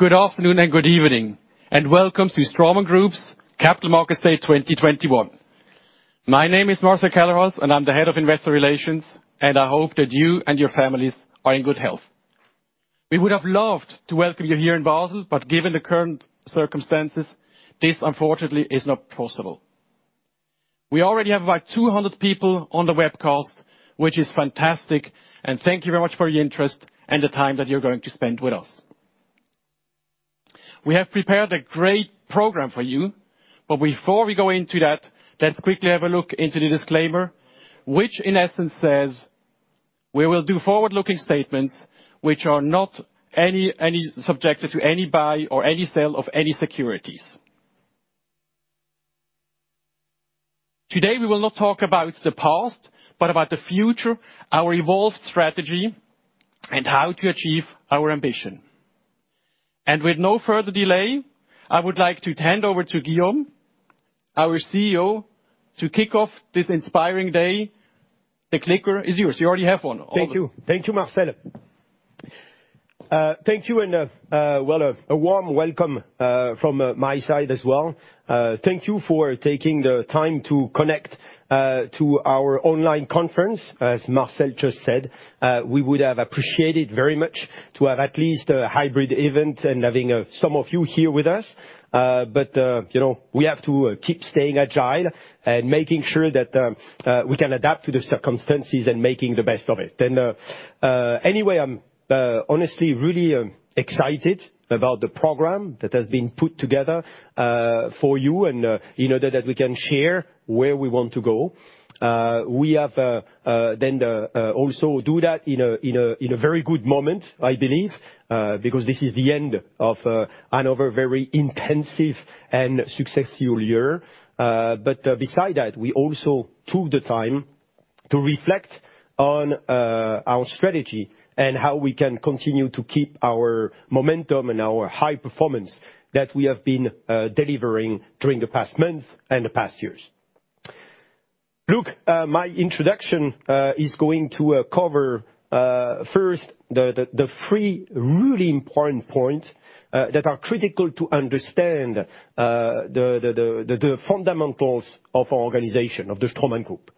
Good afternoon and good evening, and welcome to Straumann Group's Capital Market Day 2021. My name is Marcel Kellerhals, and I'm the Head of Investor Relations, and I hope that you and your families are in good health. We would have loved to welcome you here in Basel, but given the current circumstances, this unfortunately is not possible. We already have about 200 people on the webcast, which is fantastic, and thank you very much for your interest and the time that you're going to spend with us. We have prepared a great program for you, but before we go into that, let's quickly have a look into the disclaimer, which in essence says, we will do forward-looking statements which are not any inducement to buy or sell any securities. Today, we will not talk about the past, but about the future, our evolved strategy and how to achieve our ambition. With no further delay, I would like to hand over to Guillaume, our CEO, to kick off this inspiring day. The clicker is yours. You already have one. Thank you. Thank you, Marcel. Thank you and, well, a warm welcome from my side as well. Thank you for taking the time to connect to our online conference. As Marcel just said, we would have appreciated very much to have at least a hybrid event and having some of you here with us, but you know, we have to keep staying agile and making sure that we can adapt to the circumstances and making the best of it. Anyway, I'm honestly really excited about the program that has been put together for you and you know, that we can share where we want to go. We have then also do that in a very good moment, I believe, because this is the end of another very intensive and successful year. But besides that, we also took the time to reflect on our strategy and how we can continue to keep our momentum and our high performance that we have been delivering during the past months and the past years. Look, my introduction is going to cover first the three really important points that are critical to understand the fundamentals of our organization, of the Straumann Group.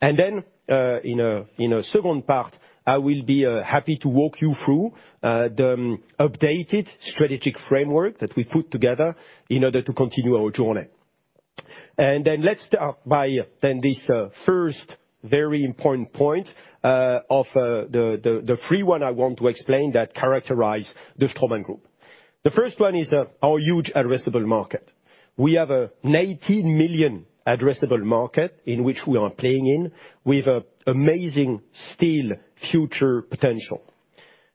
In a second part, I will be happy to walk you through the updated strategic framework that we put together in order to continue our journey. Let's start by this first very important point of the three one I want to explain that characterize the Straumann Group. The first one is our huge addressable market. We have a 19 billion addressable market in which we are playing with amazing still future potential.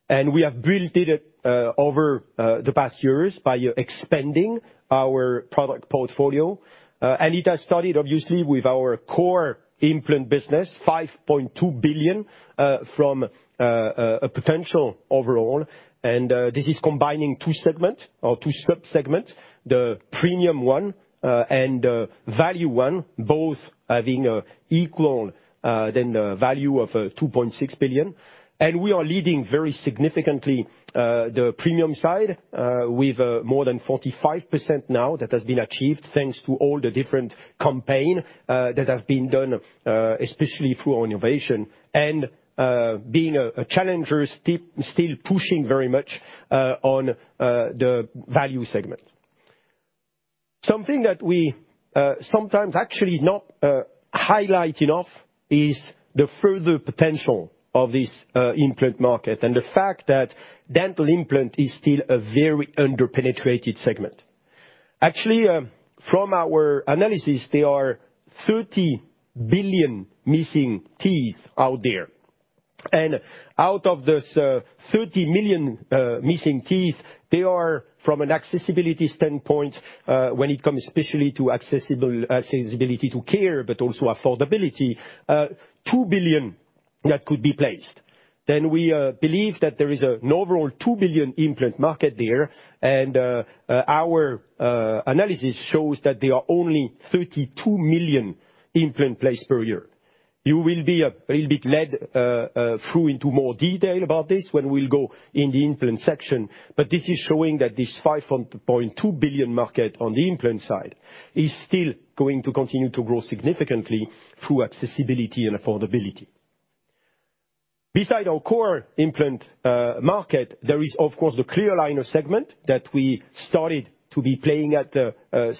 We have built it over the past years by expanding our product portfolio. It has started obviously with our core implant business, 5.2 billion from a potential overall. This is combining two segments or two sub-segments, the premium one and value one, both having equal to the value of 2.6 billion. We are leading very significantly the premium side with more than 45% now that has been achieved thanks to all the different campaigns that have been done, especially through our innovation and being a challenger, still pushing very much on the value segment. Something that we sometimes actually not highlight enough is the further potential of this implant market and the fact that dental implant is still a very under-penetrated segment. Actually, from our analysis, there are 30 billion missing teeth out there. Out of this 30 billion missing teeth, they are from an accessibility standpoint, when it comes especially to accessibility to care, but also affordability, 2 billion that could be placed. We believe that there is an overall 2 billion implant market there. Our analysis shows that there are only 32 million implants placed per year. You will be led through into more detail about this when we'll go in the implant section. This is showing that this 5.2 billion market on the implant side is still going to continue to grow significantly through accessibility and affordability. Besides our core implant market, there is of course the clear aligner segment that we started to be playing at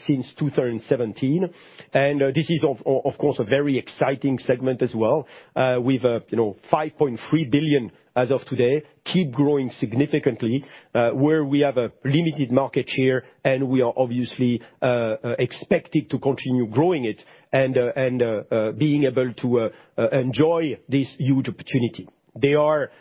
since 2017. This is of course a very exciting segment as well, with you know 5.3 billion as of today, keep growing significantly, where we have a limited market share, and we are obviously expected to continue growing it and being able to enjoy this huge opportunity. There are,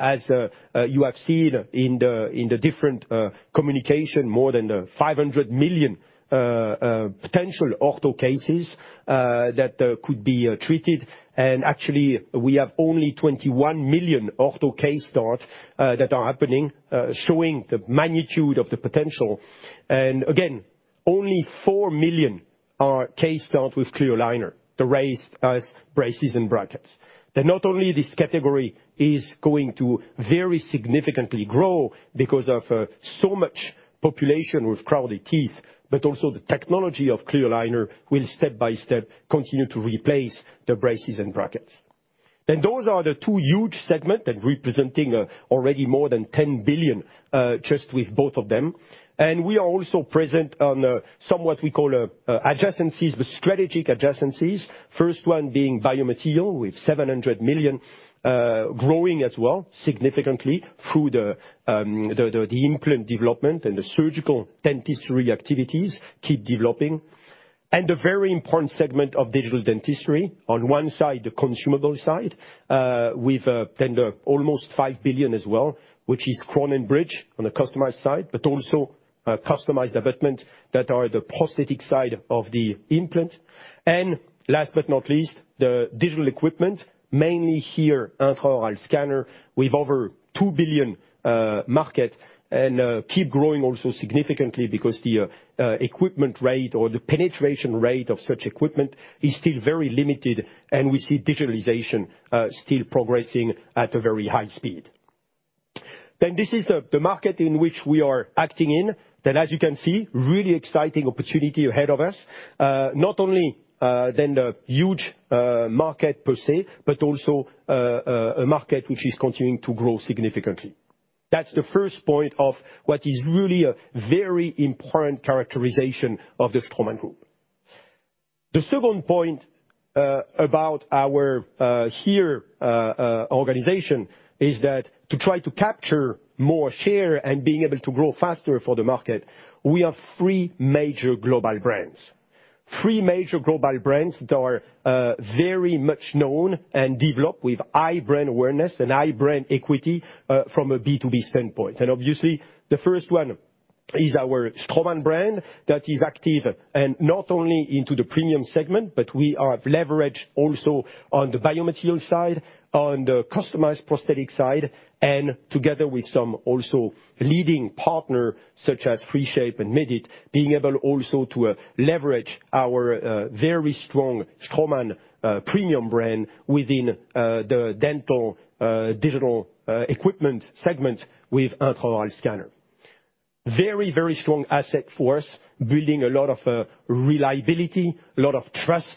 as you have seen in the different communication, more than 500 million potential ortho cases that could be treated. Actually we have only 21 million ortho case starts that are happening, showing the magnitude of the potential. Only 4 million are cases filled with clear aligner. The rest are braces and brackets. Not only this category is going to very significantly grow because of so much population with crowded teeth, but also the technology of clear aligner will step-by-step continue to replace the braces and brackets. Those are the two huge segments and representing already more than 10 billion just with both of them. We are also present in what we call adjacencies, but strategic adjacencies. First one being biomaterial, with 700 million, growing as well significantly through the implant development and the surgical dentistry activities keep developing. The very important segment of digital dentistry. On one side, the consumable side, with then the almost 5 billion as well, which is crown and bridge on the customized side, but also, customized abutment that are the prosthetic side of the implant. Last but not least, the digital equipment, mainly here intraoral scanner with over 2 billion market and keep growing also significantly because the equipment rate or the penetration rate of such equipment is still very limited, and we see digitalization still progressing at a very high speed. This is the market in which we are acting in. That as you can see, really exciting opportunity ahead of us. Not only the huge market per se, but also a market which is continuing to grow significantly. That's the first point of what is really a very important characterization of the Straumann Group. The second point about our organization is that to try to capture more share and being able to grow faster for the market, we have three major global brands that are very much known and developed with high brand awareness and high brand equity from a B2B standpoint. Obviously, the first one is our Straumann brand that is active and not only into the premium segment, but we are leveraged also on the biomaterials side, on the customized prosthetic side, and together with some also leading partner, such as 3Shape and Medit, being able also to leverage our very strong Straumann premium brand within the dental digital equipment segment with intraoral scanner. Very, very strong asset for us. Building a lot of reliability, a lot of trust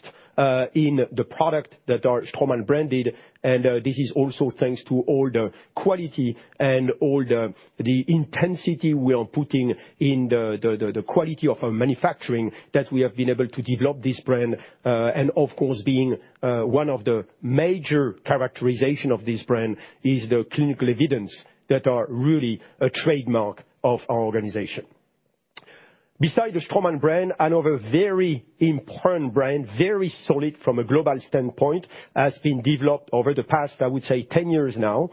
in the product that are Straumann branded. This is also thanks to all the quality and all the intensity we are putting in the quality of our manufacturing that we have been able to develop this brand. Of course, being one of the major characteristic of this brand is the clinical evidence that is really a trademark of our organization. Besides the Straumann brand, another very important brand, very solid from a global standpoint, has been developed over the past, I would say 10 years now,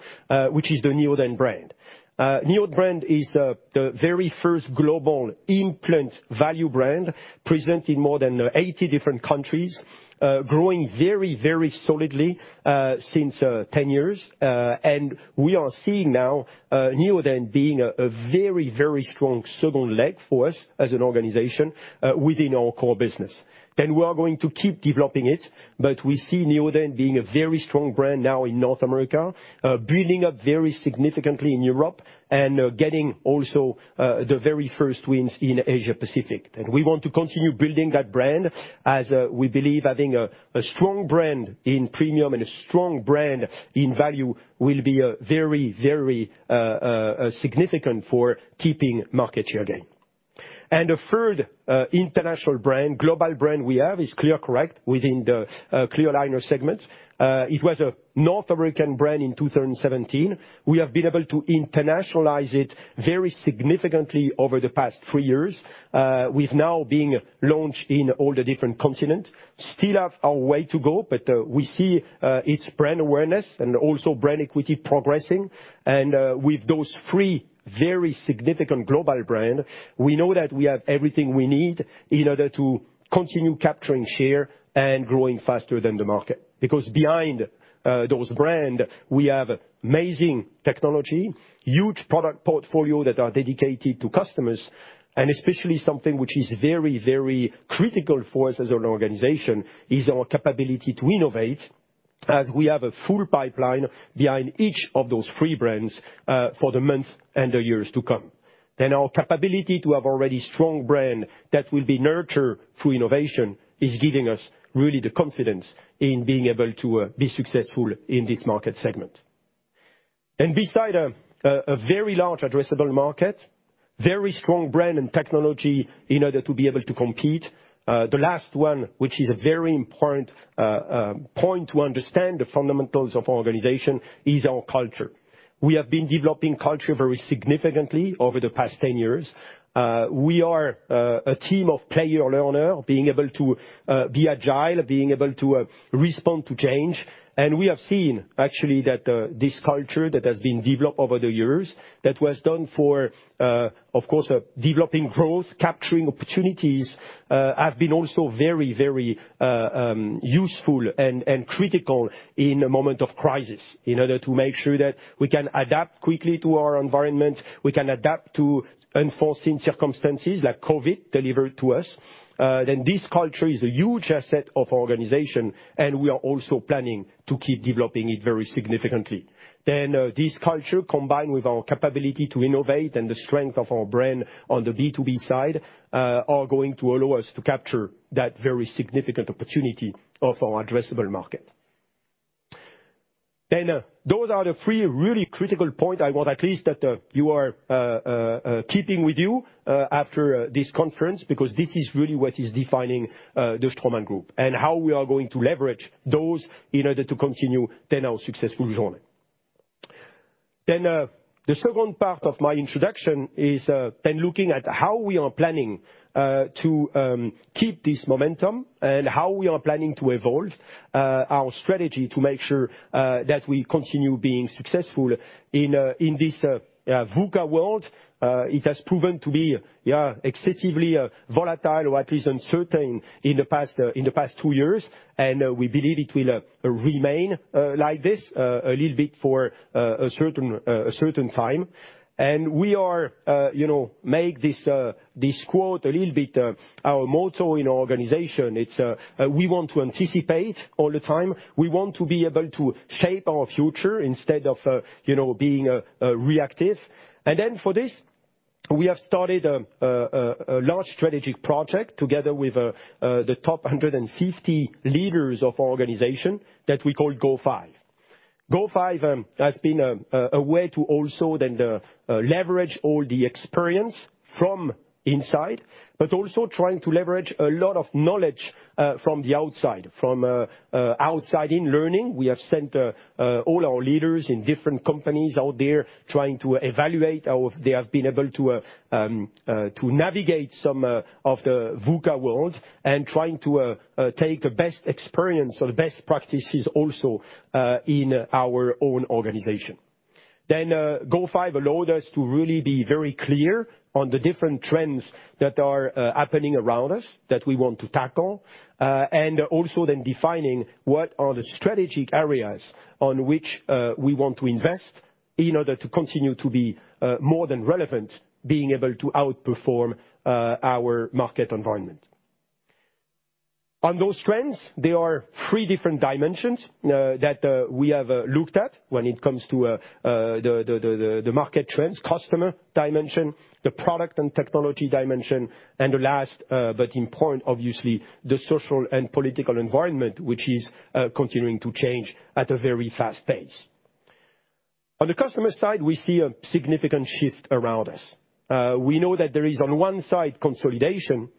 which is the Neodent brand. Neodent brand is the very first global implant value brand present in more than 80 different countries, growing very, very solidly since 10 years. We are seeing now Neodent being a very, very strong second leg for us as an organization within our core business. We are going to keep developing it, but we see Neodent being a very strong brand now in North America, building up very significantly in Europe and getting also the very first wins in Asia Pacific. We want to continue building that brand as we believe having a strong brand in premium and a strong brand in value will be very significant for keeping market share gain. A third international brand, global brand we have is ClearCorrect within the clear aligner segment. It was a North American brand in 2017. We have been able to internationalize it very significantly over the past three years with now being launched in all the different continent. Still have our way to go, but we see its brand awareness and also brand equity progressing. With those three very significant global brand, we know that we have everything we need in order to continue capturing share and growing faster than the market. Because behind those brand, we have amazing technology, huge product portfolio that are dedicated to customers, and especially something which is very, very critical for us as an organization is our capability to innovate as we have a full pipeline behind each of those three brands for the months and the years to come. Our capability to have already strong brand that will be nurtured through innovation is giving us really the confidence in being able to be successful in this market segment. Besides a very large addressable market, very strong brand and technology in order to be able to compete, the last one, which is a very important point to understand the fundamentals of our organization, is our culture. We have been developing culture very significantly over the past 10 years. We are a team of player-learner, being able to be agile, being able to respond to change. We have seen actually that this culture that has been developed over the years, that was done for, of course, developing growth, capturing opportunities, have been also very useful and critical in a moment of crisis, in order to make sure that we can adapt quickly to our environment, we can adapt to unforeseen circumstances like COVID delivered to us. This culture is a huge asset of our organization, and we are also planning to keep developing it very significantly. This culture, combined with our capability to innovate and the strength of our brand on the B2B side, are going to allow us to capture that very significant opportunity of our addressable market. Those are the three really critical points I want at least that you are keeping with you after this conference, because this is really what is defining the Straumann Group and how we are going to leverage those in order to continue our successful journey. The second part of my introduction is looking at how we are planning to keep this momentum and how we are planning to evolve our strategy to make sure that we continue being successful in this VUCA world. It has proven to be excessively volatile or at least uncertain in the past two years, and we believe it will remain like this a little bit for a certain time. We are, you know, making this quote a little bit our motto in our organization. It's we want to anticipate all the time. We want to be able to shape our future instead of, you know, being reactive. For this, we have started a large strategic project together with the top 150 leaders of our organization that we call GO5. GO5 has been a way to also then leverage all the experience from inside, but also trying to leverage a lot of knowledge from the outside, from outside in learning. We have sent all our leaders in different companies out there trying to evaluate how they have been able to to navigate some of the VUCA world and trying to take the best experience or the best practices also in our own organization. GO5 allowed us to really be very clear on the different trends that are happening around us that we want to tackle, and also then defining what are the strategic areas on which we want to invest in order to continue to be more than relevant, being able to outperform our market environment. On those trends, there are three different dimensions that we have looked at when it comes to the market trends, customer dimension, the product and technology dimension, and the last, but important, obviously, the social and political environment, which is continuing to change at a very fast pace. On the customer side, we see a significant shift around us. We know that there is on one side consolidation,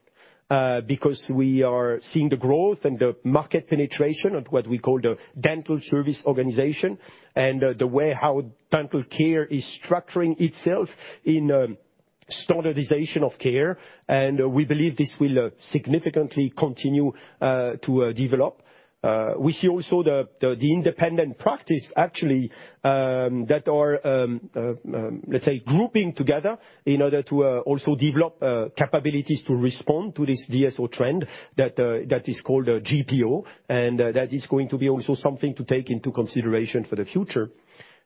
because we are seeing the growth and the market penetration of what we call the dental service organization and the way how dental care is structuring itself in standardization of care. We believe this will significantly continue to develop. We see also the independent practice actually that are let's say grouping together in order to also develop capabilities to respond to this DSO trend that is called a GPO, and that is going to be also something to take into consideration for the future.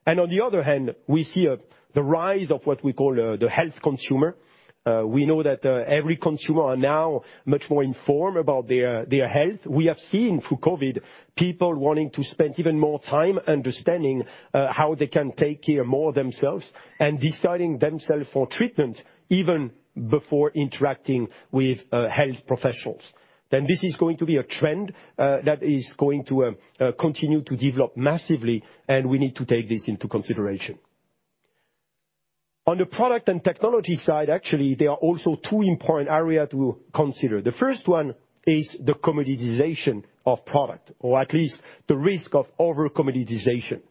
On the other hand, we see the rise of what we call the health consumer. We know that every consumer are now much more informed about their health. We have seen through COVID, people wanting to spend even more time understanding how they can take care more themselves and deciding themselves for treatment even before interacting with health professionals. This is going to be a trend that is going to continue to develop massively, and we need to take this into consideration. On the product and technology side, actually, there are also two important area to consider. The first one is the commoditization of product or at least the risk of over-commoditization.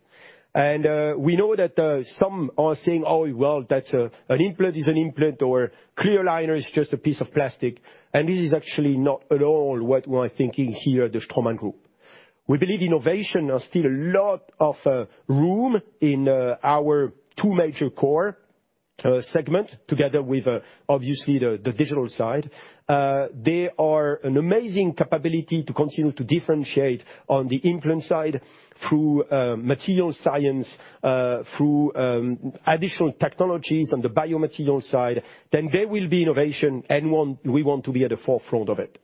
We know that some are saying, "Oh, well, that's an implant is an implant," or, "Clear aligner is just a piece of plastic." This is actually not at all what we are thinking here at the Straumann Group. We believe innovation has still a lot of room in our two major core segment, together with obviously the digital side. They are an amazing capability to continue to differentiate on the implant side through material science, through additional technologies on the biomaterial side. There will be innovation and we want to be at the forefront of it.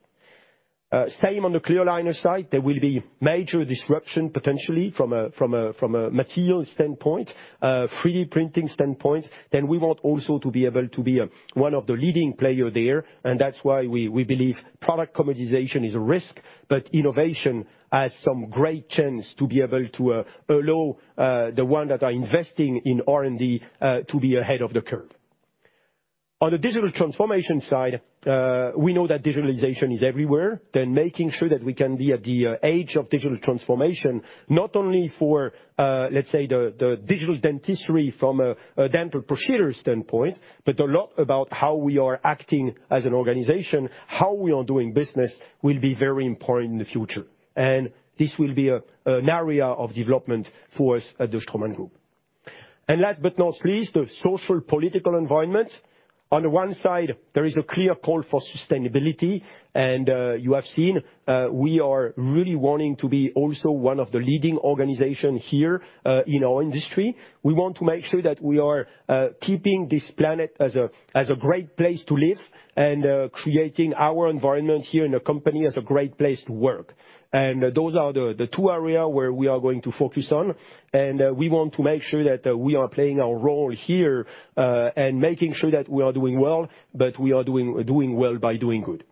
Same on the clear aligner side. There will be major disruption, potentially from a material standpoint, 3D printing standpoint. We want also to be able to be one of the leading player there. That's why we believe product commoditization is a risk, but innovation has some great chance to be able to allow the one that are investing in R&D to be ahead of the curve. On the digital transformation side, we know that digitalization is everywhere. Making sure that we can be at the edge of digital transformation, not only for let's say the digital dentistry from a dental procedure standpoint, but a lot about how we are acting as an organization, how we are doing business will be very important in the future. This will be an area of development for us at the Straumann Group. Last but not least, the social political environment. On the one side, there is a clear call for sustainability. You have seen, we are really wanting to be also one of the leading organization here in our industry. We want to make sure that we are keeping this planet as a great place to live and creating our environment here in the company as a great place to work. Those are the two areas where we are going to focus on. We want to make sure that we are playing our role here and making sure that we are doing well, but we are doing well by doing good.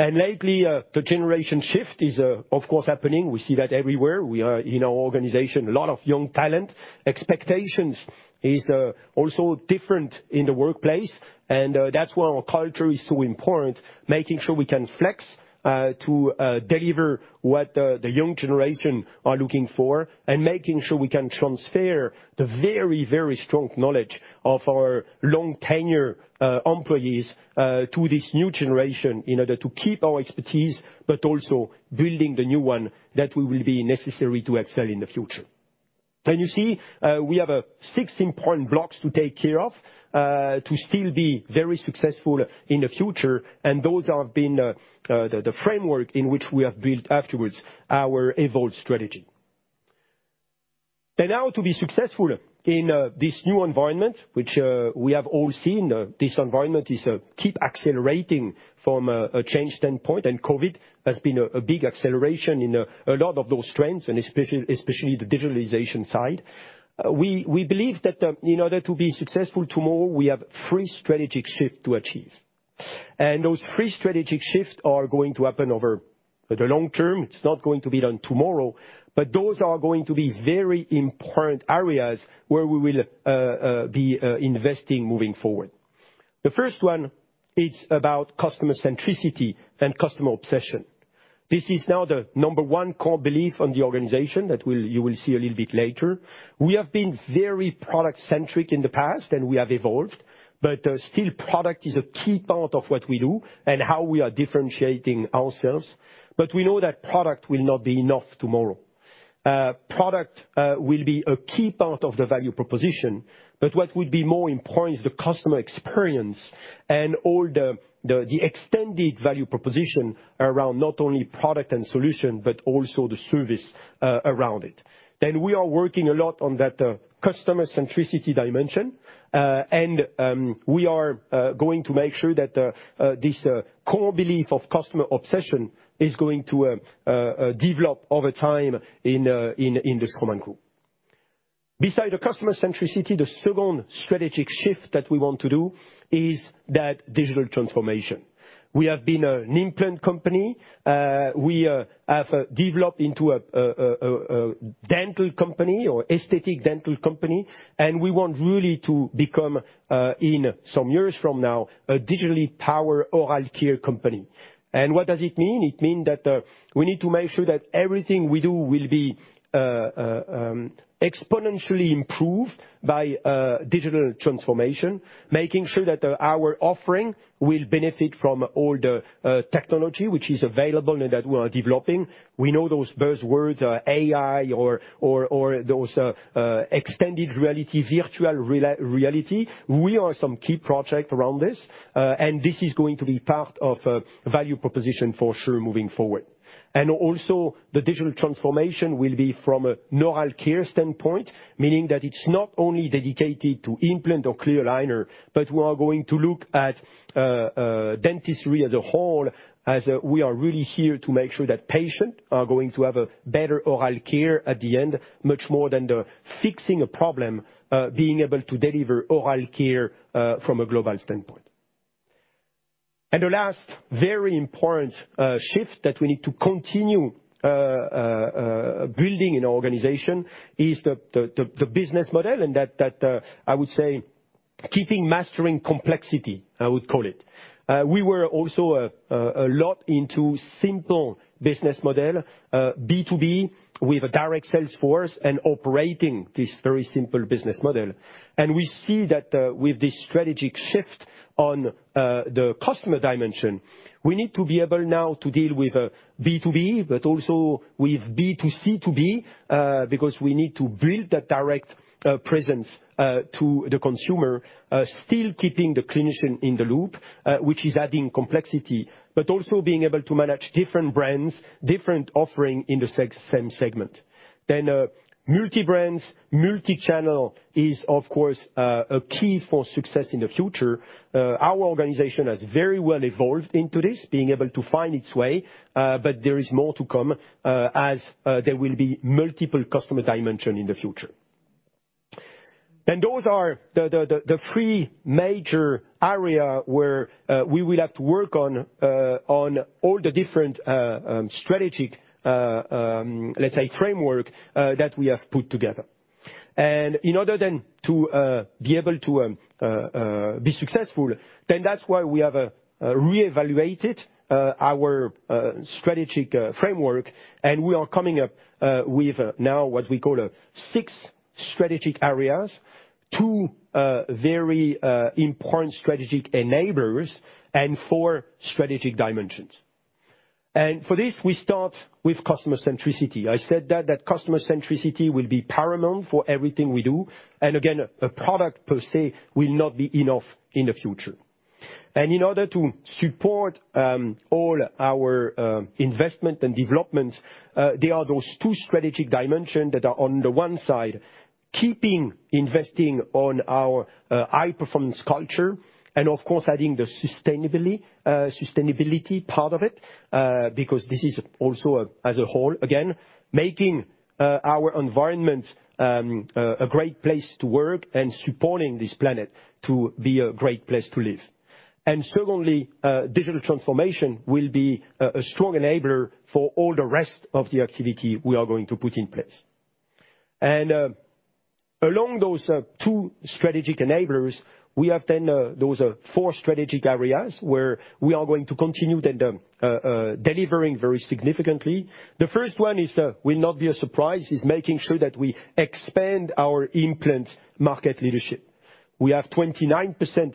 Lately, the generation shift is of course happening. We see that everywhere. We have in our organization a lot of young talent. Expectations is also different in the workplace, and that's why our culture is so important, making sure we can flex to deliver what the young generation are looking for, and making sure we can transfer the very, very strong knowledge of our long-tenure employees to this new generation in order to keep our expertise, but also building the new one that will be necessary to excel in the future. You see, we have six important blocks to take care of to still be very successful in the future, and those have been the framework in which we have built afterwards our evolved strategy. Now to be successful in this new environment, which we have all seen, this environment is keeping accelerating from a change standpoint, and COVID has been a big acceleration in a lot of those trends, and especially the digitalization side. We believe that in order to be successful tomorrow, we have three strategic shifts to achieve. Those three strategic shifts are going to happen over the long term. It's not going to be done tomorrow, but those are going to be very important areas where we will be investing moving forward. The first one is about customer centricity and customer obsession. This is now the number one core belief in the organization that you will see a little bit later. We have been very product-centric in the past, and we have evolved, but still product is a key part of what we do and how we are differentiating ourselves. We know that product will not be enough tomorrow. Product will be a key part of the value proposition, but what will be more important is the customer experience and all the extended value proposition around not only product and solution, but also the service around it. We are working a lot on that customer centricity dimension, and we are going to make sure that this core belief of customer obsession is going to develop over time in the Straumann Group. Beside the customer centricity, the second strategic shift that we want to do is that digital transformation. We have been an implant company. We have developed into a dental company or aesthetic dental company, and we want really to become in some years from now a digitally powered oral care company. What does it mean? It means that we need to make sure that everything we do will be exponentially improved by digital transformation, making sure that our offering will benefit from all the technology which is available and that we are developing. We know those buzzwords are AI or those extended reality, virtual reality. We have some key projects around this, and this is going to be part of value proposition for sure moving forward. Also, the digital transformation will be from an oral care standpoint, meaning that it's not only dedicated to implant or clear aligner, but we are going to look at dentistry as a whole, as we are really here to make sure that patients are going to have a better oral care at the end, much more than the fixing a problem, being able to deliver oral care from a global standpoint. The last very important shift that we need to continue building an organization is the business model and that I would say keeping mastering complexity, I would call it. We were also a lot into simple business model, B2B with a direct sales force and operating this very simple business model. We see that with this strategic shift on the customer dimension, we need to be able now to deal with B2B, but also with B2C2B, because we need to build that direct presence to the consumer, still keeping the clinician in the loop, which is adding complexity, but also being able to manage different brands, different offering in the same segment. Multi-brands, multi-channel is of course a key for success in the future. Our organization has very well evolved into this, being able to find its way, but there is more to come, as there will be multiple customer dimension in the future. Those are the three major area where we will have to work on all the different strategic, let's say framework that we have put together. In order to be able to be successful, then that's why we have reevaluated our strategic framework, and we are coming up with now what we call six strategic areas, two very important strategic enablers, and four strategic dimensions. For this, we start with customer centricity. I said that customer centricity will be paramount for everything we do. Again, a product per se will not be enough in the future. In order to support all our investment and development, there are those two strategic dimensions that are on the one side, keeping investing on our high performance culture and of course, adding the sustainable sustainability part of it. Because this is also, as a whole, again, making our environment a great place to work and supporting this planet to be a great place to live. Secondly, digital transformation will be a strong enabler for all the rest of the activity we are going to put in place. Along those two strategic enablers, we have then those four strategic areas where we are going to continue delivering very significantly. The first one is, will not be a surprise, making sure that we expand our implant market leadership. We have 29%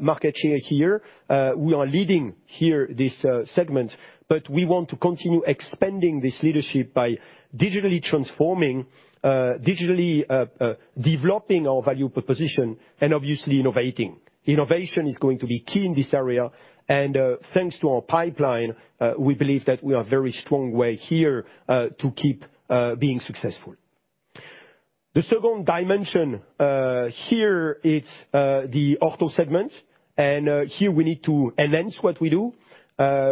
market share here. We are leading here, this segment, but we want to continue expanding this leadership by digitally transforming, developing our value proposition and obviously innovating. Innovation is going to be key in this area, and thanks to our pipeline, we believe that we are very strong way here to keep being successful. The second dimension here, it's the ortho segment, and here we need to enhance what we do.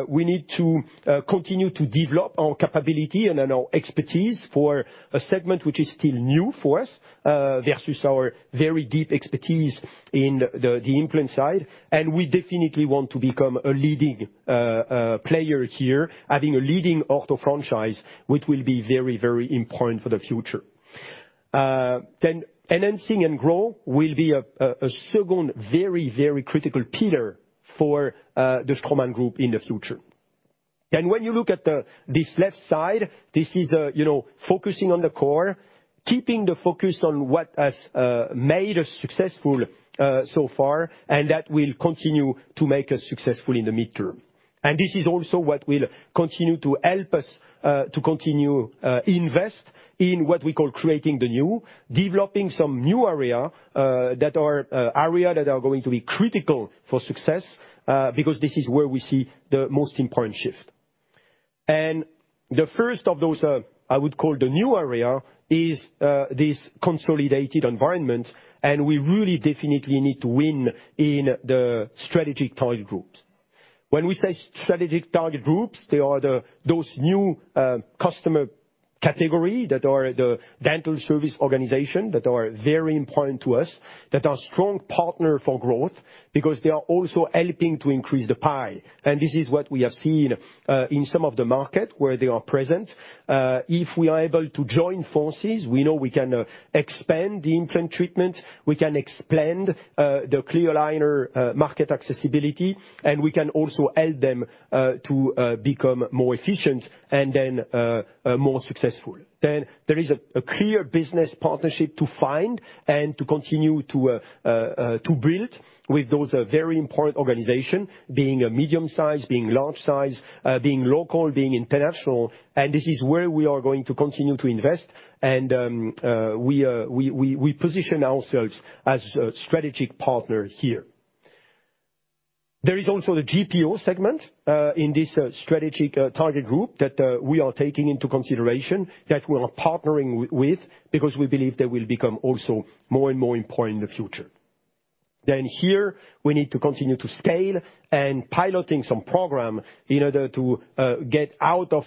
We need to continue to develop our capability and then our expertise for a segment which is still new for us versus our very deep expertise in the implant side. We definitely want to become a leading player here, having a leading ortho franchise, which will be very important for the future. Enhancing and grow will be a second very critical pillar for the Straumann Group in the future. When you look at this left side, this is you know, focusing on the core, keeping the focus on what has made us successful so far, and that will continue to make us successful in the midterm. This is also what will continue to help us to continue invest in what we call creating the new, developing some new area that are going to be critical for success because this is where we see the most important shift. The first of those I would call the new area is this consolidated environment, and we really definitely need to win in the strategic target groups. When we say strategic target groups, they are those new customer category that are the dental service organization that are very important to us, that are strong partner for growth because they are also helping to increase the pie. This is what we have seen in some of the market where they are present. If we are able to join forces, we know we can expand the implant treatment, we can expand the clear aligner market accessibility, and we can also help them to become more efficient and then more successful. There is a clear business partnership to find and to continue to build with those very important organization being a medium size, being large size, being local, being international. This is where we are going to continue to invest and we position ourselves as a strategic partner here. There is also the GPO segment in this strategic target group that we are taking into consideration that we are partnering with because we believe they will become also more and more important in the future. Here we need to continue to scale and piloting some program in order to get out of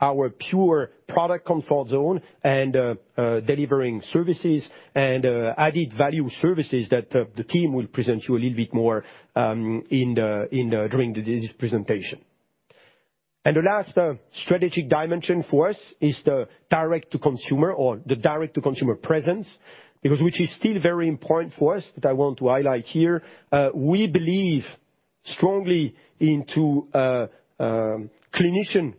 our pure product comfort zone and delivering services and added value services that the team will present you a little bit more during this presentation. The last strategic dimension for us is the direct to consumer presence, because which is still very important for us, that I want to highlight here. We believe strongly into clinician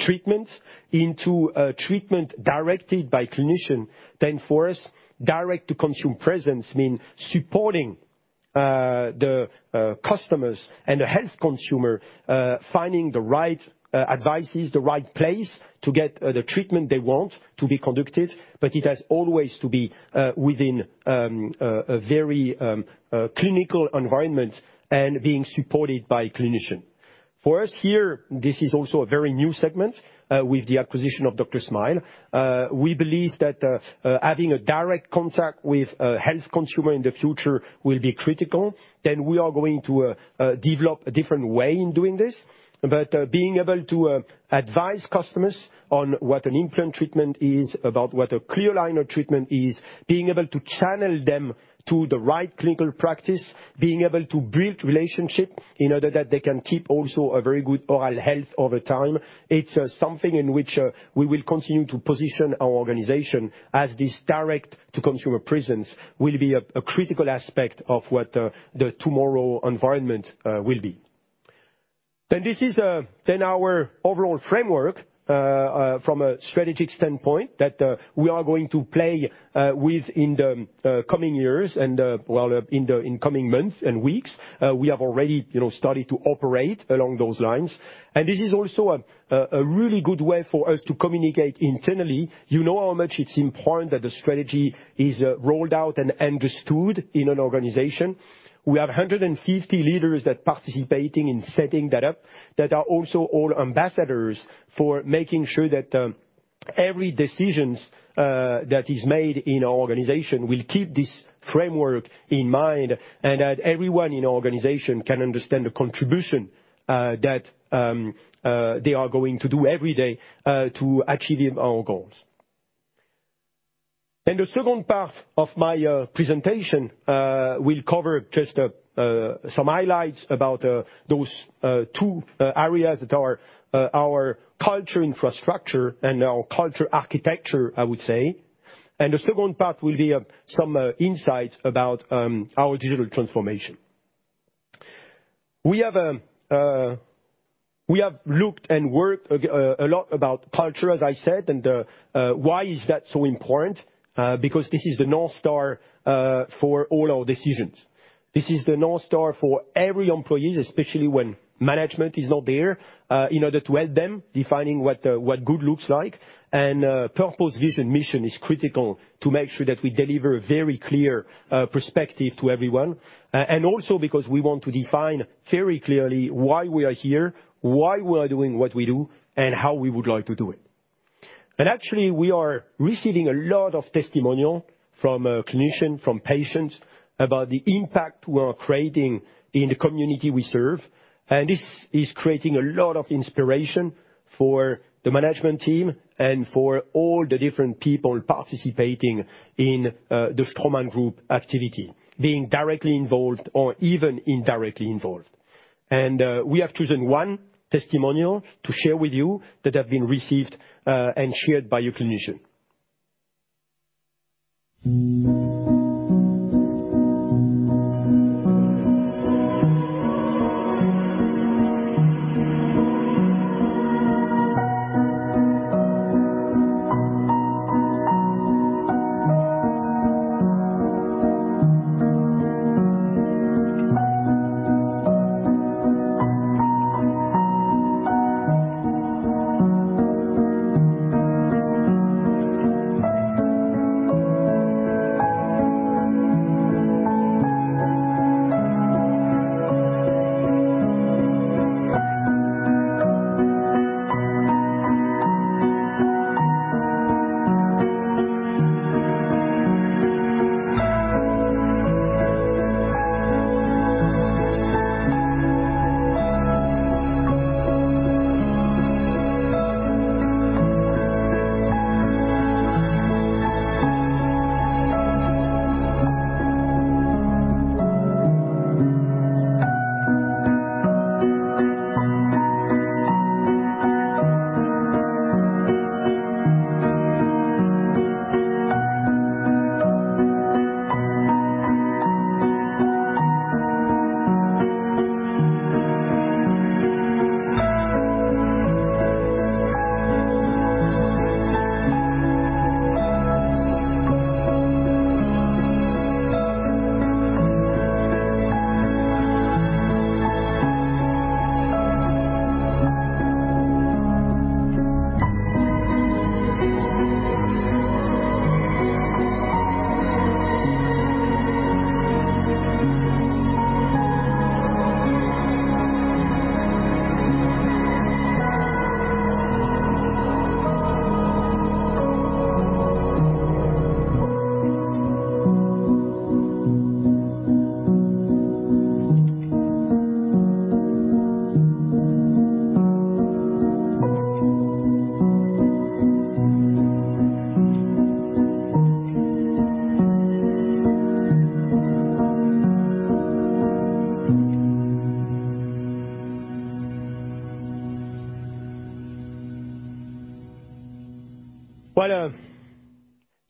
treatment, into a treatment directed by clinician. For us, direct to consumer presence means supporting the customers and the health consumer finding the right advices, the right place to get the treatment they want to be conducted. It has always to be within a very clinical environment and being supported by clinician. For us here, this is also a very new segment with the acquisition of DrSmile. We believe that having a direct contact with a health consumer in the future will be critical. We are going to develop a different way in doing this, being able to advise customers on what an implant treatment is, about what a clear aligner treatment is, being able to channel them to the right clinical practice, being able to build relationship in order that they can keep also a very good oral health over time. It's something in which we will continue to position our organization as this direct-to-consumer presence will be a critical aspect of what tomorrow's environment will be. This is our overall framework from a strategic standpoint that we are going to play with in the coming years and well in the coming months and weeks. We have already, you know, started to operate along those lines. This is also a really good way for us to communicate internally. You know how much it's important that the strategy is rolled out and understood in an organization. We have 150 leaders that participating in setting that up that are also all ambassadors for making sure that every decisions that is made in our organization will keep this framework in mind and that everyone in our organization can understand the contribution that they are going to do every day to achieve our goals. The second part of my presentation will cover just some highlights about those two areas that are our culture infrastructure and our culture architecture, I would say. The second part will be some insights about our digital transformation. We have looked and worked a lot about culture, as I said. Why is that so important? Because this is the North Star for all our decisions. This is the North Star for every employee, especially when management is not there, in order to help them defining what good looks like. Purpose, vision, mission is critical to make sure that we deliver a very clear perspective to everyone. And also because we want to define very clearly why we are here, why we are doing what we do, and how we would like to do it. And actually, we are receiving a lot of testimonial from clinician, from patients about the impact we are creating in the community we serve. This is creating a lot of inspiration for the management team and for all the different people participating in the Straumann Group activity, being directly involved or even indirectly involved. We have chosen one testimonial to share with you that have been received and shared by a clinician.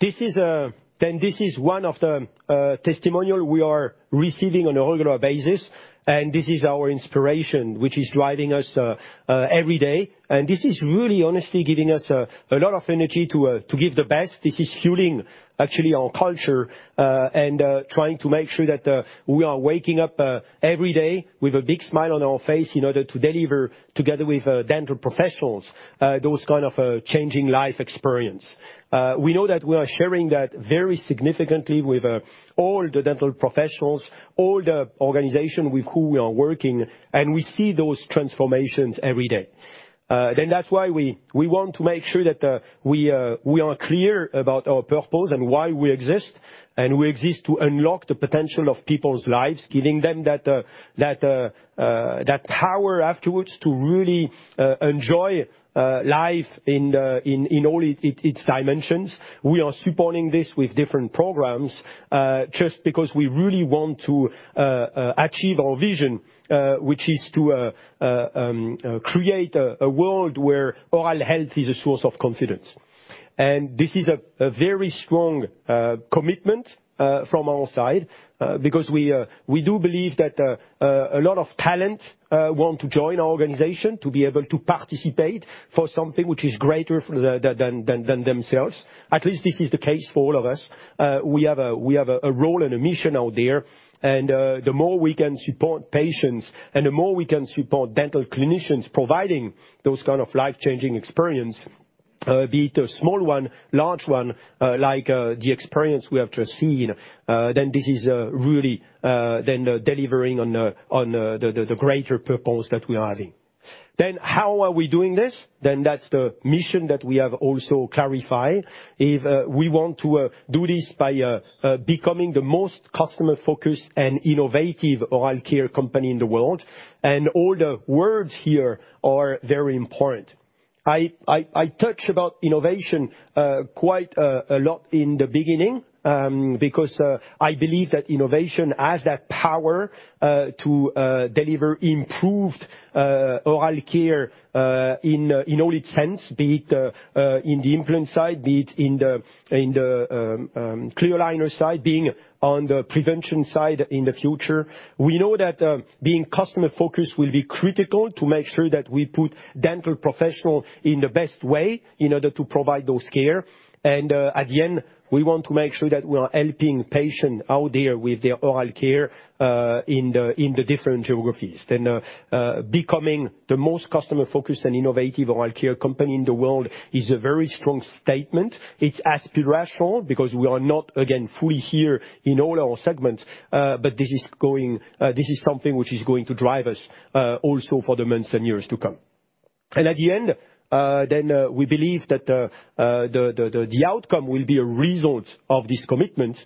This is one of the testimonial we are receiving on a regular basis, and this is our inspiration, which is driving us every day. This is really honestly giving us a lot of energy to give the best. This is fueling actually our culture and trying to make sure that we are waking up every day with a big smile on our face in order to deliver together with dental professionals those kind of changing life experience. We know that we are sharing that very significantly with all the dental professionals, all the organization with who we are working, and we see those transformations every day. That's why we want to make sure that we are clear about our purpose and why we exist. We exist to unlock the potential of people's lives, giving them that power afterwards to really enjoy life in all its dimensions. We are supporting this with different programs just because we really want to achieve our vision, which is to create a world where oral health is a source of confidence. This is a very strong commitment from our side because we do believe that a lot of talent want to join our organization to be able to participate for something which is greater than themselves. At least this is the case for all of us. We have a role and a mission out there, and the more we can support patients and the more we can support dental clinicians providing those kind of life-changing experience, be it a small one, large one, like the experience we have just seen, then this is really delivering on the greater purpose that we are having. How are we doing this? That's the mission that we have also clarified. We want to do this by becoming the most customer-focused and innovative oral care company in the world. All the words here are very important. I talk about innovation quite a lot in the beginning because I believe that innovation has that power to deliver improved oral care in all its sense, be it in the implant side, be it in the clear aligner side, being on the prevention side in the future. We know that being customer-focused will be critical to make sure that we put dental professional in the best way in order to provide those care. At the end, we want to make sure that we are helping patients out there with their oral care in the different geographies. Becoming the most customer-focused and innovative oral care company in the world is a very strong statement. It's aspirational because we are not, again, fully here in all our segments, but this is something which is going to drive us also for the months and years to come. At the end, we believe that the outcome will be a result of this commitment.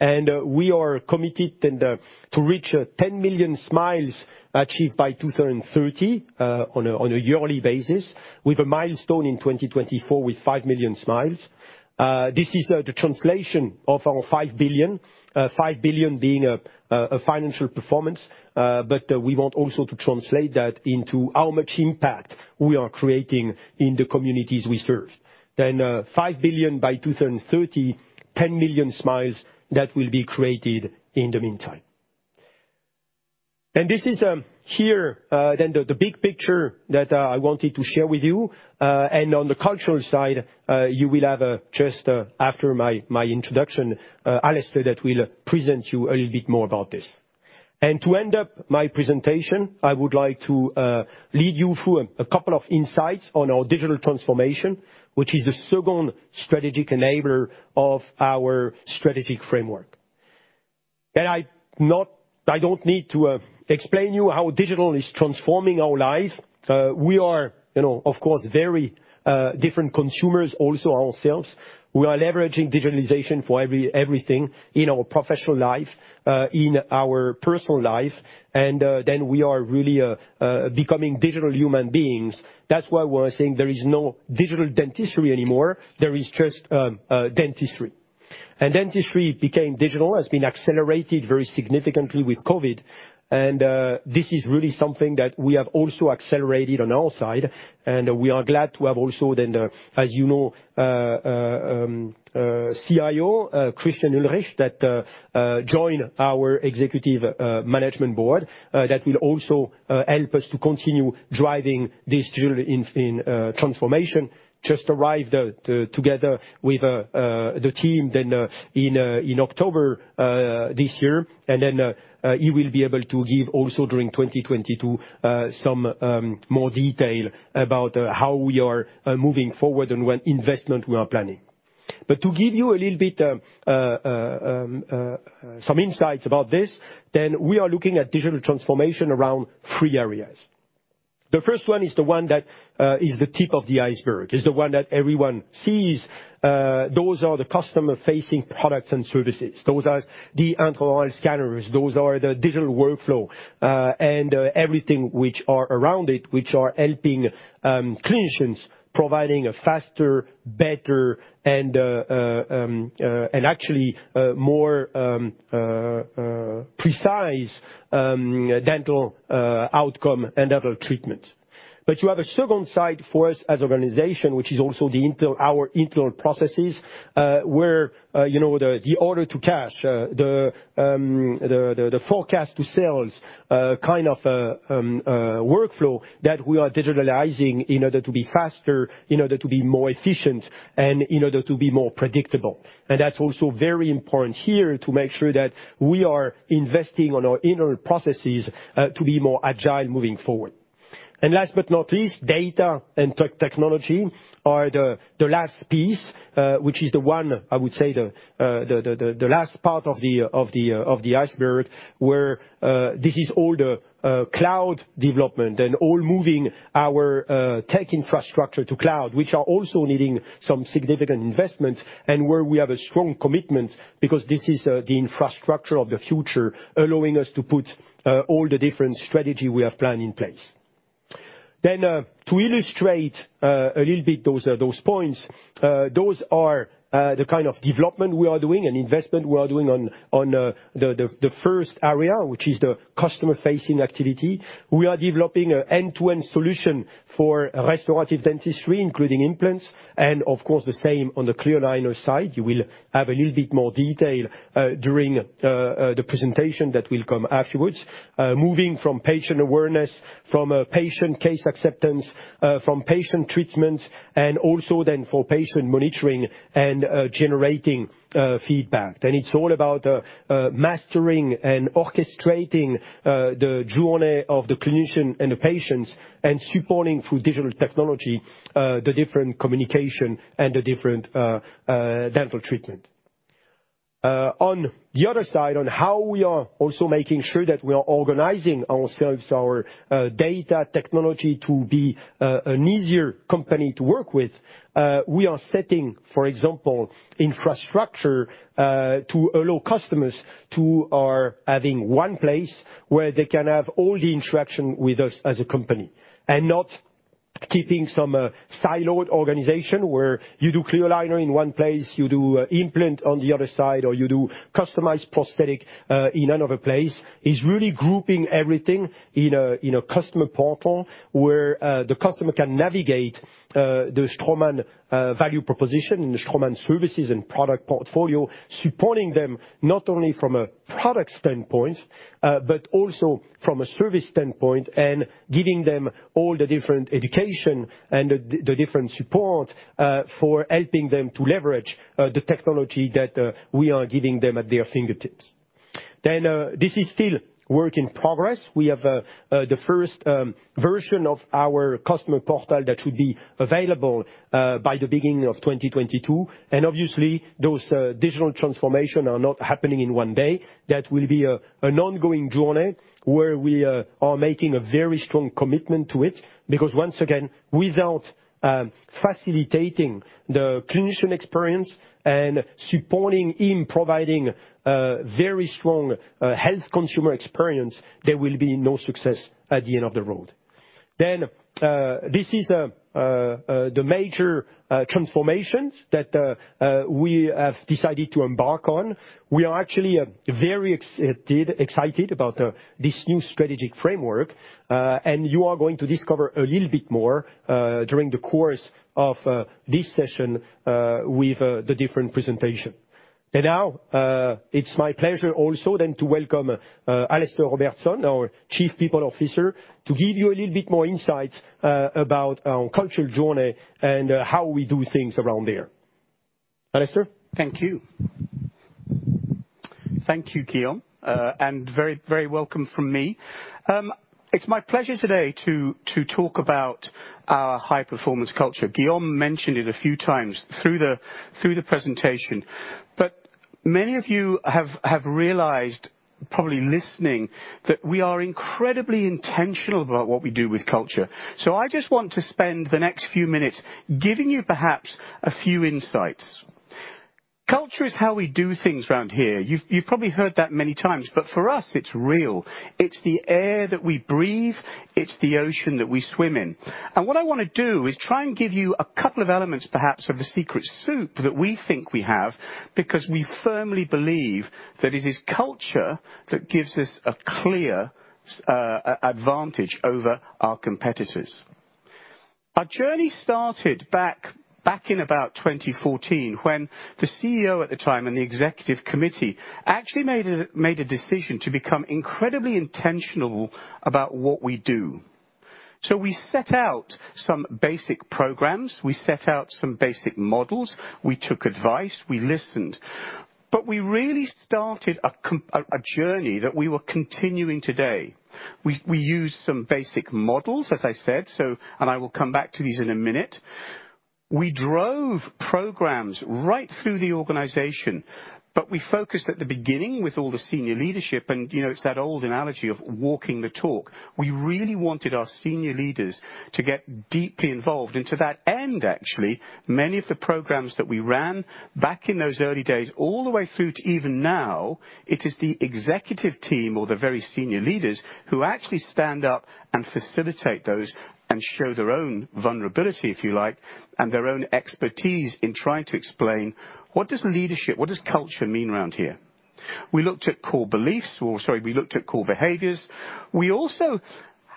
We are committed to reach 10 million smiles achieved by 2030 on a yearly basis, with a milestone in 2024 with 5 million smiles. This is the translation of our 5 billion being a financial performance, but we want also to translate that into how much impact we are creating in the communities we serve. 5 billion by 2030, 10 million smiles that will be created in the meantime. This is here the big picture that I wanted to share with you. On the cultural side, you will have just after my introduction, Alastair that will present you a little bit more about this. To end up my presentation, I would like to lead you through a couple of insights on our digital transformation, which is the second strategic enabler of our strategic framework. I don't need to explain to you how digital is transforming our life. We are, you know, of course, very different consumers also ourselves. We are leveraging digitalization for everything in our professional life, in our personal life, and then we are really becoming digital human beings. That's why we're saying there is no digital dentistry anymore. There is just dentistry. Dentistry became digital, has been accelerated very significantly with COVID, and this is really something that we have also accelerated on our side, and we are glad to have also then the, as you know, CIO, Christian Ullrich, who joined our Executive Management Board, that will also help us to continue driving this digital transformation. Just arrived together with the team then in October this year. He will be able to give also during 2022 some more detail about how we are moving forward and what investment we are planning. To give you a little bit some insights about this, we are looking at digital transformation around three areas. The first one is the one that is the tip of the iceberg. It's the one that everyone sees. Those are the customer-facing products and services. Those are the intraoral scanners, those are the digital workflow and everything which are around it, which are helping clinicians providing a faster, better, and actually more precise dental outcome and other treatment. You have a second side for us as organization, which is also our internal processes, where, you know, the order to cash, the forecast to sales, kind of workflow that we are digitalizing in order to be faster, in order to be more efficient, and in order to be more predictable. That's also very important here to make sure that we are investing on our internal processes, to be more agile moving forward. Last but not least, data and technology are the last piece, which is the one I would say the last part of the iceberg, where this is all the cloud development and all moving our tech infrastructure to cloud, which are also needing some significant investment and where we have a strong commitment because this is the infrastructure of the future, allowing us to put all the different strategy we have planned in place. To illustrate a little bit those points, those are the kind of development we are doing and investment we are doing on the first area, which is the customer-facing activity. We are developing an end-to-end solution for restorative dentistry, including implants, and of course, the same on the clear aligner side. You will have a little bit more detail during the presentation that will come afterwards. Moving from patient awareness, from a patient case acceptance, from patient treatment, and also then for patient monitoring and generating feedback. It's all about mastering and orchestrating the journey of the clinician and the patients and supporting through digital technology the different communication and the different dental treatment. On the other side, on how we are also making sure that we are organizing ourselves, our data technology to be an easier company to work with, we are setting, for example, infrastructure to allow customers to are having one place where they can have all the interaction with us as a company, and not keeping some siloed organization where you do clear aligner in one place, you do implant on the other side, or you do customized prosthetic in another place. It's really grouping everything in a customer portal, where the customer can navigate the Straumann value proposition and the Straumann services and product portfolio, supporting them not only from a product standpoint, but also from a service standpoint, and giving them all the different education and the different support for helping them to leverage the technology that we are giving them at their fingertips. This is still work in progress. We have the first version of our customer portal that should be available by the beginning of 2022. Obviously, those digital transformations are not happening in one day. That will be an ongoing journey where we are making a very strong commitment to it. Because once again, without facilitating the clinician experience and supporting in providing very strong health consumer experience, there will be no success at the end of the road. This is the major transformations that we have decided to embark on. We are actually very excited about this new strategic framework. You are going to discover a little bit more during the course of this session with the different presentation. Now, it's my pleasure also then to welcome Alastair Robertson, our Chief People Officer, to give you a little bit more insights about our cultural journey and how we do things around here. Alastair? Thank you. Thank you, Guillaume. And very welcome from me. It's my pleasure today to talk about our high-performance culture. Guillaume mentioned it a few times through the presentation. But many of you have realized probably listening that we are incredibly intentional about what we do with culture. I just want to spend the next few minutes giving you perhaps a few insights. Culture is how we do things around here. You've probably heard that many times. But for us, it's real. It's the air that we breathe. It's the ocean that we swim in. What I wanna do is try and give you a couple of elements, perhaps of the secret soup that we think we have, because we firmly believe that it is culture that gives us a clear advantage over our competitors. Our journey started back in about 2014 when the CEO at the time and the executive committee actually made a decision to become incredibly intentional about what we do. We set out some basic programs. We set out some basic models. We took advice. We listened. We really started a journey that we are continuing today. We used some basic models, as I said, and I will come back to these in a minute. We drove programs right through the organization, but we focused at the beginning with all the senior leadership. You know, it's that old analogy of walking the talk. We really wanted our senior leaders to get deeply involved. To that end, actually, many of the programs that we ran back in those early days all the way through to even now, it is the executive team or the very senior leaders who actually stand up and facilitate those and show their own vulnerability, if you like, and their own expertise in trying to explain what does leadership, what does culture mean around here? We looked at core beliefs, or sorry, we looked at core behaviors. We also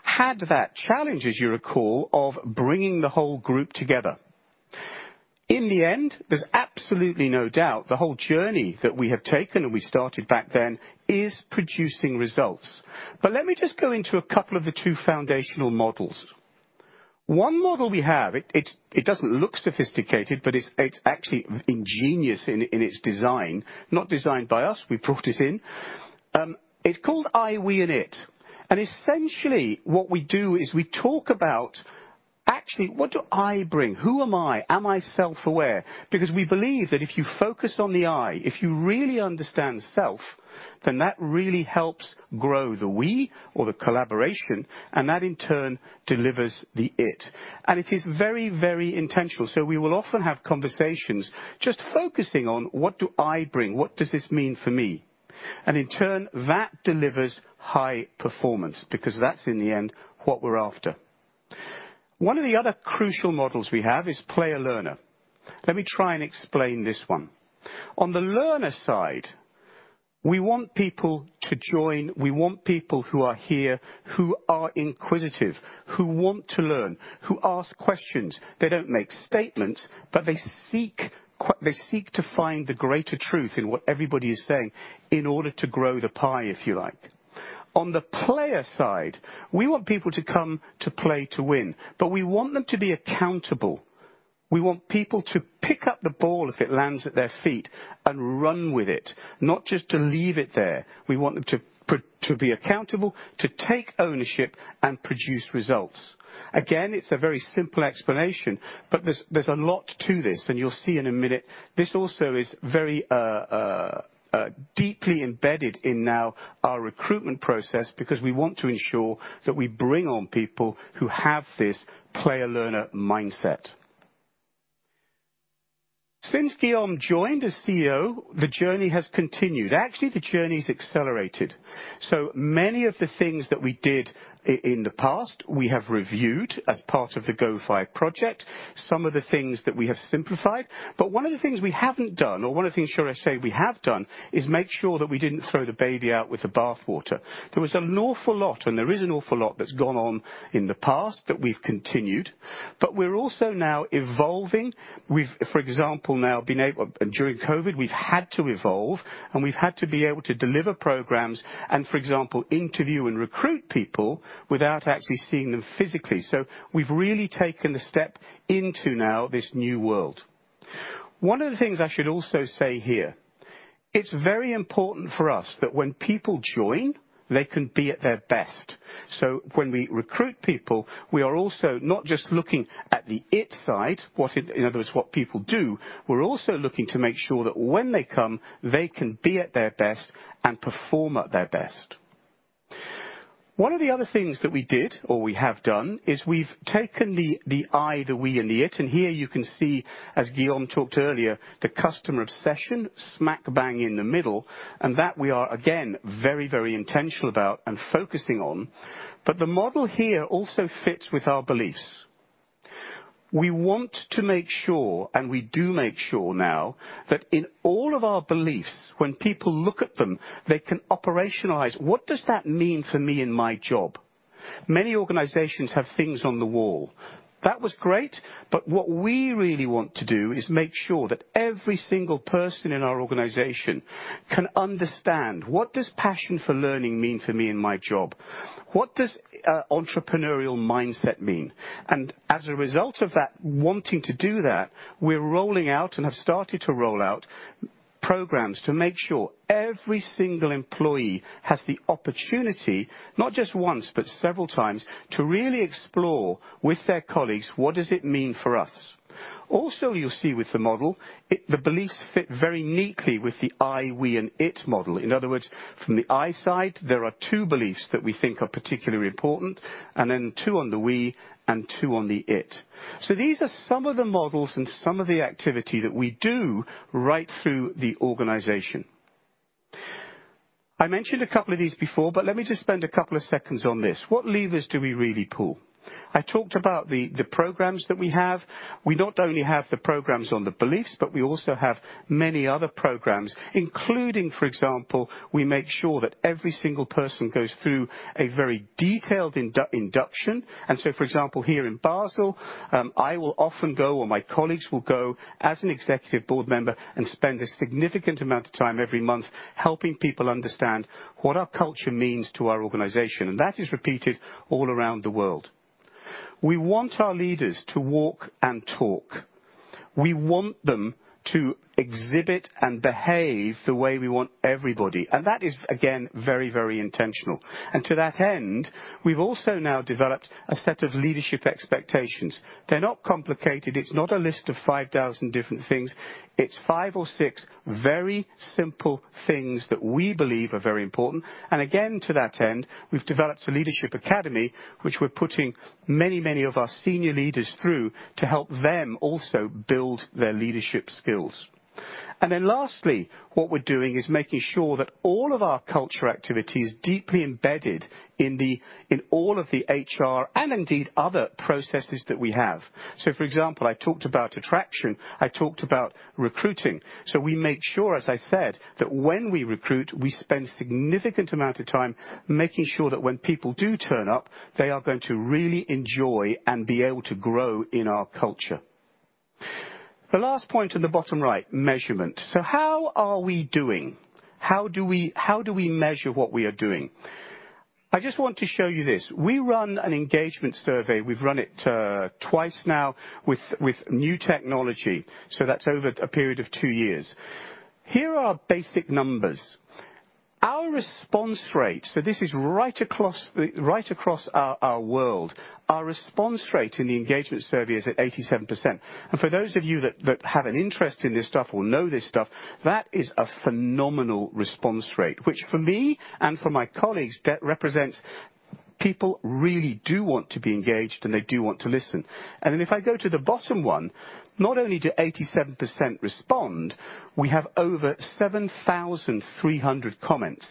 had that challenge, as you recall, of bringing the whole group together. In the end, there's absolutely no doubt the whole journey that we have taken and we started back then is producing results. But let me just go into a couple of the two foundational models. One model we have, it doesn't look sophisticated, but it's actually ingenious in its design. Not designed by us. We brought this in. It's called I, we, and it. Essentially what we do is we talk about actually what do I bring? Who am I? Am I self-aware? Because we believe that if you focus on the I, if you really understand self, then that really helps grow the we or the collaboration, and that in turn delivers the it. It is very, very intentional. We will often have conversations just focusing on what do I bring? What does this mean for me? In turn, that delivers high performance because that's in the end, what we're after. One of the other crucial models we have is be a learner. Let me try and explain this one. On the learner side, we want people to join. We want people who are here, who are inquisitive, who want to learn, who ask questions. They don't make statements, but they seek to find the greater truth in what everybody is saying in order to grow the pie, if you like. On the player side, we want people to come to play to win, but we want them to be accountable. We want people to pick up the ball if it lands at their feet and run with it, not just to leave it there. We want them to be accountable, to take ownership and produce results. Again, it's a very simple explanation, but there's a lot to this. You'll see in a minute, this also is very deeply embedded in now our recruitment process, because we want to ensure that we bring on people who have this player learner mindset. Since Guillaume joined as CEO, the journey has continued. Actually, the journey's accelerated. Many of the things that we did in the past, we have reviewed as part of the GO5 project, some of the things that we have simplified. One of the things we haven't done, or one of the things should I say we have done, is make sure that we didn't throw the baby out with the bath water. There was an awful lot, and there is an awful lot that's gone on in the past that we've continued, but we're also now evolving. We've, for example, during COVID, we've had to evolve, and we've had to be able to deliver programs and, for example, interview and recruit people without actually seeing them physically. We've really taken the step into now this new world. One of the things I should also say here, it's very important for us that when people join, they can be at their best. When we recruit people, we are also not just looking at the it side. In other words, what people do. We're also looking to make sure that when they come, they can be at their best and perform at their best. One of the other things that we did, or we have done, is we've taken the I, the we, and the it, and here you can see, as Guillaume talked earlier, the customer obsession smack bang in the middle, and that we are again, very, very intentional about and focusing on. The model here also fits with our beliefs. We want to make sure, and we do make sure now, that in all of our beliefs, when people look at them, they can operationalize what does that mean for me in my job? Many organizations have things on the wall. That was great, but what we really want to do is make sure that every single person in our organization can understand what does passion for learning mean to me in my job? What does entrepreneurial mindset mean? And as a result of that, wanting to do that, we're rolling out and have started to roll out programs to make sure every single employee has the opportunity, not just once, but several times, to really explore with their colleagues what does it mean for us? Also, you'll see with the model, it, the beliefs fit very neatly with the I, we and it model. In other words, from the I side, there are two beliefs that we think are particularly important, and then two on the we and two on the it. These are some of the models and some of the activity that we do right through the organization. I mentioned a couple of these before, but let me just spend a couple of seconds on this. What levers do we really pull? I talked about the programs that we have. We not only have the programs on the beliefs, but we also have many other programs, including, for example, we make sure that every single person goes through a very detailed induction. For example, here in Basel, I will often go or my colleagues will go as an executive Board member and spend a significant amount of time every month helping people understand what our culture means to our organization. That is repeated all around the world. We want our leaders to walk and talk. We want them to exhibit and behave the way we want everybody. That is, again, very, very intentional. To that end, we've also now developed a set of leadership expectations. They're not complicated. It's not a list of 5,000 different things. It's five or six very simple things that we believe are very important. To that end, we've developed a leadership academy, which we're putting many, many of our senior leaders through to help them also build their leadership skills. Lastly, what we're doing is making sure that all of our culture activity is deeply embedded in the, in all of the HR and indeed other processes that we have. For example, I talked about attraction, I talked about recruiting. We make sure, as I said, that when we recruit, we spend significant amount of time making sure that when people do turn up, they are going to really enjoy and be able to grow in our culture. The last point in the bottom right, measurement. How are we doing? How do we measure what we are doing? I just want to show you this. We run an engagement survey. We've run it twice now with new technology. That's over a period of two years. Here are basic numbers. Our response rate, so this is right across our world. Our response rate in the engagement survey is at 87%. For those of you that have an interest in this stuff or know this stuff, that is a phenomenal response rate. Which for me and for my colleagues, that represents people really do want to be engaged and they do want to listen. If I go to the bottom one, not only do 87% respond, we have over 7,300 comments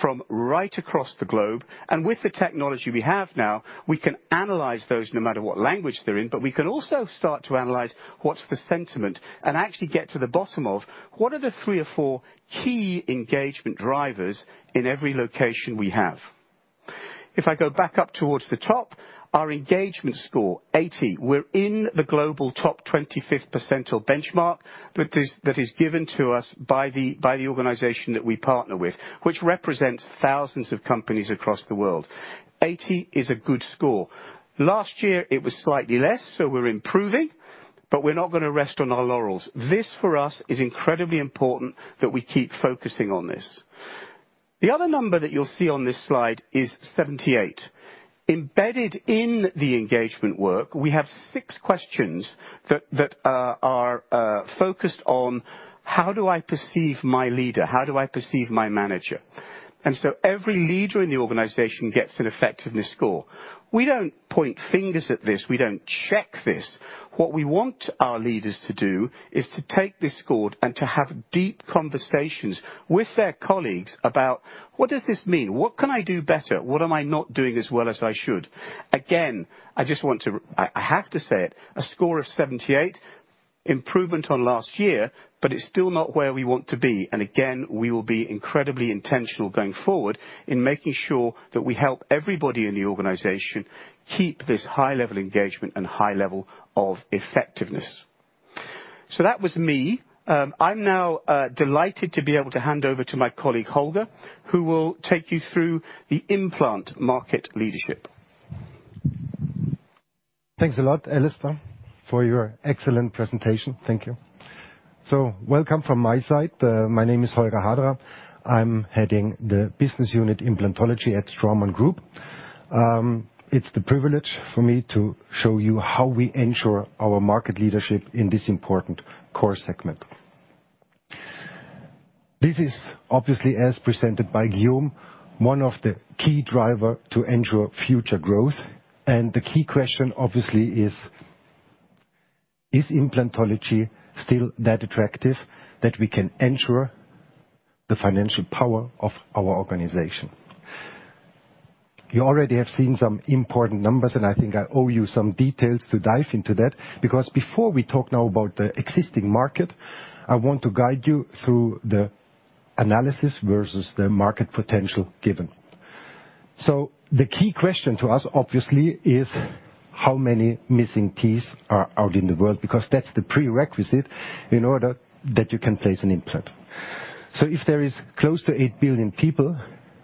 from right across the globe. With the technology we have now, we can analyze those no matter what language they're in. We can also start to analyze what's the sentiment and actually get to the bottom of what are the three or four key engagement drivers in every location we have. If I go back up towards the top, our engagement score, 80. We're in the global top 25th percentile benchmark that is given to us by the organization that we partner with, which represents thousands of companies across the world. 80 is a good score. Last year it was slightly less, so we're improving, but we're not gonna rest on our laurels. This, for us, is incredibly important that we keep focusing on this. The other number that you'll see on this slide is 78. Embedded in the engagement work, we have six questions that are focused on: how do I perceive my leader? How do I perceive my manager? Every leader in the organization gets an effectiveness score. We don't point fingers at this. We don't check this. What we want our leaders to do is to take this score and to have deep conversations with their colleagues about what does this mean? What can I do better? What am I not doing as well as I should? Again, I have to say it, a score of 78, improvement on last year, but it's still not where we want to be. Again, we will be incredibly intentional going forward in making sure that we help everybody in the organization keep this high level engagement and high level of effectiveness. That was me. I'm now delighted to be able to hand over to my colleague, Holger, who will take you through the implant market leadership. Thanks a lot, Alastair, for your excellent presentation. Thank you. Welcome from my side. My name is Holger Haderer. I'm heading the business unit, Implantology at Straumann Group. It's the privilege for me to show you how we ensure our market leadership in this important core segment. This is obviously, as presented by Guillaume, one of the key driver to ensure future growth, and the key question obviously is: Is implantology still that attractive that we can ensure the financial power of our organization? You already have seen some important numbers, and I think I owe you some details to dive into that, because before we talk now about the existing market, I want to guide you through the analysis versus the market potential given. The key question to us, obviously, is how many missing teeth are out in the world, because that's the prerequisite in order that you can place an implant. If there is close to 8 billion people,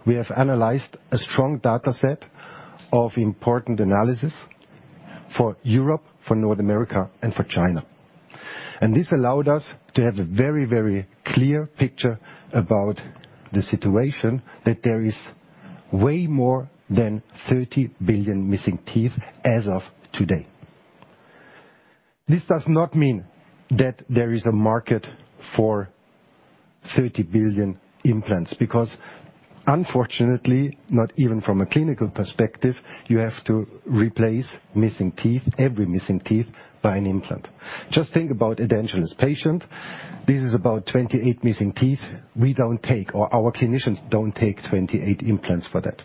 we have analyzed a strong data set of important analysis for Europe, for North America, and for China. This allowed us to have a very, very clear picture about the situation that there is way more than 30 billion missing teeth as of today. This does not mean that there is a market for 30 billion implants because unfortunately, not even from a clinical perspective, you have to replace missing teeth, every missing teeth by an implant. Just think about edentulous patient. This is about 28 missing teeth. We don't take, or our clinicians don't take 28 implants for that.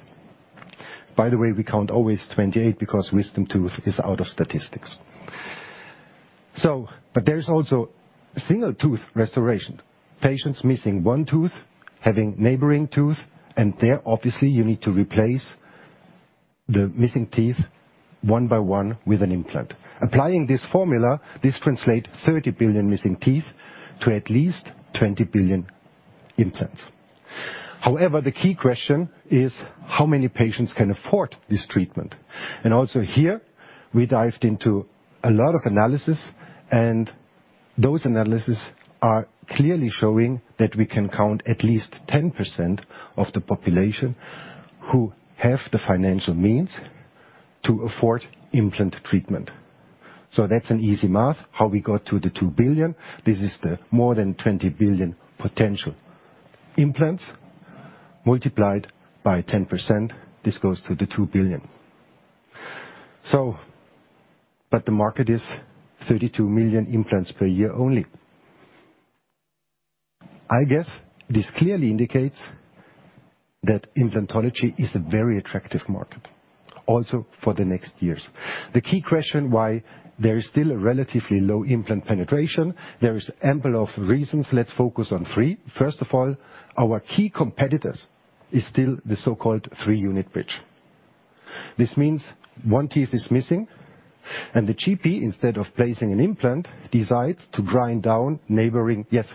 By the way, we count always 28 because wisdom tooth is out of statistics. There is also single tooth restoration. Patients missing one tooth, having neighboring tooth, and there, obviously, you need to replace the missing teeth one by one with an implant. Applying this formula, this translate 30 billion missing teeth to at least 20 billion implants. However, the key question is? How many patients can afford this treatment? Also here, we dived into a lot of analysis, and those analysis are clearly showing that we can count at least 10% of the population who have the financial means to afford implant treatment. That's an easy math, how we got to the 2 billion. This is the more than 20 billion potential implants multiplied by 10%. This goes to the 2 billion. The market is 32 million implants per year only. I guess this clearly indicates that implantology is a very attractive market, also for the next years. The key question why there is still a relatively low implant penetration, there is ample of reasons. Let's focus on three. First of all, our key competitors is still the so-called three-unit bridge. This means one tooth is missing and the GP, instead of placing an implant, decides to grind down neighboring teeth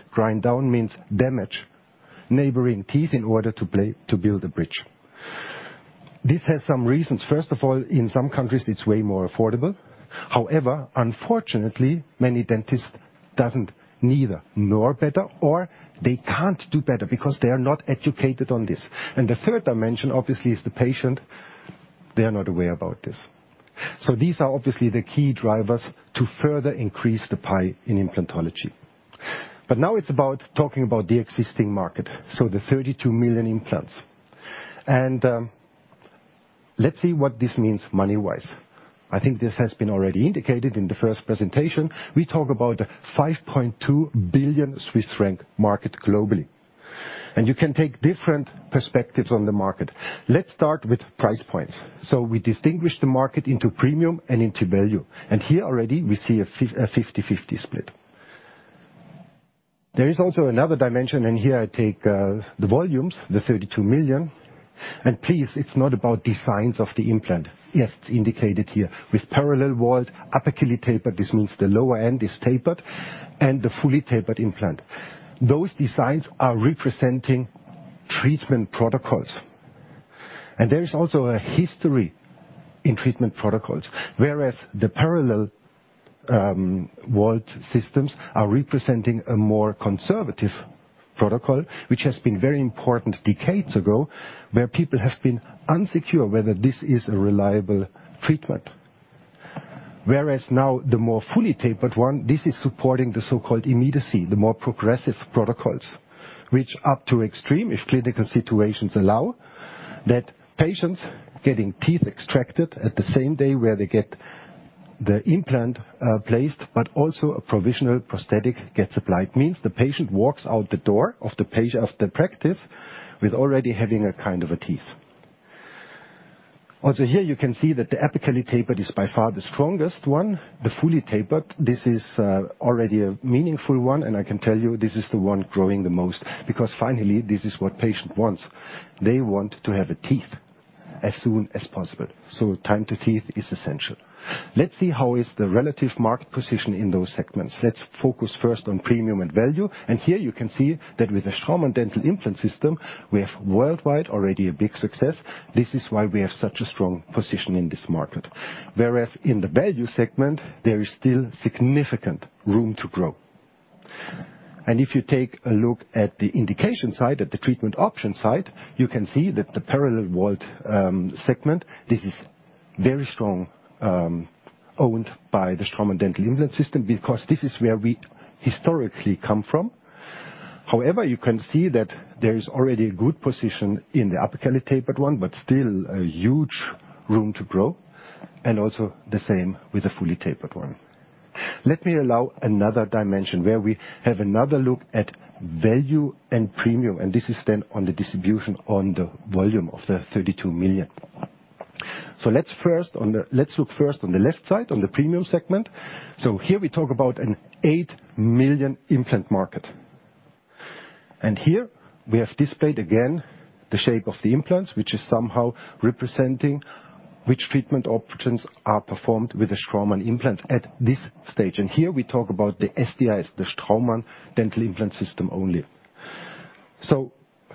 in order to place, to build a bridge. This has some reasons. First of all, in some countries, it's way more affordable. However, unfortunately, many dentist doesn't neither know better or they can't do better because they are not educated on this. The third dimension, obviously, is the patient. They are not aware about this. These are obviously the key drivers to further increase the pie in implantology. Now it's about talking about the existing market, so the 32 million implants. Let's see what this means money-wise. I think this has been already indicated in the first presentation. We talk about 5.2 billion Swiss franc market globally. You can take different perspectives on the market. Let's start with price points. We distinguish the market into premium and into value, and here already, we see a 50/50 split. There is also another dimension, and here I take the volumes, the 32 million. Please, it's not about designs of the implant. Yes, it's indicated here with parallel-walled apically tapered, this means the lower end is tapered, and the fully tapered implant. Those designs are representing treatment protocols. There is also a history in treatment protocols. Whereas the parallel walled systems are representing a more conservative protocol, which has been very important decades ago, where people have been unsecure whether this is a reliable treatment. Whereas now the more fully tapered one, this is supporting the so-called immediacy, the more progressive protocols, which up to extreme, if clinical situations allow, that patients getting teeth extracted at the same day where they get the implant placed, but also a provisional prosthetic gets applied. Means the patient walks out the door of the practice with already having a kind of a teeth. Also here you can see that the apically tapered is by far the strongest one, the fully tapered, this is already a meaningful one, and I can tell you this is the one growing the most because finally, this is what patient wants. They want to have teeth as soon as possible, so time to teeth is essential. Let's see how is the relative market position in those segments. Let's focus first on premium and value. Here you can see that with the Straumann Dental Implant System, we have worldwide already a big success. This is why we have such a strong position in this market. Whereas in the value segment, there is still significant room to grow. If you take a look at the indication side, at the treatment option side, you can see that the parallel-walled segment, this is very strong, owned by the Straumann Dental Implant System because this is where we historically come from. However, you can see that there is already a good position in the apically tapered one, but still a huge room to grow, and also the same with the fully tapered one. Let me allow another dimension where we have another look at value and premium, and this is then on the distribution on the volume of the 32 million. Let's look first on the left side, on the premium segment. Here we talk about an 8 million implant market. Here we have displayed again the shape of the implants, which is somehow representing which treatment options are performed with the Straumann implants at this stage. Here we talk about the SDIS, the Straumann Dental Implant System only.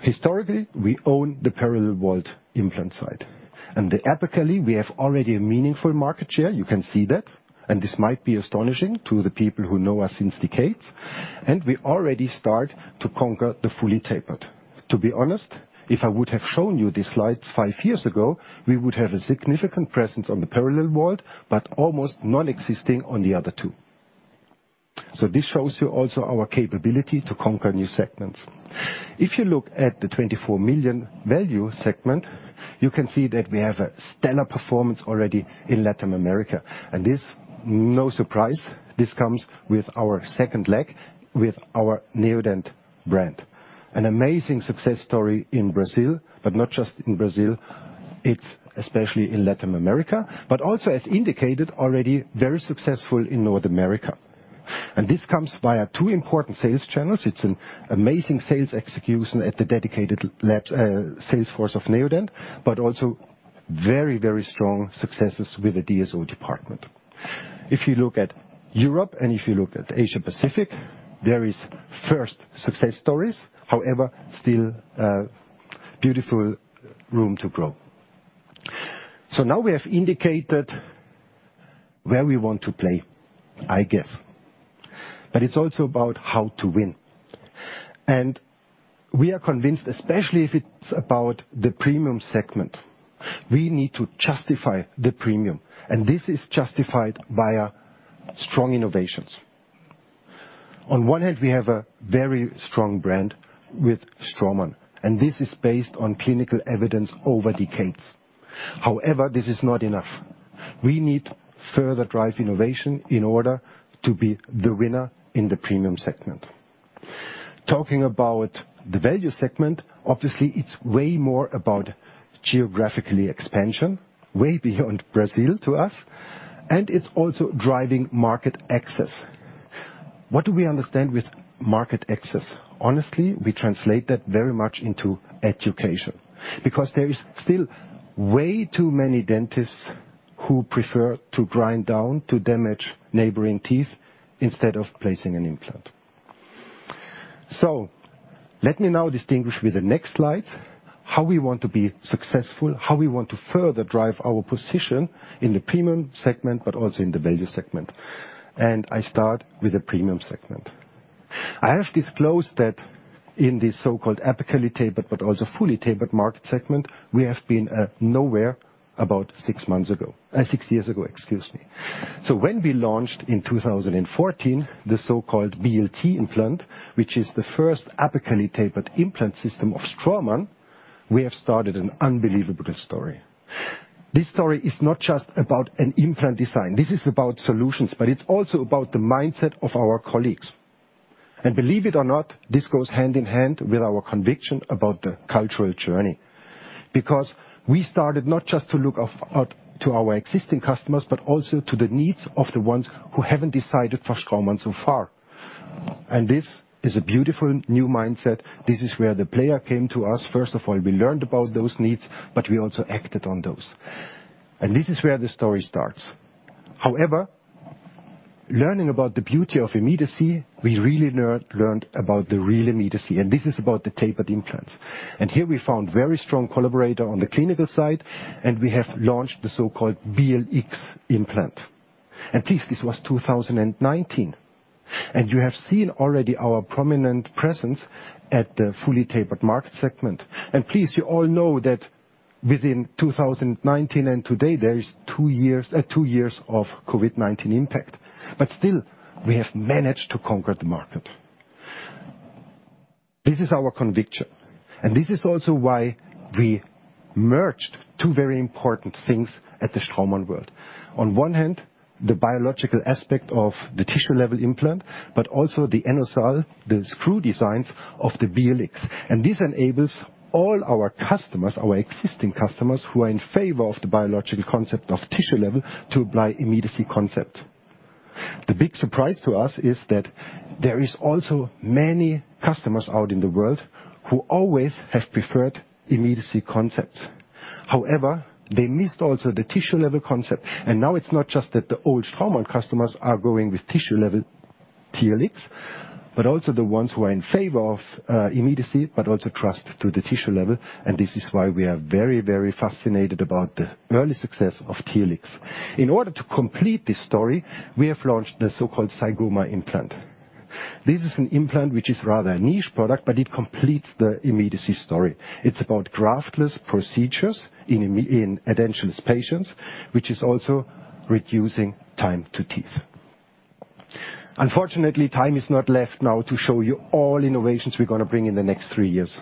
Historically, we own the parallel-walled implant side. The apically, we have already a meaningful market share. You can see that, and this might be astonishing to the people who know us since decades. We already start to conquer the fully tapered. To be honest, if I would have shown you these slides five years ago, we would have a significant presence on the parallel-walled, but almost non-existing on the other two. This shows you also our capability to conquer new segments. If you look at the 24 million value segment, you can see that we have a stellar performance already in Latin America. This, no surprise, this comes with our second leg, with our Neodent brand. An amazing success story in Brazil, but not just in Brazil, it's especially in Latin America, but also, as indicated, already very successful in North America. This comes via two important sales channels. It's an amazing sales execution at the dedicated lab sales force of Neodent, but also very, very strong successes with the DSO department. If you look at Europe, and if you look at Asia-Pacific, there is first success stories, however, still, beautiful room to grow. Now we have indicated where we want to play, I guess. It's also about how to win. We are convinced, especially if it's about the premium segment, we need to justify the premium, and this is justified via strong innovations. On one hand, we have a very strong brand with Straumann, and this is based on clinical evidence over decades. However, this is not enough. We need further drive innovation in order to be the winner in the premium segment. Talking about the value segment, obviously, it's way more about geographic expansion, way beyond Brazil to us, and it's also driving market access. What do we understand with market access? Honestly, we translate that very much into education because there is still way too many dentists who prefer to grind down to damage neighboring teeth instead of placing an implant. Let me now distinguish with the next slide how we want to be successful, how we want to further drive our position in the premium segment, but also in the value segment. I start with the premium segment. I have disclosed that in this so-called apically tapered but also fully tapered market segment, we have been nowhere about six years ago, excuse me. When we launched in 2014, the so-called BLT implant, which is the first apically tapered implant system of Straumann, we have started an unbelievable story. This story is not just about an implant design. This is about solutions, but it's also about the mindset of our colleagues. Believe it or not, this goes hand in hand with our conviction about the cultural journey. Because we started not just to look out to our existing customers, but also to the needs of the ones who haven't decided for Straumann so far. This is a beautiful new mindset. This is where the players came to us. First of all, we learned about those needs, but we also acted on those. This is where the story starts. However, learning about the beauty of immediacy, we really learned about the real immediacy, and this is about the tapered implants. Here we found very strong collaborator on the clinical side, and we have launched the so-called BLX implant. Please, this was 2019, and you have seen already our prominent presence at the fully tapered market segment. Please, you all know that within 2019 and today, there is two years of COVID-19 impact. Still, we have managed to conquer the market. This is our conviction, and this is also why we merged two very important things at the Straumann world. On one hand, the biological aspect of the tissue-level implant, but also the internal seal, the screw designs of the BLX. This enables all our customers, our existing customers, who are in favor of the biological concept of tissue level, to apply immediacy concept. The big surprise to us is that there is also many customers out in the world who always have preferred immediacy concept. However, they missed also the tissue-level concept, and now it's not just that the old Straumann customers are going with tissue level TLX, but also the ones who are in favor of immediacy, but also trust to the tissue level, and this is why we are very, very fascinated about the early success of TLX. In order to complete this story, we have launched the so-called Zygomatic implant. This is an implant which is rather a niche product, but it completes the immediacy story. It's about graftless procedures in edentulous patients, which is also reducing time to teeth. Unfortunately, time is not left now to show you all innovations we're gonna bring in the next three years.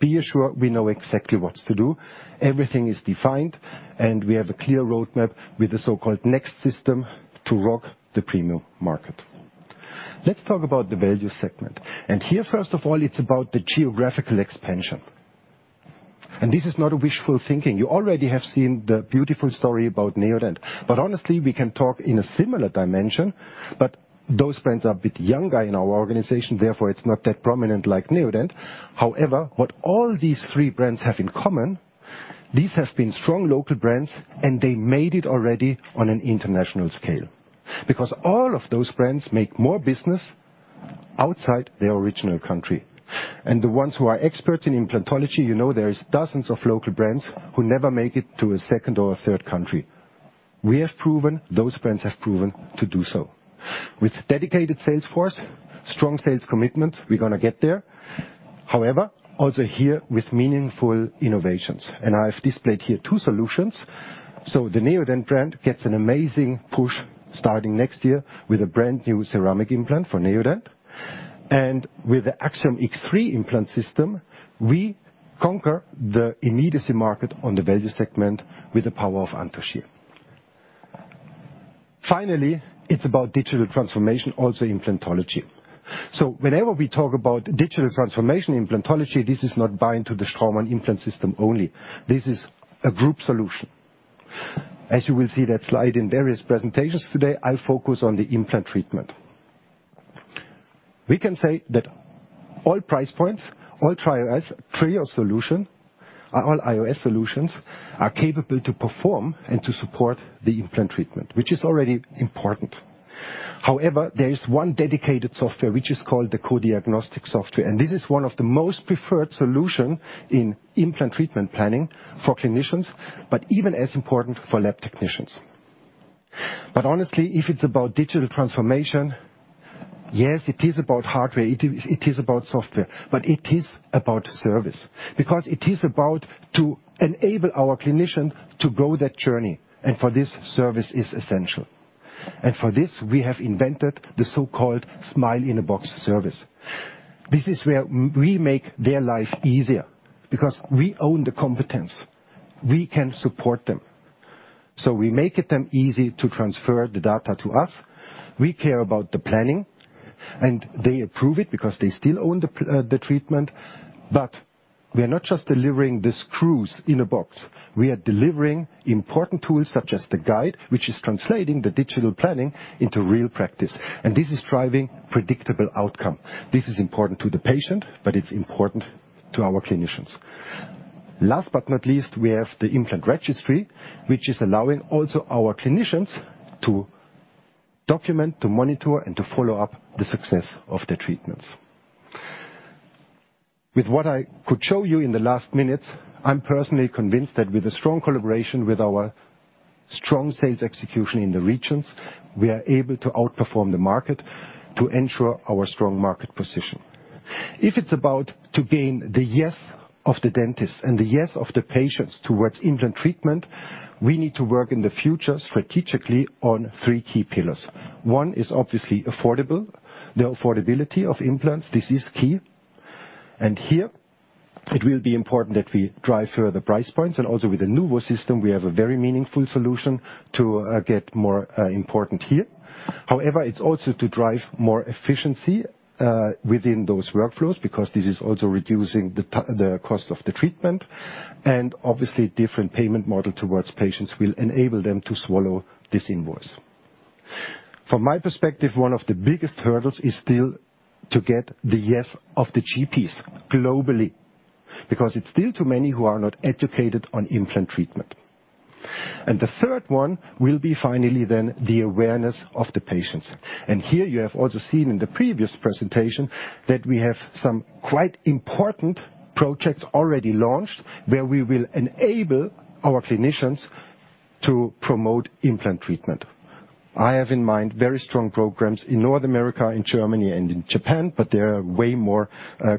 Be assured we know exactly what to do. Everything is defined, and we have a clear roadmap with the so-called next system to rock the premium market. Let's talk about the value segment. Here, first of all, it's about the geographical expansion. This is not a wishful thinking. You already have seen the beautiful story about Neodent. Honestly, we can talk in a similar dimension, but those brands are a bit younger in our organization, therefore it's not that prominent like Neodent. However, what all these three brands have in common, these have been strong local brands, and they made it already on an international scale. Because all of those brands make more business outside their original country. The ones who are experts in implantology, you know there is dozens of local brands who never make it to a second or a third country. We have proven, those brands have proven to do so. With dedicated sales force, strong sales commitment, we're gonna get there. However, also here with meaningful innovations. I've displayed here two solutions. The Neodent brand gets an amazing push starting next year with a brand-new ceramic implant for Neodent. With the Axum X3 implant system, we conquer the immediacy market on the value segment with the power of Anthogyr. Finally, it's about digital transformation, also implantology. Whenever we talk about digital transformation in implantology, this is not bind to the Straumann implant system only. This is a group solution. As you will see that slide in various presentations today, I'll focus on the implant treatment. We can say that all price points, all TRIOS solution, all IOS solutions are capable to perform and to support the implant treatment, which is already important. However, there is one dedicated software, which is called the coDiagnostiX software, and this is one of the most preferred solution in implant treatment planning for clinicians, but even as important for lab technicians. Honestly, if it's about digital transformation, yes, it is about hardware, it is, it is about software, but it is about service because it is about to enable our clinician to go that journey, and for this, service is essential. For this, we have invented the so-called Smile in a Box service. This is where we make their life easier because we own the competence. We can support them. We make it easy for them to transfer the data to us. We care about the planning, and they approve it because they still own the treatment. We are not just delivering the screws in a box. We are delivering important tools such as the guide, which is translating the digital planning into real practice, and this is driving predictable outcome. This is important to the patient, but it's important to our clinicians. Last but not least, we have the implant registry, which is allowing also our clinicians to document, to monitor, and to follow up the success of their treatments. With what I could show you in the last minutes, I'm personally convinced that with a strong collaboration with our strong sales execution in the regions, we are able to outperform the market to ensure our strong market position. If it's about to gain the yes of the dentists and the yes of the patients towards implant treatment, we need to work in the future strategically on three key pillars. One is obviously affordable. The affordability of implants, this is key. Here, it will be important that we drive further price points, and also with the NUVO system, we have a very meaningful solution to get more important here. However, it's also to drive more efficiency within those workflows because this is also reducing the cost of the treatment, and obviously, different payment model towards patients will enable them to swallow this invoice. From my perspective, one of the biggest hurdles is still to get the yes of the GPs globally because it's still too many who are not educated on implant treatment. The third one will be finally then the awareness of the patients. Here you have also seen in the previous presentation that we have some quite important projects already launched, where we will enable our clinicians to promote implant treatment. I have in mind very strong programs in North America, in Germany, and in Japan, but there are way more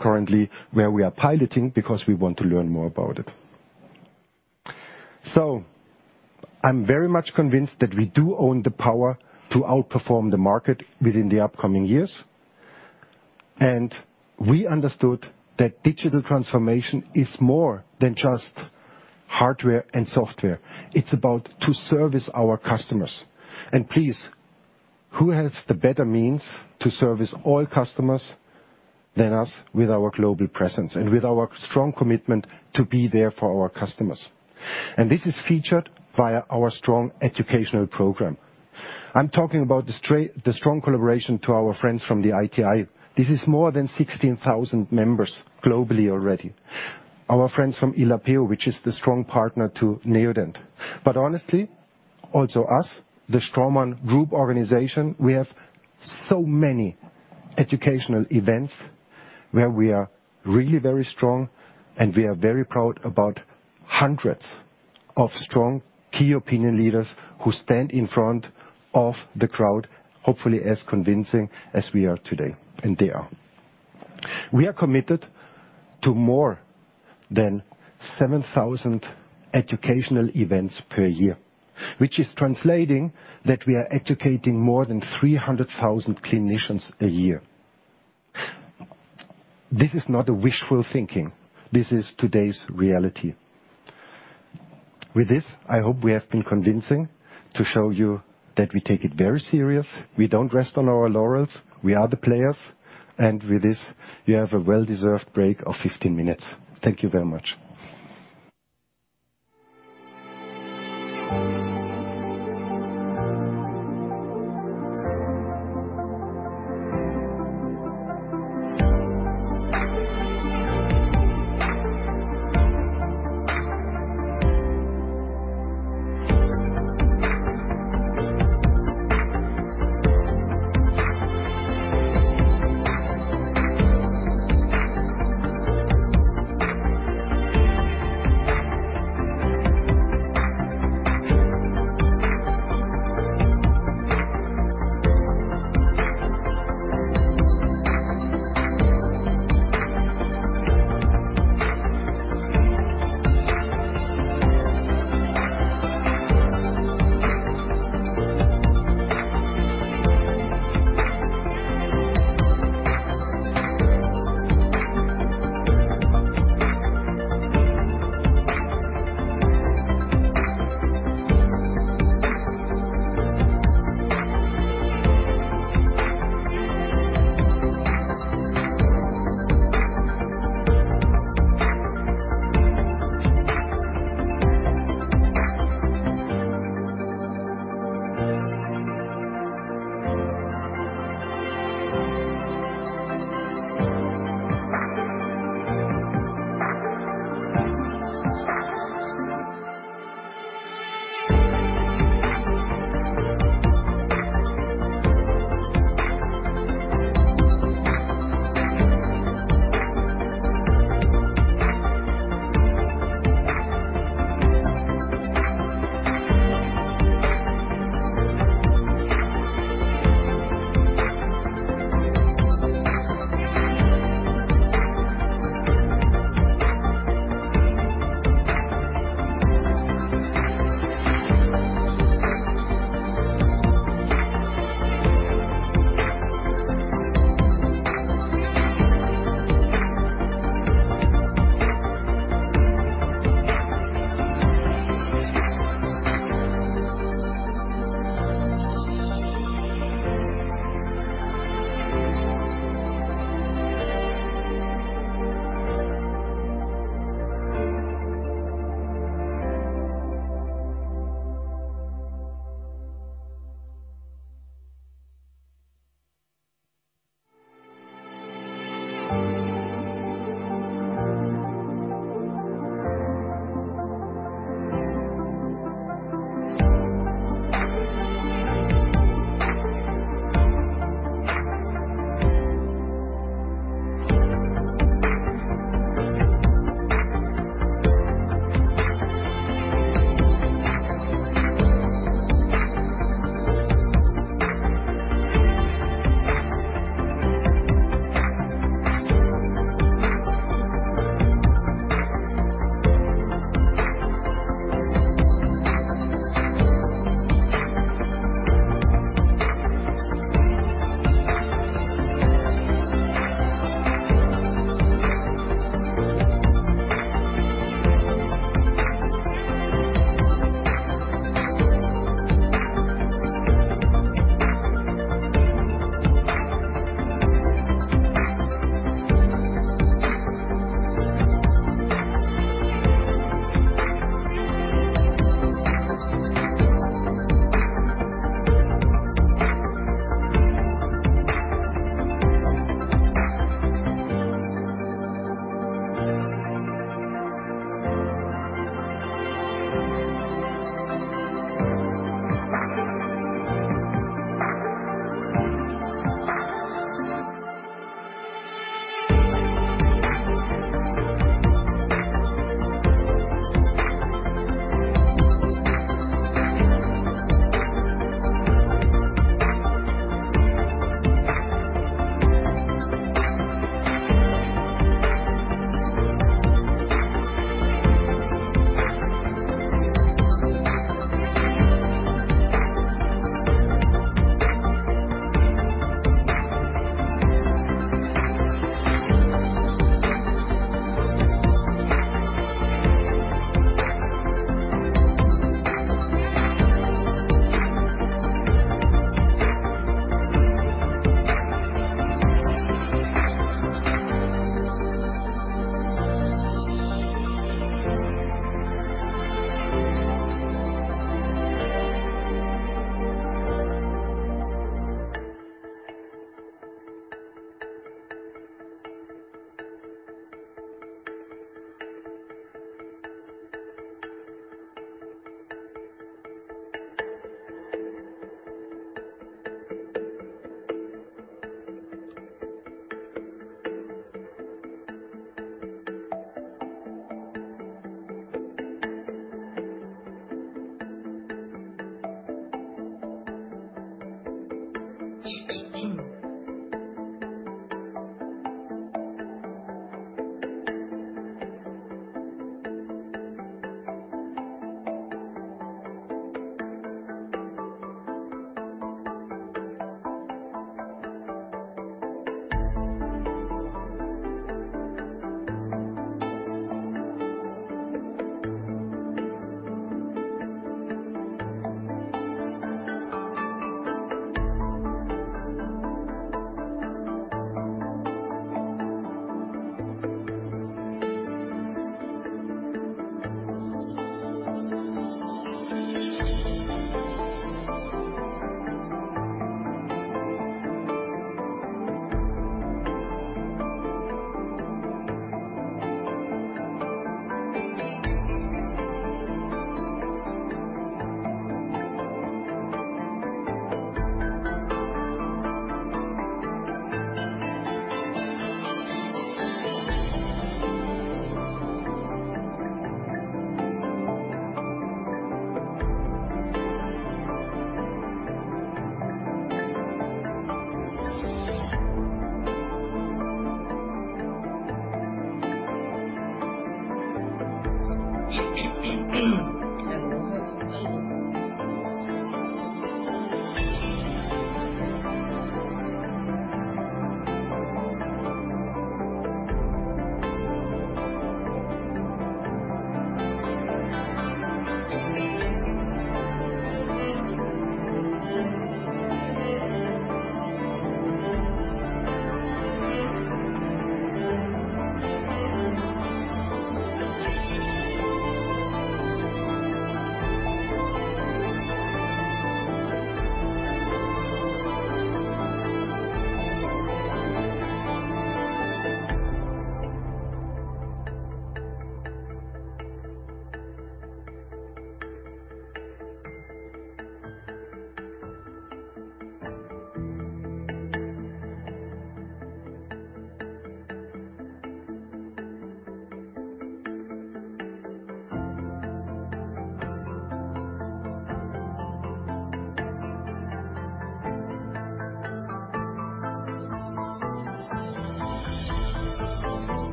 currently where we are piloting because we want to learn more about it. I'm very much convinced that we do own the power to outperform the market within the upcoming years, and we understood that digital transformation is more than just hardware and software. It's about to service our customers. Please, who has the better means to service all customers than us with our global presence and with our strong commitment to be there for our customers? This is featured via our strong educational program. I'm talking about the strong collaboration to our friends from the ITI. This is more than 16,000 members globally already. Our friends from ILAPEO, which is the strong partner to Neodent. Honestly, also us, the Straumann Group organization, we have so many educational events where we are really very strong, and we are very proud about hundreds of strong key opinion leaders who stand in front of the crowd, hopefully as convincing as we are today, and they are. We are committed to more than 7,000 educational events per year, which is translating that we are educating more than 300,000 clinicians a year. This is not a wishful thinking. This is today's reality. With this, I hope we have been convincing to show you that we take it very serious. We don't rest on our laurels. We are the players, and with this, you have a well-deserved break of 15 minutes. Thank you very much.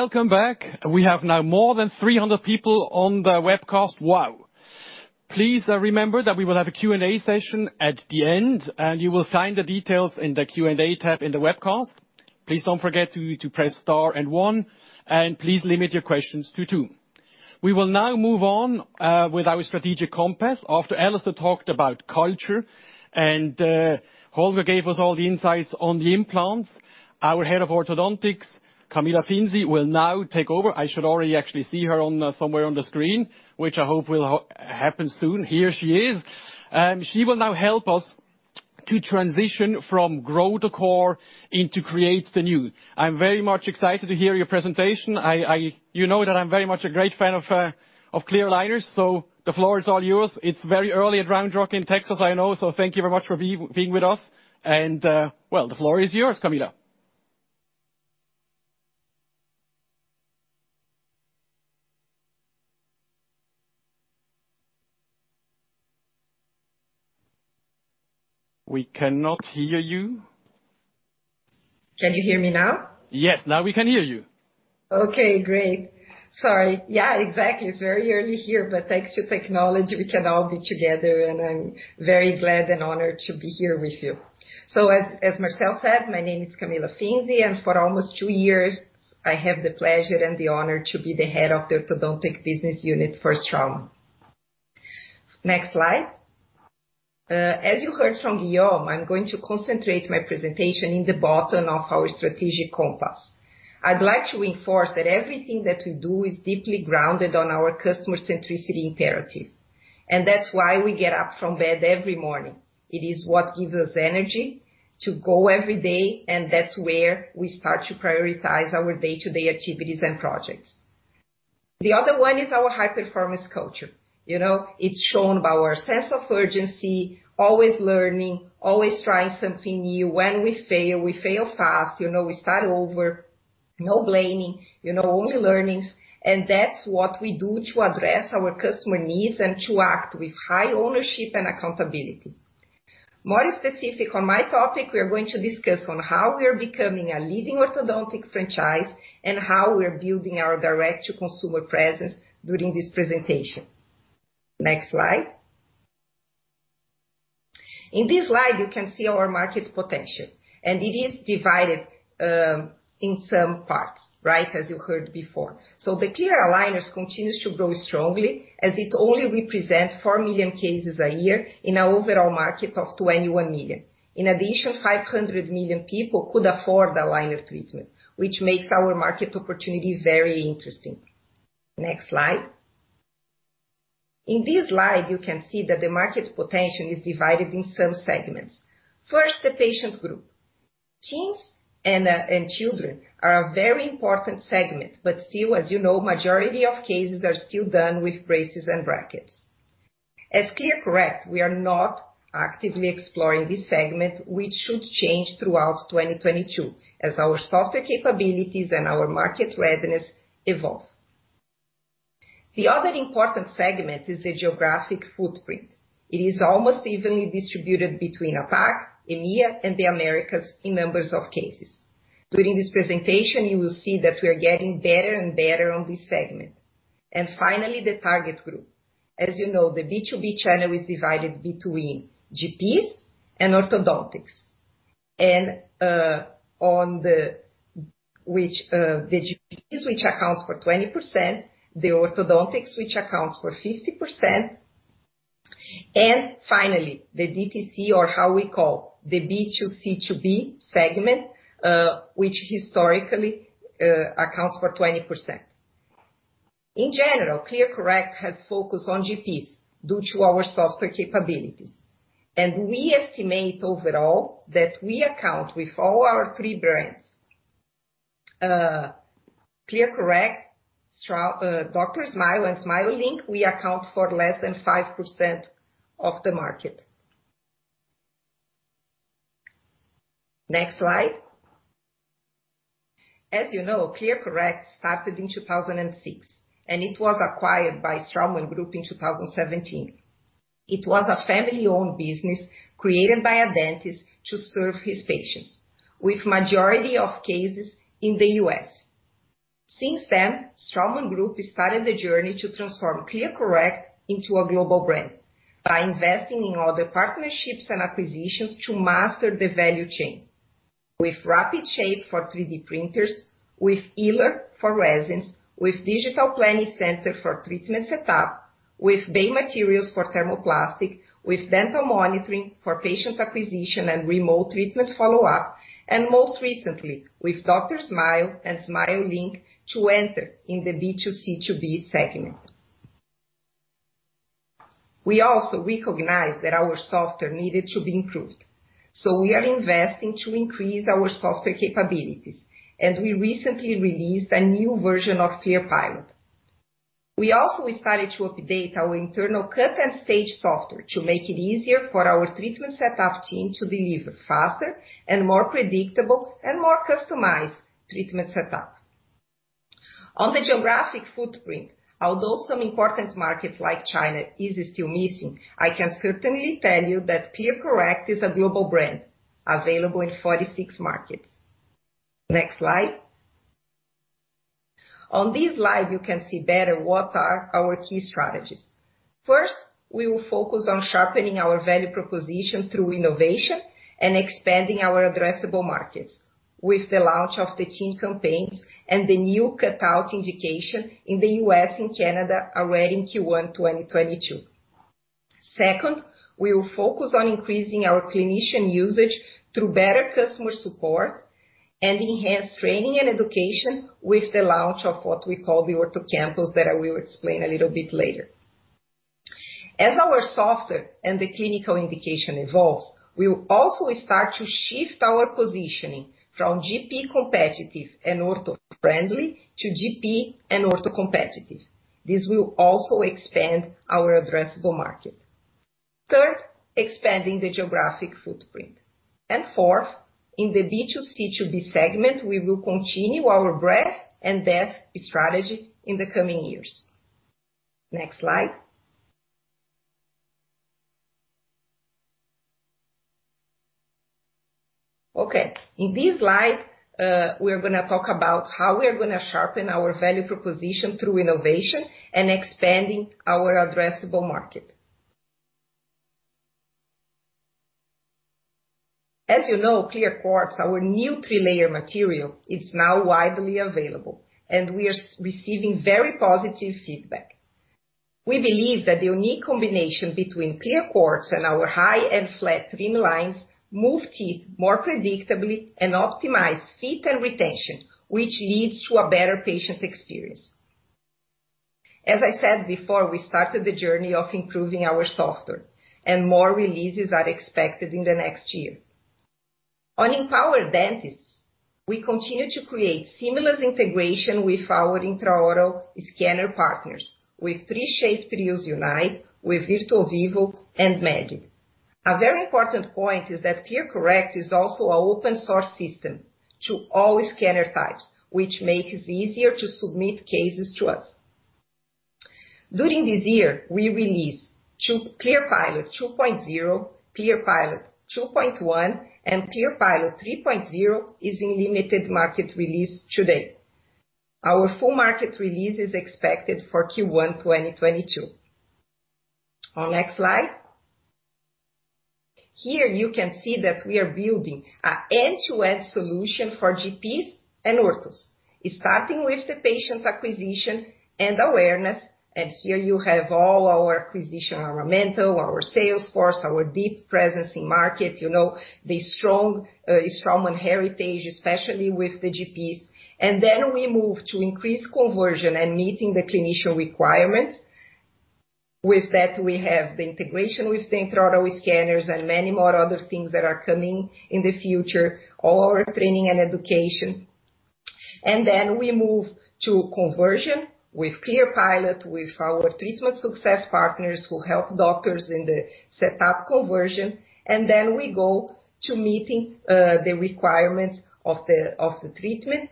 Welcome back. We have now more than 300 people on the webcast. Wow. Please remember that we will have a Q&A session at the end, and you will find the details in the Q&A tab in the webcast. Please don't forget to press star and one, and please limit your questions to two. We will now move on with our strategic compass. After Alastair talked about culture and Holger gave us all the insights on the implants, our head of orthodontics, Camila Finzi, will now take over. I should already actually see her on somewhere on the screen, which I hope will happen soon. Here she is. She will now help us to transition from grow the core into create the new. I'm very much excited to hear your presentation. You know that I'm very much a great fan of clear aligners, so the floor is all yours. It's very early at Round Rock in Texas, I know. Thank you very much for being with us and, well, the floor is yours, Camilla. We cannot hear you. Can you hear me now? Yes, now we can hear you. Okay, great. Sorry. Yeah, exactly. It's very early here, but thanks to technology, we can all be together, and I'm very glad and honored to be here with you. As Marcel said, my name is Camila Finzi, and for almost two years, I have the pleasure and the honor to be the head of the Orthodontics Business Unit for Straumann. Next slide. As you heard from Guillaume, I'm going to concentrate my presentation in the bottom of our strategic compass. I'd like to reinforce that everything that we do is deeply grounded on our customer centricity imperative, and that's why we get up from bed every morning. It is what gives us energy to go every day, and that's where we start to prioritize our day-to-day activities and projects. The other one is our high-performance culture. You know, it's shown by our sense of urgency, always learning, always trying something new. When we fail, we fail fast. You know, we start over. No blaming, you know, only learnings. That's what we do to address our customer needs and to act with high ownership and accountability. More specific on my topic, we're going to discuss on how we're becoming a leading orthodontic franchise and how we're building our direct-to-consumer presence during this presentation. Next slide. In this slide, you can see our market potential, and it is divided in some parts, right? As you heard before. The clear aligners continues to grow strongly as it only represents 4 million cases a year in an overall market of 21 million. In addition, 500 million people could afford the aligner treatment, which makes our market opportunity very interesting. Next slide. In this slide, you can see that the market's potential is divided in some segments. First, the patient group. Teens and children are a very important segment, but still, as you know, majority of cases are still done with braces and brackets. As ClearCorrect, we are not actively exploring this segment, which should change throughout 2022 as our software capabilities and our market readiness evolve. The other important segment is the geographic footprint. It is almost evenly distributed between APAC, EMEA, and the Americas in numbers of cases. During this presentation, you will see that we are getting better and better on this segment. Finally, the target group. As you know, the B2B channel is divided between GPs and orthodontics. The GPs, which accounts for 20%, the orthodontics, which accounts for 50%, and finally, the DTC or how we call the B2C2B segment, which historically accounts for 20%. In general, ClearCorrect has focused on GPs due to our software capabilities. We estimate overall that we account for with all our three brands, ClearCorrect, DrSmile and Smilink, we account for less than 5% of the market. Next slide. As you know, ClearCorrect started in 2006, and it was acquired by Straumann Group in 2017. It was a family-owned business created by a dentist to serve his patients with majority of cases in the U.S. Since then, Straumann Group started the journey to transform ClearCorrect into a global brand by investing in other partnerships and acquisitions to master the value chain. With Rapid Shape for 3D printers, with Yller for resins, with Digital Planning Center for treatment setup, with Bay Materials for thermoplastic, with DentalMonitoring for patient acquisition and remote treatment follow-up, and most recently, with DrSmile and Smilink to enter in the B2C2B segment. We also recognized that our software needed to be improved. We are investing to increase our software capabilities, and we recently released a new version of ClearPilot. We also started to update our internal cut and stage software to make it easier for our treatment setup team to deliver faster and more predictable and more customized treatment setup. On the geographic footprint, although some important markets like China is still missing, I can certainly tell you that ClearCorrect is a global brand available in 46 markets. Next slide. On this slide, you can see better what are our key strategies. First, we will focus on sharpening our value proposition through innovation and expanding our addressable markets with the launch of the teen campaigns and the new cutout indication in the U.S. and Canada already in Q1 2022. Second, we will focus on increasing our clinician usage through better customer support and enhance training and education with the launch of what we call the Ortho Campus that I will explain a little bit later. As our software and the clinical indication evolves, we will also start to shift our positioning from GP competitive and ortho-friendly to GP and ortho competitive. This will also expand our addressable market. Third, expanding the geographic footprint. Fourth, in the B2C2B segment, we will continue our breadth and depth strategy in the coming years. Next slide. Okay. In this slide, we're gonna talk about how we are gonna sharpen our value proposition through innovation and expanding our addressable market. As you know, ClearQuartz, our new three-layer material, it's now widely available, and we are receiving very positive feedback. We believe that the unique combination between ClearQuartz and our high-end flat trimline move teeth more predictably and optimize fit and retention, which leads to a better patient experience. As I said before, we started the journey of improving our software, and more releases are expected in the next year. To empower dentists, we continue to create seamless integration with our intraoral scanner partners with 3Shape TRIOS Unite, with Virtuo Vivo, and Medit. A very important point is that ClearCorrect is also an open-source system to all scanner types, which makes it easier to submit cases to us. During this year, we released ClearPilot 2.0, ClearPilot 2.1, and ClearPilot 3.0 is in limited market release today. Our full market release is expected for Q1 2022. On next slide. Here you can see that we are building an end-to-end solution for GPs and orthos. Starting with the patient's acquisition and awareness, and here you have all our acquisition, our digital, our sales force, our deep presence in market. You know, the strong Straumann heritage, especially with the GPs. Then we move to increase conversion and meeting the clinician requirement. With that, we have the integration with the intraoral scanners and many more other things that are coming in the future, all our training and education. We move to conversion with ClearPilot, with our treatment success partners who help doctors in the setup conversion. We go to meeting the requirements of the treatment.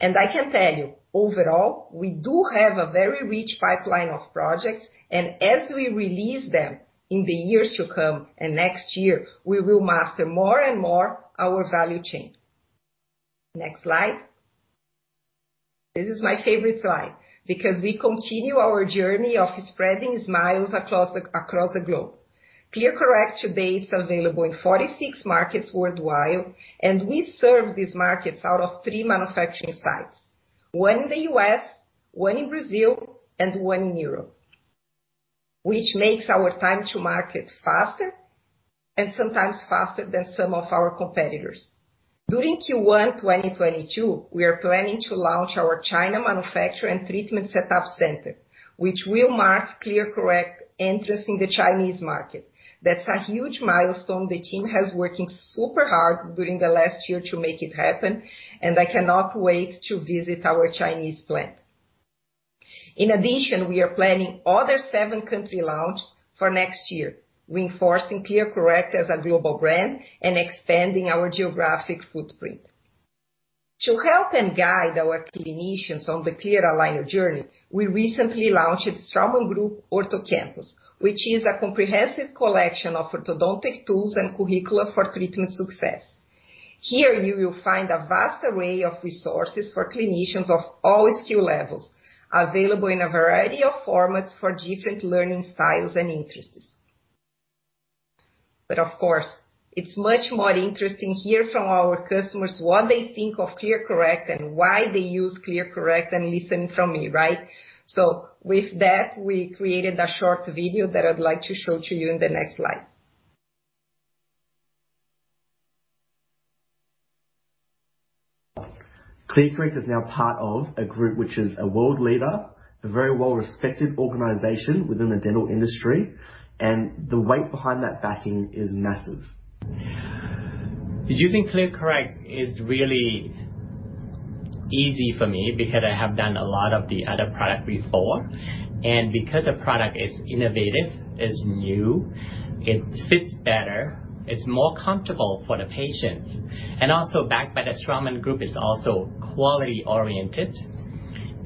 I can tell you, overall, we do have a very rich pipeline of projects, and as we release them in the years to come and next year, we will master more and more our value chain. Next slide. This is my favorite slide because we continue our journey of spreading smiles across the globe. ClearCorrect today is available in 46 markets worldwide, and we serve these markets out of three manufacturing sites. One in the U.S., one in Brazil, and one in Europe, which makes our time to market faster and sometimes faster than some of our competitors. During Q1 2022, we are planning to launch our China manufacturing and treatment setup center, which will mark ClearCorrect's entrance in the Chinese market. That's a huge milestone. The team has been working super hard during the last year to make it happen, and I cannot wait to visit our Chinese plant. In addition, we are planning seven other country launches for next year, reinforcing ClearCorrect as a global brand and expanding our geographic footprint. To help and guide our clinicians on the clear aligner journey, we recently launched Straumann Group Ortho Campus, which is a comprehensive collection of orthodontic tools and curricula for treatment success. Here you will find a vast array of resources for clinicians of all skill levels, available in a variety of formats for different learning styles and interests. Of course, it's much more interesting to hear from our customers what they think of ClearCorrect and why they use ClearCorrect than listening from me, right? With that, we created a short video that I'd like to show to you in the next slide. ClearCorrect is now part of a group which is a world leader, a very well-respected organization within the dental industry, and the weight behind that backing is massive. Using ClearCorrect is really easy for me because I have done a lot of the other product before. Because the product is innovative, is new, it fits better, it's more comfortable for the patients. Also backed by the Straumann Group is also quality-oriented.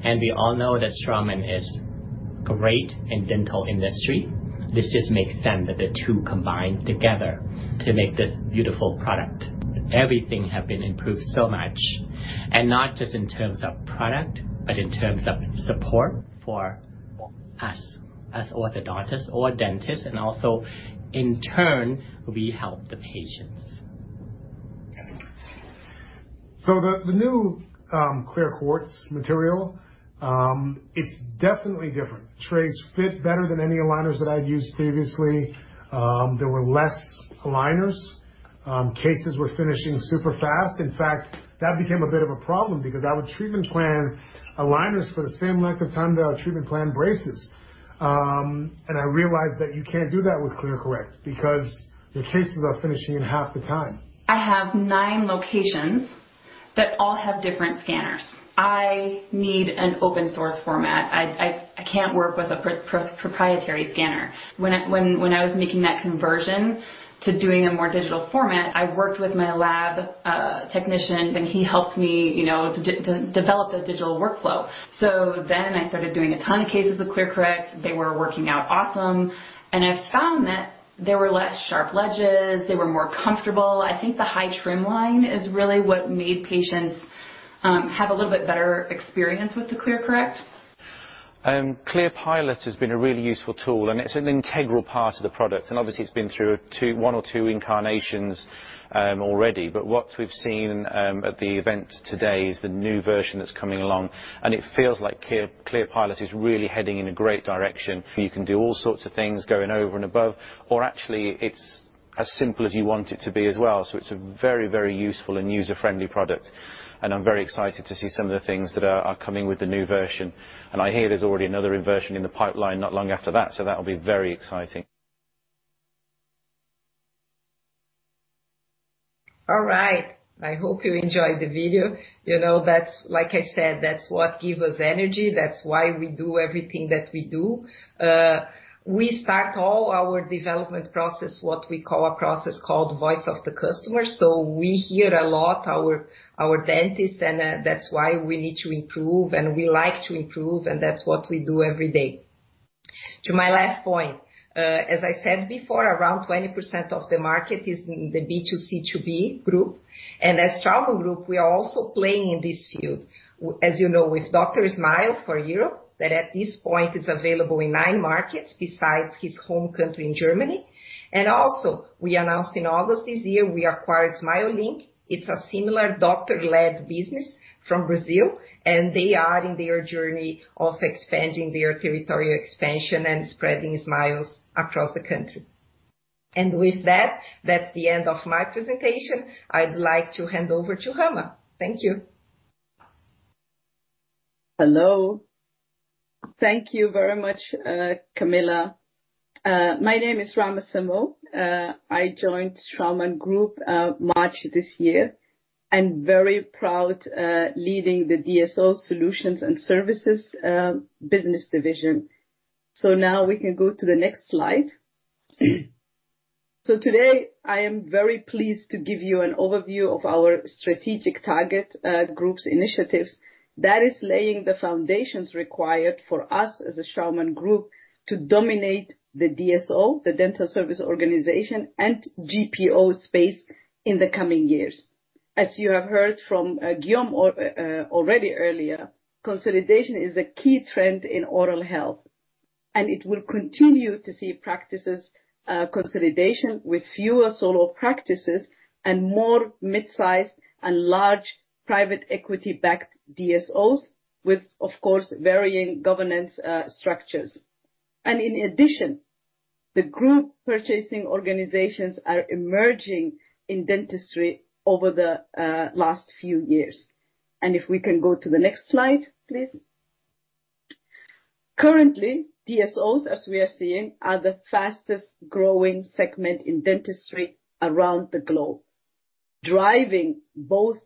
We all know that Straumann is great in dental industry. This just makes sense that the two combine together to make this beautiful product. Everything have been improved so much. Not just in terms of product, but in terms of support for us as orthodontists or dentists, and also in turn, we help the patients. The new ClearQuartz material. It's definitely different. Trays fit better than any aligners that I've used previously. There were less aligners. Cases were finishing super fast. In fact, that became a bit of a problem because I would treatment plan aligners for the same length of time that I would treatment plan braces. I realized that you can't do that with ClearCorrect because the cases are finishing in half the time. I have nine locations that all have different scanners. I need an open source format. I can't work with a proprietary scanner. When I was making that conversion to doing a more digital format, I worked with my lab technician, and he helped me, you know, to develop the digital workflow. I started doing a ton of cases with ClearCorrect. They were working out awesome, and I found that there were less sharp ledges. They were more comfortable. I think the high trim line is really what made patients have a little bit better experience with the ClearCorrect. ClearPilot has been a really useful tool, and it's an integral part of the product. Obviously, it's been through one or two incarnations already. What we've seen at the event today is the new version that's coming along, and it feels like ClearPilot is really heading in a great direction. You can do all sorts of things going over and above, or actually, it's as simple as you want it to be as well. It's a very useful and user-friendly product. I'm very excited to see some of the things that are coming with the new version. I hear there's already another version in the pipeline not long after that. That'll be very exciting. All right. I hope you enjoyed the video. You know, like I said, that's what give us energy. That's why we do everything that we do. We start all our development process, what we call a process called Voice of the Customer. We hear a lot our dentists, and that's why we need to improve, and we like to improve, and that's what we do every day. To my last point, as I said before, around 20% of the market is in the B2C2B group. As Straumann Group, we are also playing in this field, as you know, with DrSmile for Europe, that at this point is available in nine markets besides his home country in Germany. Also, we announced in August this year, we acquired Smilink. It's a similar doctor-led business from Brazil, and they are in their journey of expanding their territorial expansion and spreading smiles across the country. With that's the end of my presentation. I'd like to hand over to Rahma. Thank you. Hello. Thank you very much, Camilla. My name is Rahma Samow. I joined Straumann Group March this year, and very proud leading the DSO Solutions and Services business division. Now we can go to the next slide. Today, I am very pleased to give you an overview of our strategic target groups initiatives that is laying the foundations required for us as a Straumann Group to dominate the DSO, the dental service organization and GPO space in the coming years. As you have heard from Guillaume or already earlier, consolidation is a key trend in oral health, and it will continue to see practices consolidation with fewer solo practices and more mid-sized and large private equity-backed DSOs with, of course, varying governance structures. In addition, the group purchasing organizations are emerging in dentistry over the last few years. If we can go to the next slide, please. Currently, DSOs, as we are seeing, are the fastest-growing segment in dentistry around the globe, driving both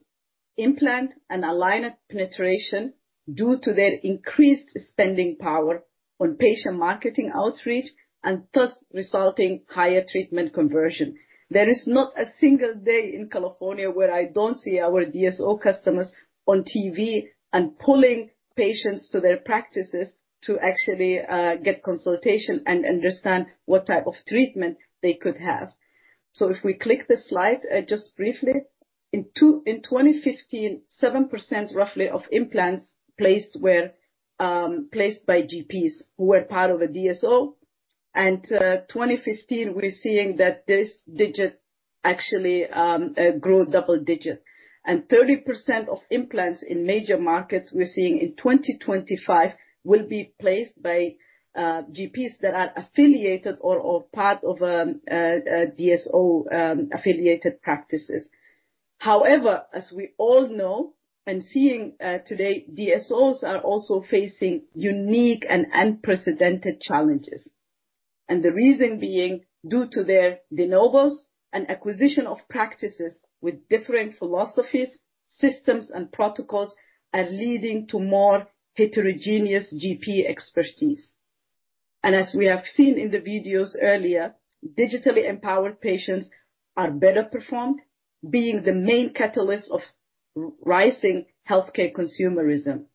implant and aligner penetration due to their increased spending power on patient marketing outreach and thus resulting higher treatment conversion. There is not a single day in California where I don't see our DSO customers on TV and pulling patients to their practices to actually get consultation and understand what type of treatment they could have. If we click the slide, just briefly. In 2015, 7% roughly of implants placed were placed by GPs who were part of a DSO. 2015, we're seeing that this digit actually grow double digit. Thirty percent of implants in major markets we're seeing in 2025 will be placed by GPs that are affiliated or part of a DSO affiliated practices. However, as we all know and as we're seeing today, DSOs are also facing unique and unprecedented challenges. The reason being due to their de novos and acquisition of practices with different philosophies, systems and protocols are leading to more heterogeneous GP expertise. As we have seen in the videos earlier, digitally empowered patients are better informed, being the main catalyst of rising healthcare consumerism.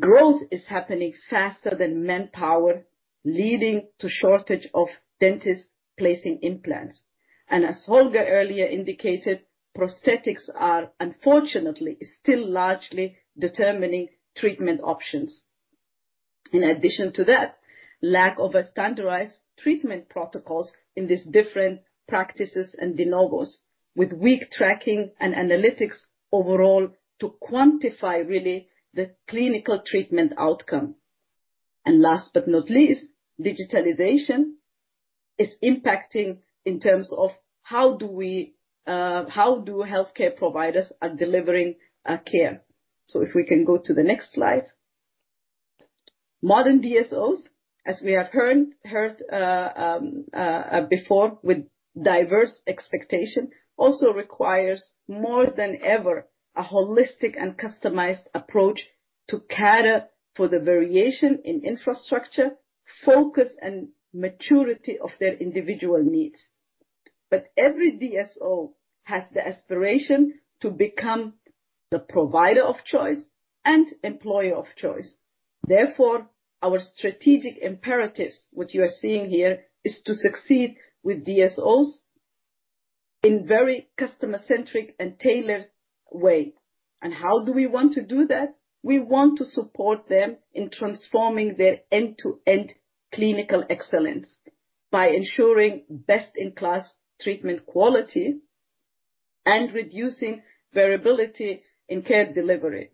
Growth is happening faster than manpower, leading to shortage of dentists placing implants. As Holger earlier indicated, prosthetics are unfortunately still largely determining treatment options. In addition to that, lack of a standardized treatment protocols in these different practices and de novos, with weak tracking and analytics overall to quantify really the clinical treatment outcome. Last but not least, digitalization is impacting in terms of how healthcare providers are delivering care. If we can go to the next slide. Modern DSOs, as we have heard before with diverse expectation, also requires more than ever a holistic and customized approach to cater for the variation in infrastructure, focus and maturity of their individual needs. Every DSO has the aspiration to become the provider of choice and employer of choice. Therefore, our strategic imperatives, which you are seeing here, is to succeed with DSOs in very customer-centric and tailored way. How do we want to do that? We want to support them in transforming their end-to-end clinical excellence by ensuring best-in-class treatment quality and reducing variability in care delivery.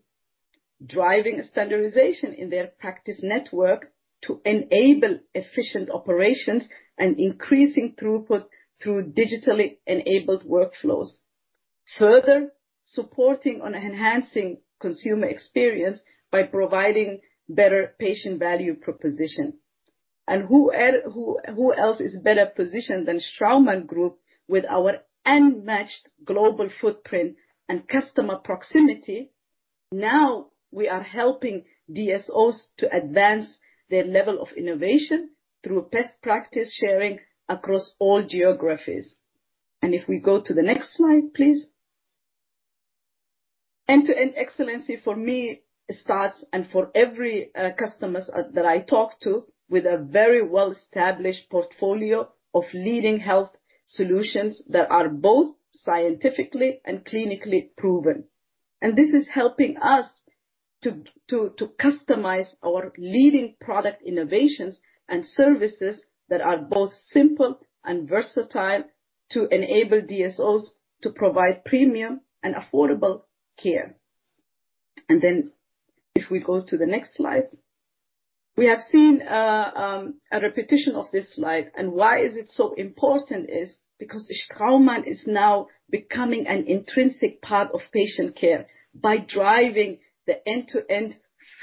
Driving standardization in their practice network to enable efficient operations and increasing throughput through digitally enabled workflows. Further, supporting on enhancing consumer experience by providing better patient value proposition. Who else is better positioned than Straumann Group with our unmatched global footprint and customer proximity? Now we are helping DSOs to advance their level of innovation through best practice sharing across all geographies. If we go to the next slide, please. End-to-end excellence for me starts, and for every customer that I talk to, with a very well-established portfolio of leading health solutions that are both scientifically and clinically proven. This is helping us to customize our leading product innovations and services that are both simple and versatile to enable DSOs to provide premium and affordable care. If we go to the next slide. We have seen a repetition of this slide and why is it so important is because Straumann is now becoming an intrinsic part of patient care by driving the end-to-end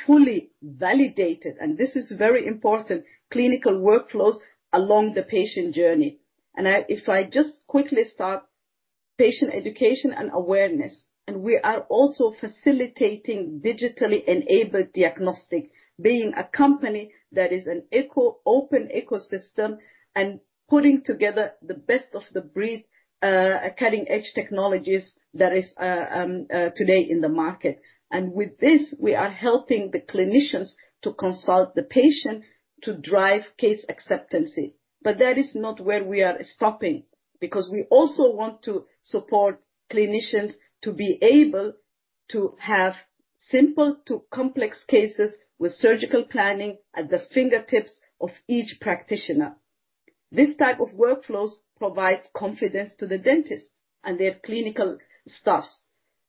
fully validated, and this is very important, clinical workflows along the patient journey. If I just quickly start, patient education and awareness, and we are also facilitating digitally enabled diagnostic, being a company that is an open ecosystem and putting together the best of the breed, cutting-edge technologies that is today in the market. With this, we are helping the clinicians to consult the patient to drive case acceptance. That is not where we are stopping, because we also want to support clinicians to be able to have simple to complex cases with surgical planning at the fingertips of each practitioner. This type of workflows provides confidence to the dentist and their clinical staffs,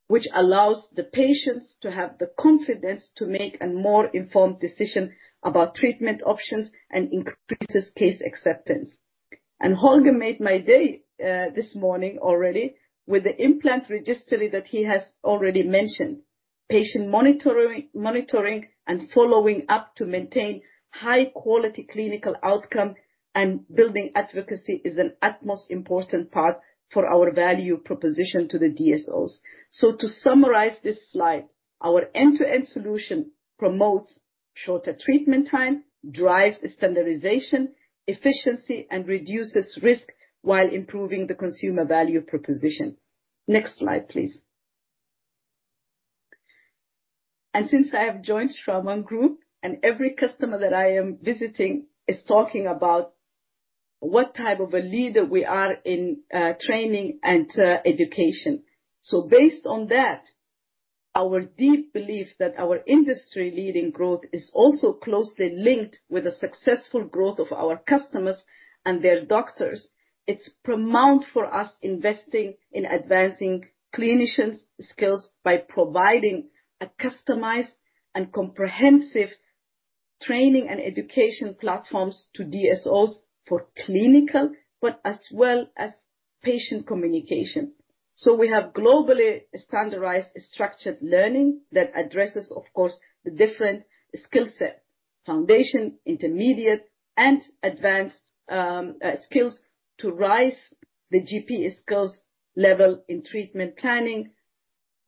which allows the patients to have the confidence to make a more informed decision about treatment options and increases case acceptance. Holger made my day, this morning already with the implant registry that he has already mentioned. Patient monitoring and following up to maintain high-quality clinical outcome and building advocacy is an utmost important part for our value proposition to the DSOs. To summarize this slide, our end-to-end solution promotes shorter treatment time, drives standardization, efficiency, and reduces risk while improving the consumer value proposition. Next slide, please. Since I have joined Straumann Group and every customer that I am visiting is talking about what type of a leader we are in, training and, education. Based on that, our deep belief that our industry leading growth is also closely linked with the successful growth of our customers and their doctors. It's paramount for us investing in advancing clinicians' skills by providing a customized and comprehensive training and education platforms to DSOs for clinical, but as well as patient communication. We have globally standardized structured learning that addresses, of course, the different skill set, foundation, intermediate, and advanced, skills to raise the GP skills level in treatment planning,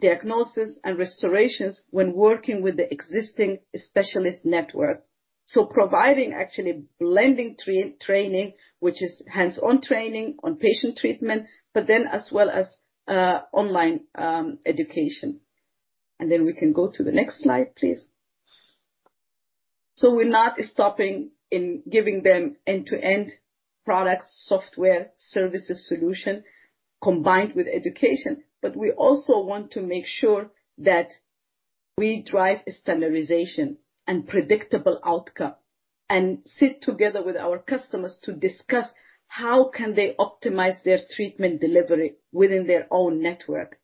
diagnosis, and restorations when working with the existing specialist network. Providing actually blending training, which is hands-on training on patient treatment, but then as well as, online, education. We can go to the next slide, please. We're not stopping in giving them end-to-end products, software, services solution combined with education. We also want to make sure that we drive standardization and predictable outcome, and sit together with our customers to discuss how can they optimize their treatment delivery within their own network.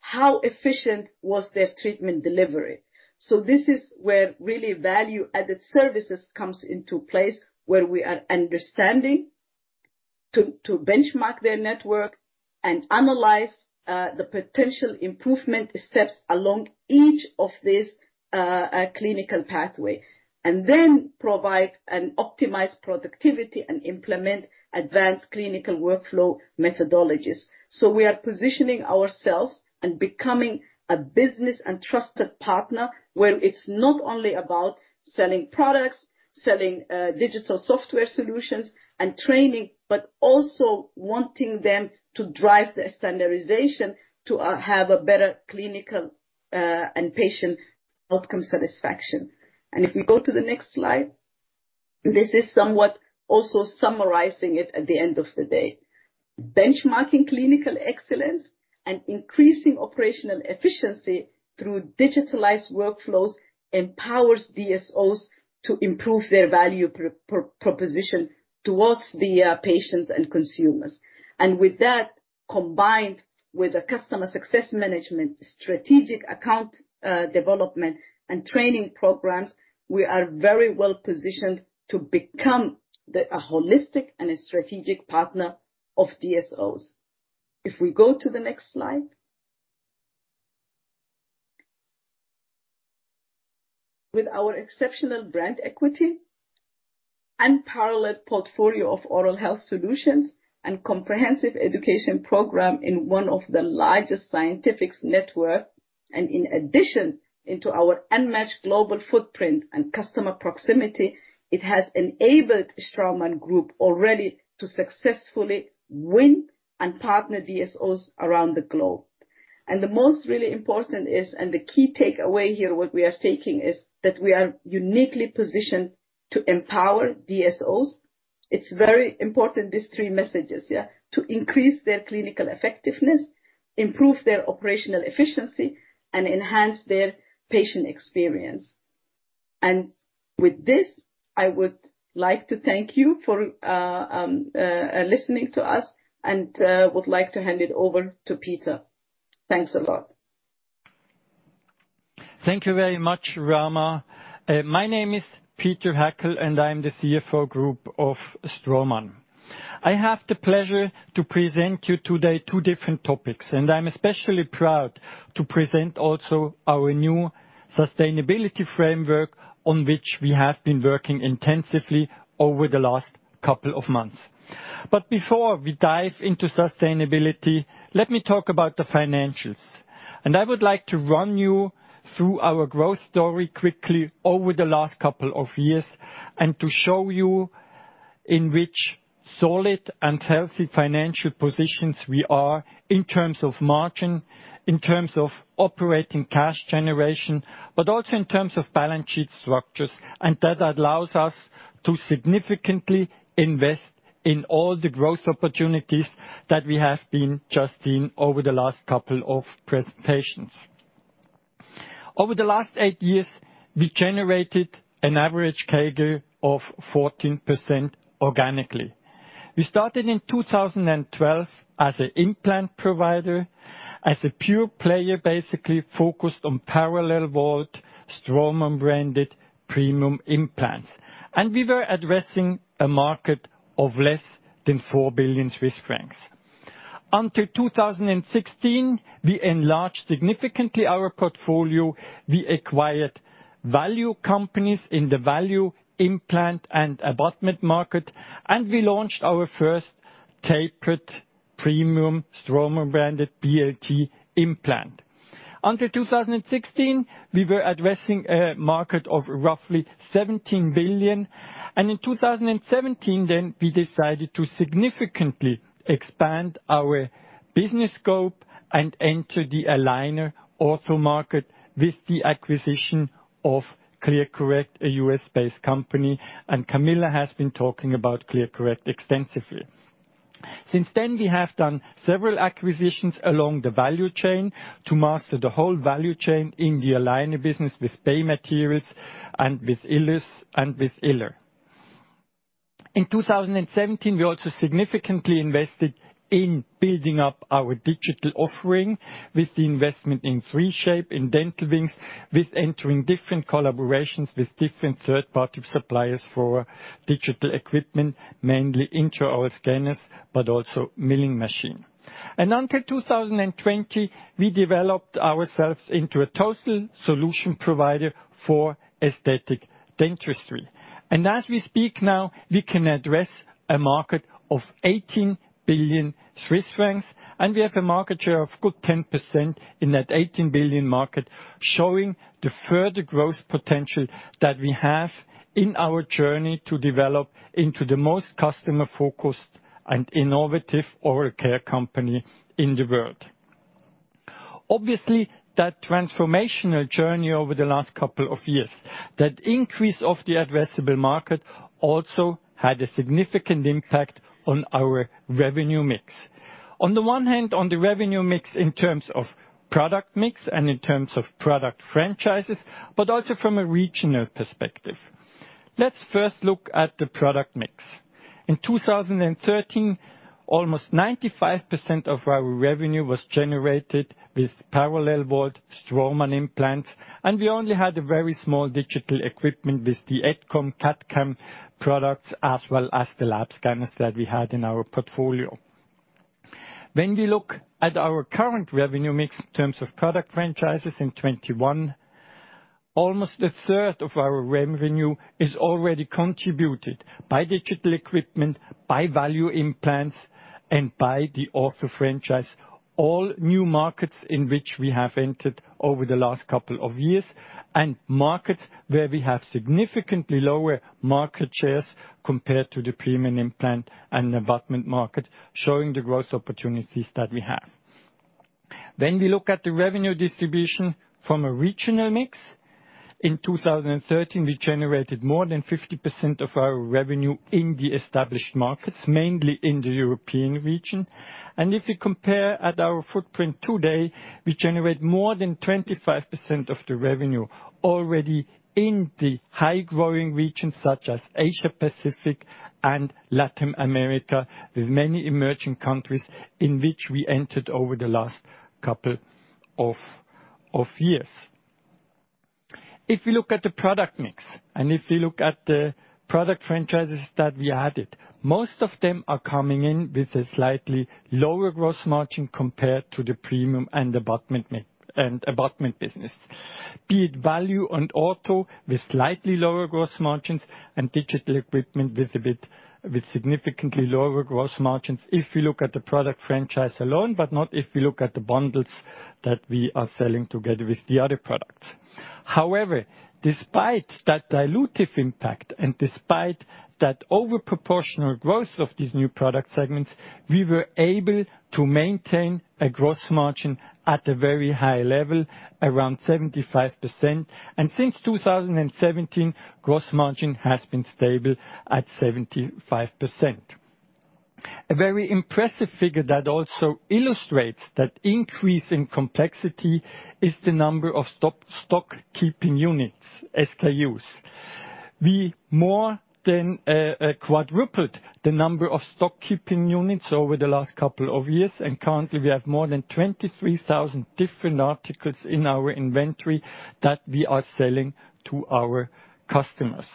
How efficient was their treatment delivery? This is where really value-added services comes into place, where we are understanding to benchmark their network and analyze the potential improvement steps along each of these clinical pathway, and then provide an optimized productivity and implement advanced clinical workflow methodologies. We are positioning ourselves and becoming a business and trusted partner, where it's not only about selling products, digital software solutions and training, but also wanting them to drive the standardization to have a better clinical and patient outcome satisfaction. If we go to the next slide. This is somewhat also summarizing it at the end of the day. Benchmarking clinical excellence and increasing operational efficiency through digitalized workflows empowers DSOs to improve their value proposition towards the patients and consumers. With that, combined with the customer success management, strategic account development and training programs, we are very well-positioned to become a holistic and a strategic partner of DSOs. If we go to the next slide. With our exceptional brand equity, unparalleled portfolio of oral health solutions and comprehensive education program in one of the largest scientific network, and in addition into our unmatched global footprint and customer proximity, it has enabled Straumann Group already to successfully win and partner DSOs around the globe. The most important is, and the key takeaway here, what we are stating is that we are uniquely positioned to empower DSOs. It's very important, these three messages. To increase their clinical effectiveness, improve their operational efficiency, and enhance their patient experience. With this, I would like to thank you for listening to us and would like to hand it over to Peter. Thanks a lot. Thank you very much, Rahma. My name is Peter Hackel, and I'm the CFO of the Straumann Group. I have the pleasure to present you today two different topics, and I'm especially proud to present also our new sustainability framework on which we have been working intensively over the last couple of months. Before we dive into sustainability, let me talk about the financials. I would like to run you through our growth story quickly over the last couple of years, and to show you in which solid and healthy financial positions we are in terms of margin, in terms of operating cash generation, but also in terms of balance sheet structures. That allows us to significantly invest in all the growth opportunities that we have been just seeing over the last couple of presentations. Over the last eight years, we generated an average CAGR of 14% organically. We started in 2012 as an implant provider, as a pure player, basically focused on parallel wall, Straumann-branded premium implants. We were addressing a market of less than 4 billion Swiss francs. Until 2016, we enlarged significantly our portfolio. We acquired value companies in the value implant and abutment market, and we launched our first tapered premium Straumann-branded BLT implant. Until 2016, we were addressing a market of roughly 17 billion, in 2017, then we decided to significantly expand our business scope and enter the aligner ortho market with the acquisition of ClearCorrect, a U.S.-based company, and Camilla has been talking about ClearCorrect extensively. Since then, we have done several acquisitions along the value chain to master the whole value chain in the aligner business with Bay Materials and with Ilus and with Yller. In 2017, we also significantly invested in building up our digital offering with the investment in 3Shape, in Dental Wings, with entering different collaborations with different third-party suppliers for digital equipment, mainly intraoral scanners, but also milling machine. Until 2020, we developed ourselves into a total solution provider for aesthetic dentistry. As we speak now, we can address a market of 18 billion Swiss francs, and we have a market share of good 10% in that 18 billion market, showing the further growth potential that we have in our journey to develop into the most customer-focused and innovative oral care company in the world. Obviously, that transformational journey over the last couple of years, that increase of the addressable market also had a significant impact on our revenue mix. On the one hand, on the revenue mix in terms of product mix and in terms of product franchises, but also from a regional perspective. Let's first look at the product mix. In 2013, almost 95% of our revenue was generated with premium Straumann implants, and we only had a very small digital equipment with the etkon, CAD/CAM products, as well as the lab scanners that we had in our portfolio. When we look at our current revenue mix in terms of product franchises in 2021, almost 1/3 of our revenue is already contributed by digital equipment, by value implants, and by the ortho franchise. All new markets in which we have entered over the last couple of years, and markets where we have significantly lower market shares compared to the premium implant and abutment market, showing the growth opportunities that we have. When we look at the revenue distribution from a regional mix, in 2013, we generated more than 50% of our revenue in the established markets, mainly in the European region. If we compare at our footprint today, we generate more than 25% of the revenue already in the high-growing regions such as Asia-Pacific and Latin America, with many emerging countries in which we entered over the last couple of years. If we look at the product mix, and if we look at the product franchises that we added, most of them are coming in with a slightly lower gross margin compared to the premium and abutment business. Be it value on ortho, with slightly lower gross margins and digital equipment with significantly lower gross margins if you look at the product franchise alone, but not if you look at the bundles that we are selling together with the other products. However, despite that dilutive impact and despite that over-proportional growth of these new product segments, we were able to maintain a gross margin at a very high level, around 75%. Since 2017, gross margin has been stable at 75%. A very impressive figure that also illustrates that increase in complexity is the number of stock-keeping units, SKUs. We more than quadrupled the number of stock-keeping units over the last couple of years, and currently we have more than 23,000 different articles in our inventory that we are selling to our customers.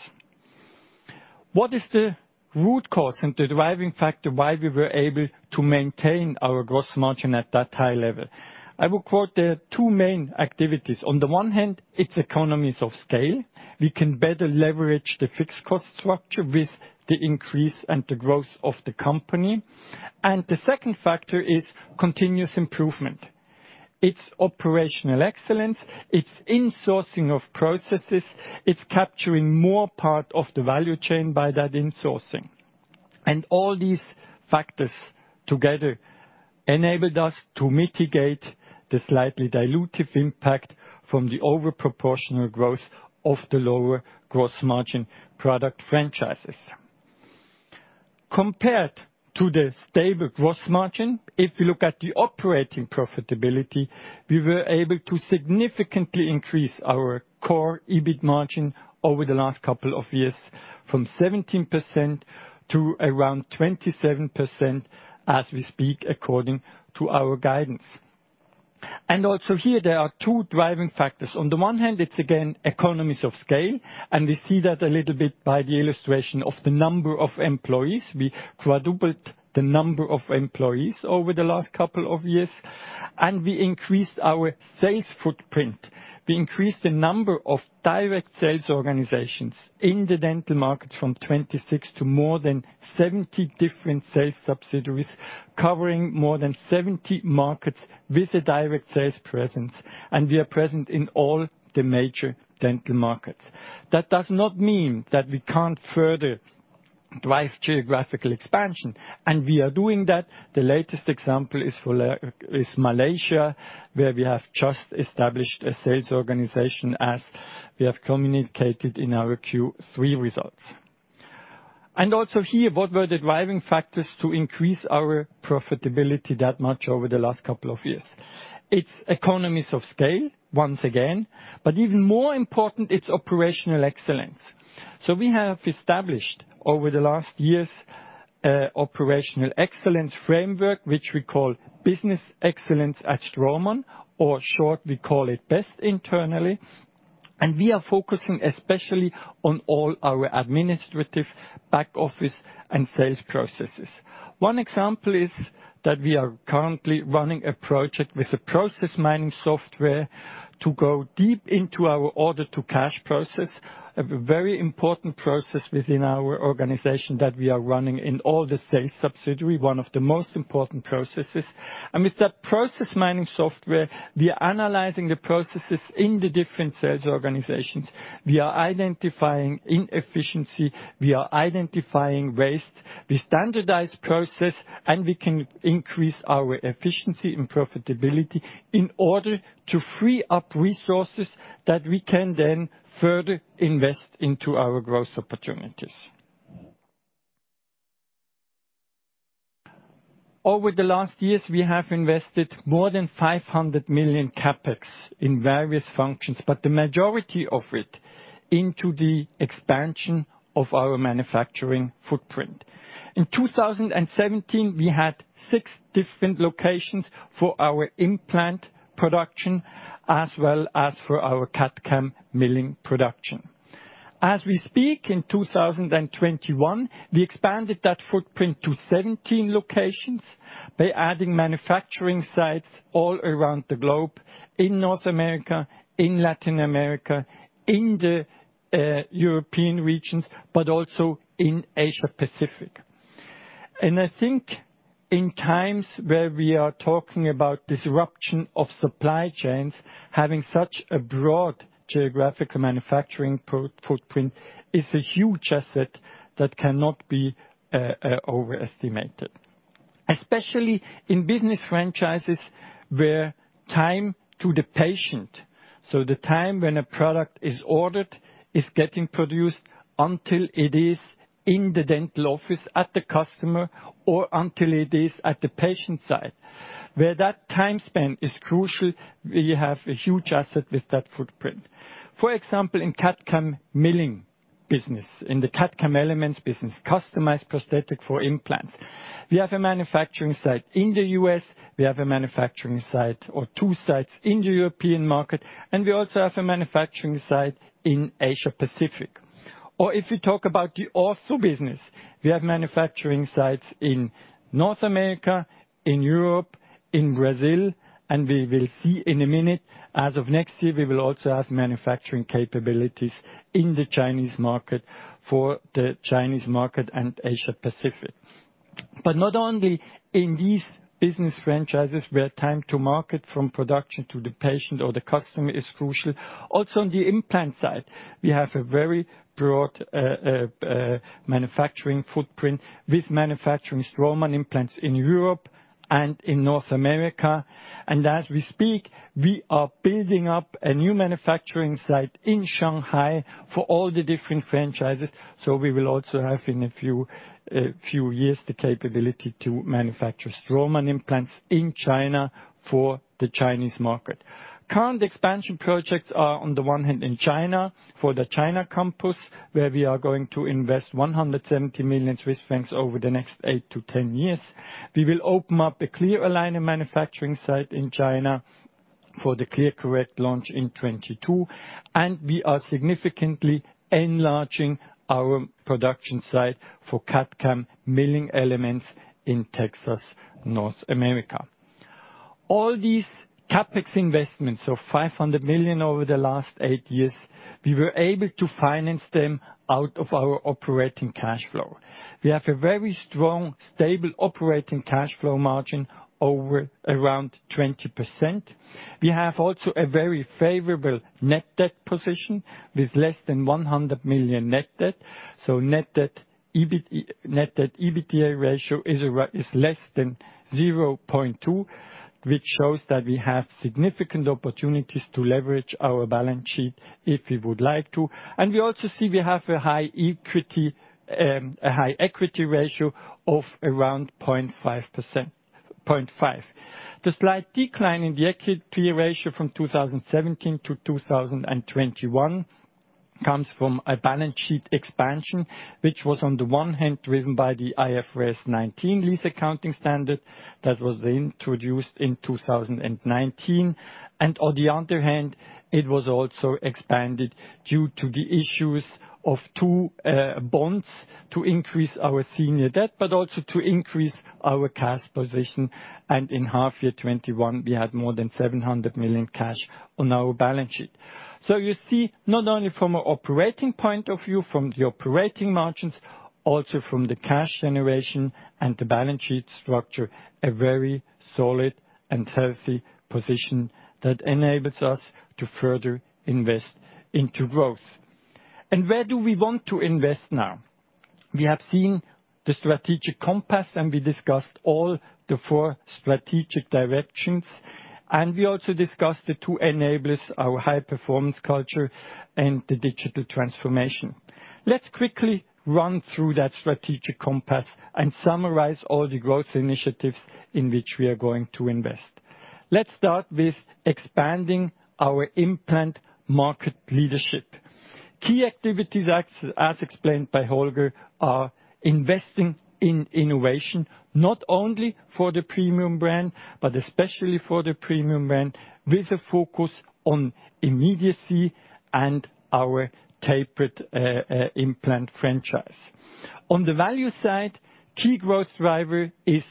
What is the root cause and the driving factor why we were able to maintain our gross margin at that high level? I will quote the two main activities. On the one hand, it's economies of scale. We can better leverage the fixed cost structure with the increase and the growth of the company. The second factor is continuous improvement. It's operational excellence, it's insourcing of processes, it's capturing more part of the value chain by that insourcing. All these factors together enabled us to mitigate the slightly dilutive impact from the over-proportional growth of the lower gross margin product franchises. Compared to the stable gross margin, if you look at the operating profitability, we were able to significantly increase our core EBIT margin over the last couple of years from 17% to around 27% as we speak, according to our guidance. Also here, there are two driving factors. On the one hand, it's again, economies of scale, and we see that a little bit by the illustration of the number of employees. We quadrupled the number of employees over the last couple of years, and we increased our sales footprint. We increased the number of direct sales organizations in the dental market from 26 to more than 70 different sales subsidiaries, covering more than 70 markets with a direct sales presence, and we are present in all the major dental markets. That does not mean that we can't further drive geographical expansion, and we are doing that. The latest example is Malaysia, where we have just established a sales organization as we have communicated in our Q3 results. Also here, what were the driving factors to increase our profitability that much over the last couple of years? It's economies of scale, once again, but even more important, it's operational excellence. We have established over the last years operational excellence framework, which we call Business Excellence at Straumann, or short, we call it BEST internally, and we are focusing especially on all our administrative back office and sales processes. One example is that we are currently running a project with a process mining software to go deep into our order to cash process, a very important process within our organization that we are running in all the sales subsidiary, one of the most important processes. With that process mining software, we are analyzing the processes in the different sales organizations. We are identifying inefficiency, we are identifying waste, we standardize process, and we can increase our efficiency and profitability in order to free up resources that we can then further invest into our growth opportunities. Over the last years, we have invested more than 500 million CapEx in various functions, but the majority of it into the expansion of our manufacturing footprint. In 2017, we had six different locations for our implant production as well as for our CAD/CAM milling production. As we speak in 2021, we expanded that footprint to 17 locations by adding manufacturing sites all around the globe, in North America, in Latin America, in the European regions, but also in Asia Pacific. I think in times where we are talking about disruption of supply chains, having such a broad geographical manufacturing footprint is a huge asset that cannot be overestimated. Especially in business franchises where time to the patient, so the time when a product is ordered, is getting produced until it is in the dental office at the customer or until it is at the patient side. Where that time span is crucial, we have a huge asset with that footprint. For example, in CAD/CAM milling business, in the CAD/CAM elements business, customized prosthetic for implants. We have a manufacturing site in the U.S., we have a manufacturing site or two sites in the European market, and we also have a manufacturing site in Asia Pacific. If we talk about the ortho business, we have manufacturing sites in North America, in Europe, in Brazil, and we will see in a minute, as of next year, we will also have manufacturing capabilities in the Chinese market for the Chinese market and Asia Pacific. Not only in these business franchises, where time to market from production to the patient or the customer is crucial. Also, on the implant side, we have a very broad manufacturing footprint with manufacturing Straumann implants in Europe and in North America. As we speak, we are building up a new manufacturing site in Shanghai for all the different franchises, so we will also have in a few years the capability to manufacture Straumann implants in China for the Chinese market. Current expansion projects are, on the one hand, in China for the China campus, where we are going to invest 170 million Swiss francs over the next 8-10 years. We will open up a clear aligner manufacturing site in China for the ClearCorrect launch in 2022, and we are significantly enlarging our production site for CAD/CAM milling elements in Texas, North America. All these CapEx investments of 500 million over the last 8 years, we were able to finance them out of our operating cash flow. We have a very strong, stable operating cash flow margin over around 20%. We have also a very favorable net debt position with less than 100 million net debt. Net debt EBITDA ratio is less than 0.2, which shows that we have significant opportunities to leverage our balance sheet if we would like to. We also see we have a high equity ratio of around 0.5%. The slight decline in the equity ratio from 2017 to 2021 comes from a balance sheet expansion, which was on the one hand driven by the IFRS 16 lease accounting standard that was introduced in 2019. On the other hand, it was also expanded due to the issuances of two bonds to increase our senior debt, but also to increase our cash position. In half year 2021, we had more than 700 million cash on our balance sheet. You see, not only from an operating point of view, from the operating margins, also from the cash generation and the balance sheet structure, a very solid and healthy position that enables us to further invest into growth. Where do we want to invest now? We have seen the strategic compass, and we discussed all the four strategic directions, and we also discussed the two enablers: our high-performance culture and the digital transformation. Let's quickly run through that strategic compass and summarize all the growth initiatives in which we are going to invest. Let's start with expanding our implant market leadership. Key activities, as explained by Holger, are investing in innovation not only for the premium brand, but especially for the premium brand with a focus on immediacy and our tapered implant franchise. On the value side, key growth driver is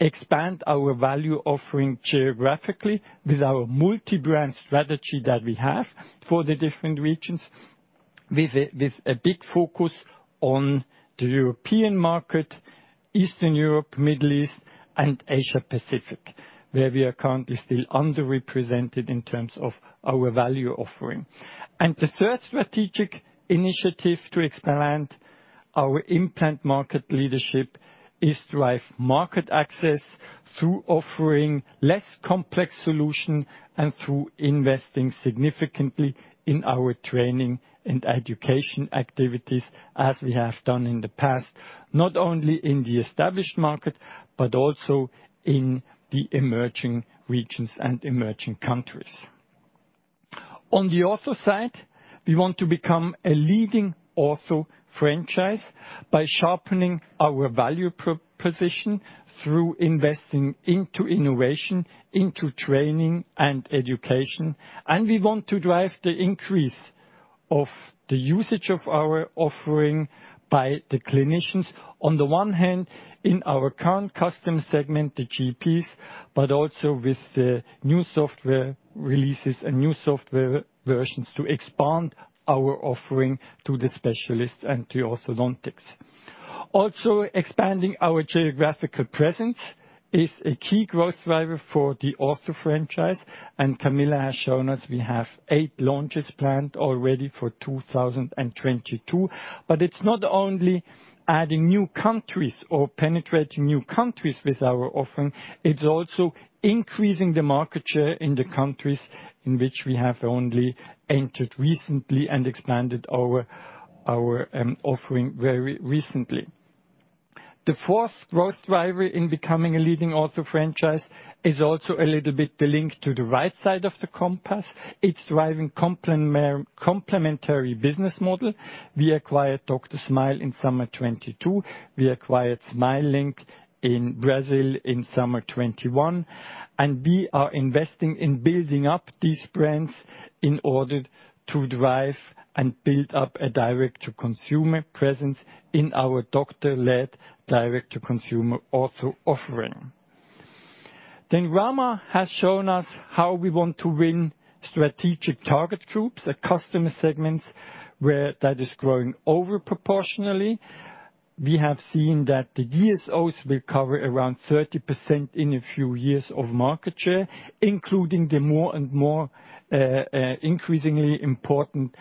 expand our value offering geographically with our multi-brand strategy that we have for the different regions with a big focus on the European market, Eastern Europe, Middle East, and Asia Pacific, where we are currently still underrepresented in terms of our value offering. The third strategic initiative to expand our implant market leadership is drive market access through offering less complex solution and through investing significantly in our training and education activities as we have done in the past, not only in the established market, but also in the emerging regions and emerging countries. On the ortho side, we want to become a leading ortho franchise by sharpening our value proposition through investing into innovation, into training and education. We want to drive the increase of the usage of our offering by the clinicians. On the one hand, in our current customer segment, the GPs, but also with the new software releases and new software versions to expand our offering to the specialists and to orthodontics. Also, expanding our geographical presence is a key growth driver for the ortho franchise, and Camilla has shown us we have eight launches planned already for 2022. It's not only adding new countries or penetrating new countries with our offering, it's also increasing the market share in the countries in which we have only entered recently and expanded our offering very recently. The fourth growth driver in becoming a leading ortho franchise is also a little bit the link to the right side of the compass. It's driving complementary business model. We acquired DrSmile in summer 2022. We acquired Smilink in Brazil in summer 2021. We are investing in building up these brands in order to drive and build up a direct to consumer presence in our doctor-led direct to consumer ortho offering. Rahma has shown us how we want to win strategic target groups, the customer segments where that is growing over proportionally. We have seen that the DSOs will cover around 30% in a few years of market share, including the more and more increasingly important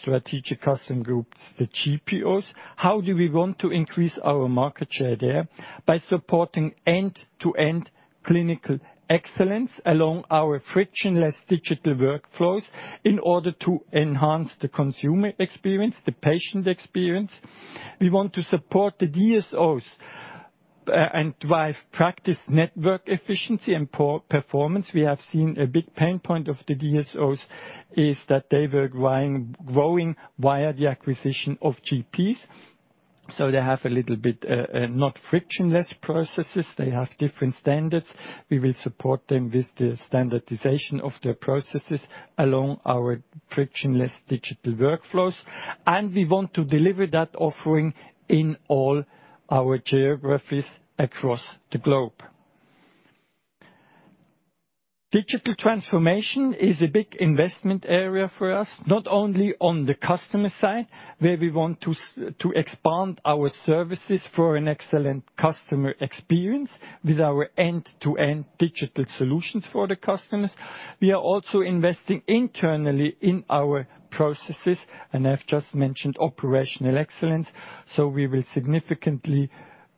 strategic customer groups, the GPOs. How do we want to increase our market share there? By supporting end-to-end clinical excellence along our frictionless digital workflows in order to enhance the consumer experience, the patient experience. We want to support the DSOs and drive practice network efficiency and improve performance. We have seen a big pain point of the DSOs is that they were growing via the acquisition of GPs, so they have a little bit not frictionless processes. They have different standards. We will support them with the standardization of their processes along our frictionless digital workflows, and we want to deliver that offering in all our geographies across the globe. Digital transformation is a big investment area for us, not only on the customer side, where we want to expand our services for an excellent customer experience with our end-to-end digital solutions for the customers. We are also investing internally in our processes, and I've just mentioned operational excellence, so we will significantly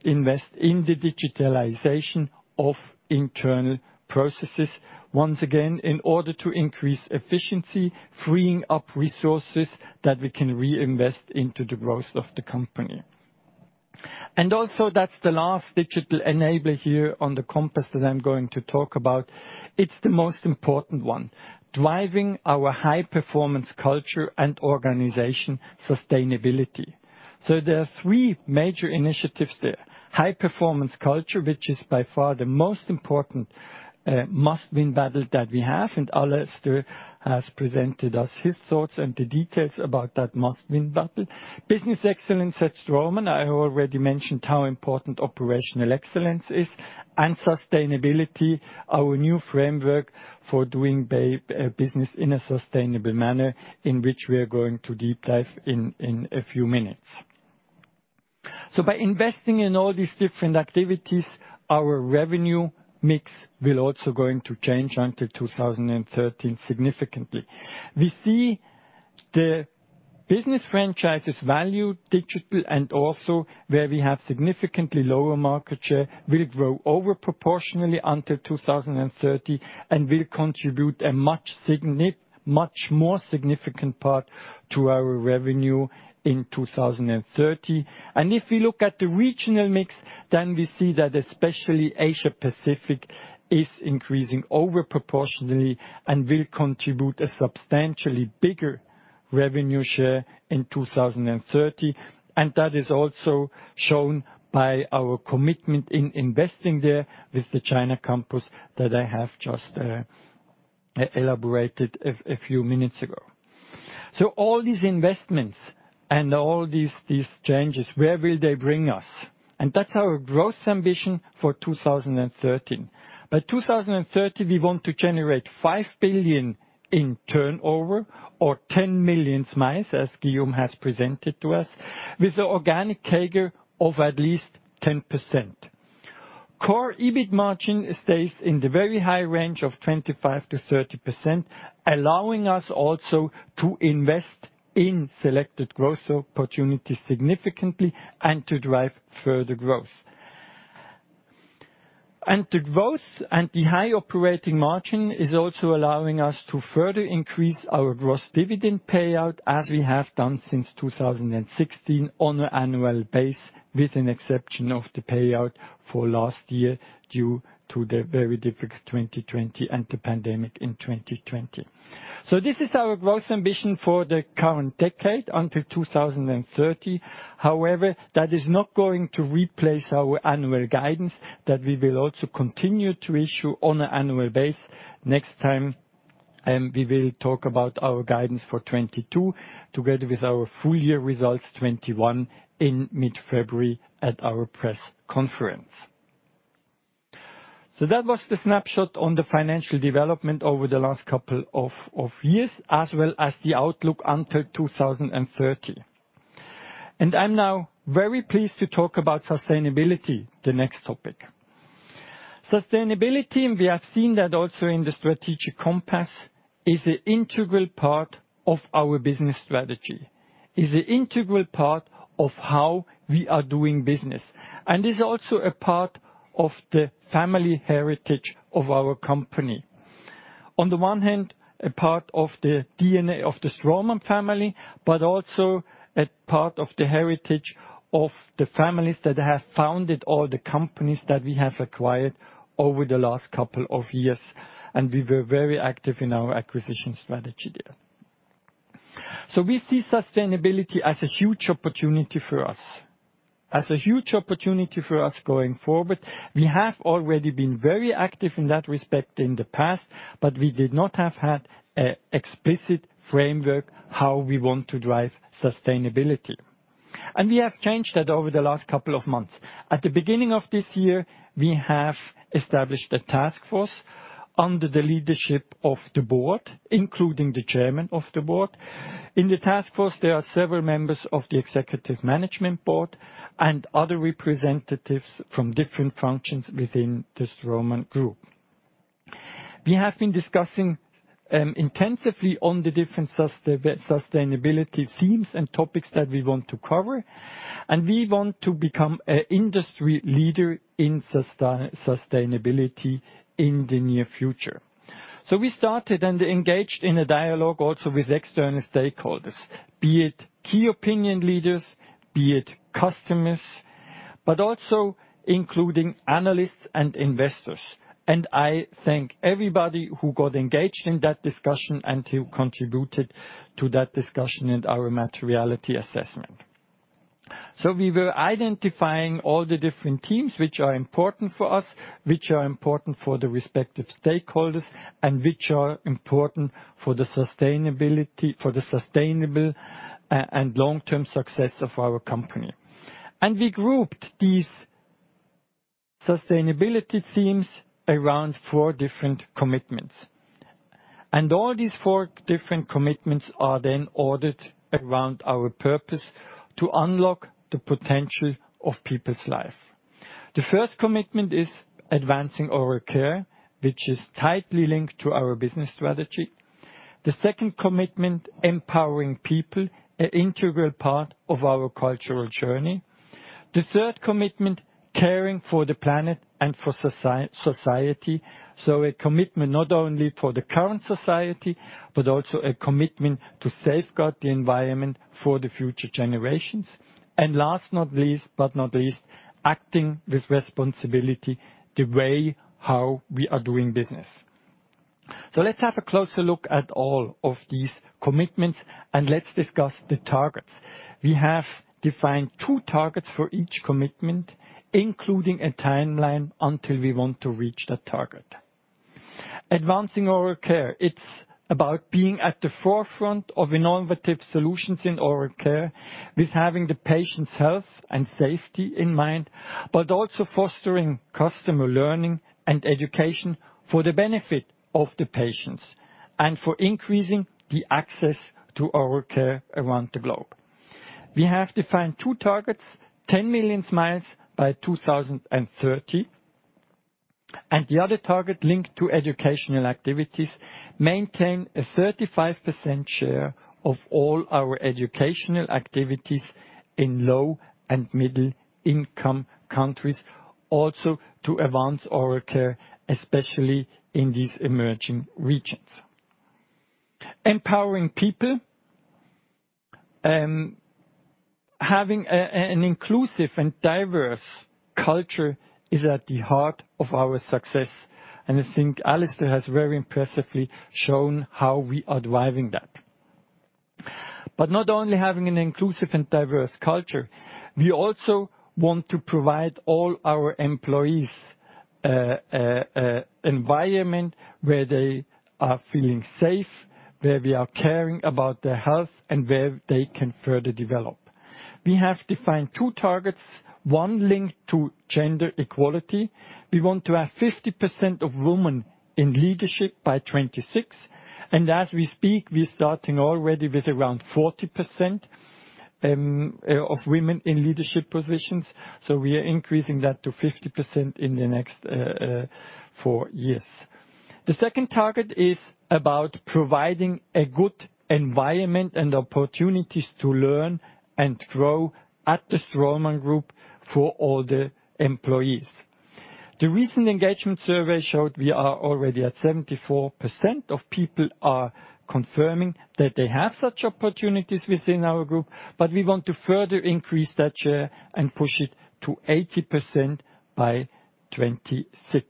invest in the digitalization of internal processes once again, in order to increase efficiency, freeing up resources that we can reinvest into the growth of the company. Also that's the last digital enabler here on the compass that I'm going to talk about. It's the most important one, driving our high performance culture and organization sustainability. There are three major initiatives there. High Performance Culture, which is by far the most important must-win battle that we have, and Alastair has presented us his thoughts and the details about that must-win battle. Business Excellence at Straumann, I already mentioned how important operational excellence is. Sustainability, our new framework for doing business in a sustainable manner, in which we are going to deep dive in a few minutes. By investing in all these different activities, our revenue mix will also going to change until 2013 significantly. We see the business franchise's value in digital and also where we have significantly lower market share will grow disproportionately until 2030 and will contribute a much more significant part to our revenue in 2030. If you look at the regional mix, we see that especially Asia-Pacific is increasing disproportionately and will contribute a substantially bigger revenue share in 2030. That is also shown by our commitment in investing there with the China campus that I have just elaborated a few minutes ago. All these investments and all these changes, where will they bring us? That's our growth ambition for 2030. By 2030, we want to generate 5 billion in turnover or 10 million smiles, as Guillaume has presented to us, with the organic CAGR of at least 10%. Core EBIT margin stays in the very high range of 25%-30%, allowing us also to invest in selected growth opportunities significantly and to drive further growth. The growth and the high operating margin is also allowing us to further increase our gross dividend payout as we have done since 2016 on an annual basis, with an exception of the payout for last year due to the very difficult 2020 and the pandemic in 2020. This is our growth ambition for the current decade until 2030. However, that is not going to replace our annual guidance that we will also continue to issue on an annual basis. Next time, we will talk about our guidance for 2022 together with our full year results 2021 in mid-February at our press conference. That was the snapshot on the financial development over the last couple of years as well as the outlook until 2030. I'm now very pleased to talk about sustainability, the next topic. Sustainability, and we have seen that also in the Strategic Compass, is an integral part of our business strategy, how we are doing business, and the family heritage of our company. On the one hand, a part of the DNA of the Straumann family, but also a part of the heritage of the families that have founded all the companies that we have acquired over the last couple of years, and we were very active in our acquisition strategy there. We see sustainability as a huge opportunity for us, as a huge opportunity for us going forward. We have already been very active in that respect in the past, but we did not have an explicit framework how we want to drive sustainability. We have changed that over the last couple of months. At the beginning of this year, we have established a task force under the leadership of The Board, including the chairman of TheBboard. In the task force, there are several members of the executive management Board and other representatives from different functions within the Straumann Group. We have been discussing intensively on the different sustainability themes and topics that we want to cover, and we want to become an industry leader in sustainability in the near future. We started and engaged in a dialogue also with external stakeholders, be it key opinion leaders, be it customers, but also including analysts and investors. I thank everybody who got engaged in that discussion and who contributed to that discussion and our materiality assessment. We were identifying all the different themes which are important for us, which are important for the respective stakeholders, and which are important for the sustainability, for the sustainable and long-term success of our company. We grouped these sustainability themes around four different commitments. All these four different commitments are then ordered around our purpose to unlock the potential of people's life. The first commitment is advancing oral care, which is tightly linked to our business strategy. The second commitment, empowering people, an integral part of our cultural journey. The third commitment, caring for the planet and for society, a commitment not only for the current society, but also a commitment to safeguard the environment for the future generations. Last, not least, acting with responsibility the way how we are doing business. Let's have a closer look at all of these commitments, and let's discuss the targets. We have defined two targets for each commitment, including a timeline until we want to reach that target. Advancing oral care, it's about being at the forefront of innovative solutions in oral care with having the patient's health and safety in mind, but also fostering customer learning and education for the benefit of the patients and for increasing the access to oral care around the globe. We have defined two targets, 10 million smiles by 2030. The other target linked to educational activities, maintain a 35% share of all our educational activities in low and middle-income countries, also to advance oral care, especially in these emerging regions. Empowering people. Having an inclusive and diverse culture is at the heart of our success, and I think Alastair has very impressively shown how we are driving that. Not only having an inclusive and diverse culture, we also want to provide all our employees an environment where they are feeling safe, where we are caring about their health, and where they can further develop. We have defined two targets, one linked to gender equality. We want to have 50% of women in leadership by 2026. As we speak, we're starting already with around 40% of women in leadership positions. We are increasing that to 50% in the next four years. The second target is about providing a good environment and opportunities to learn and grow at the Straumann Group for all the employees. The recent engagement survey showed we are already at 74% of people are confirming that they have such opportunities within our group, but we want to further increase that share and push it to 80% by 2026.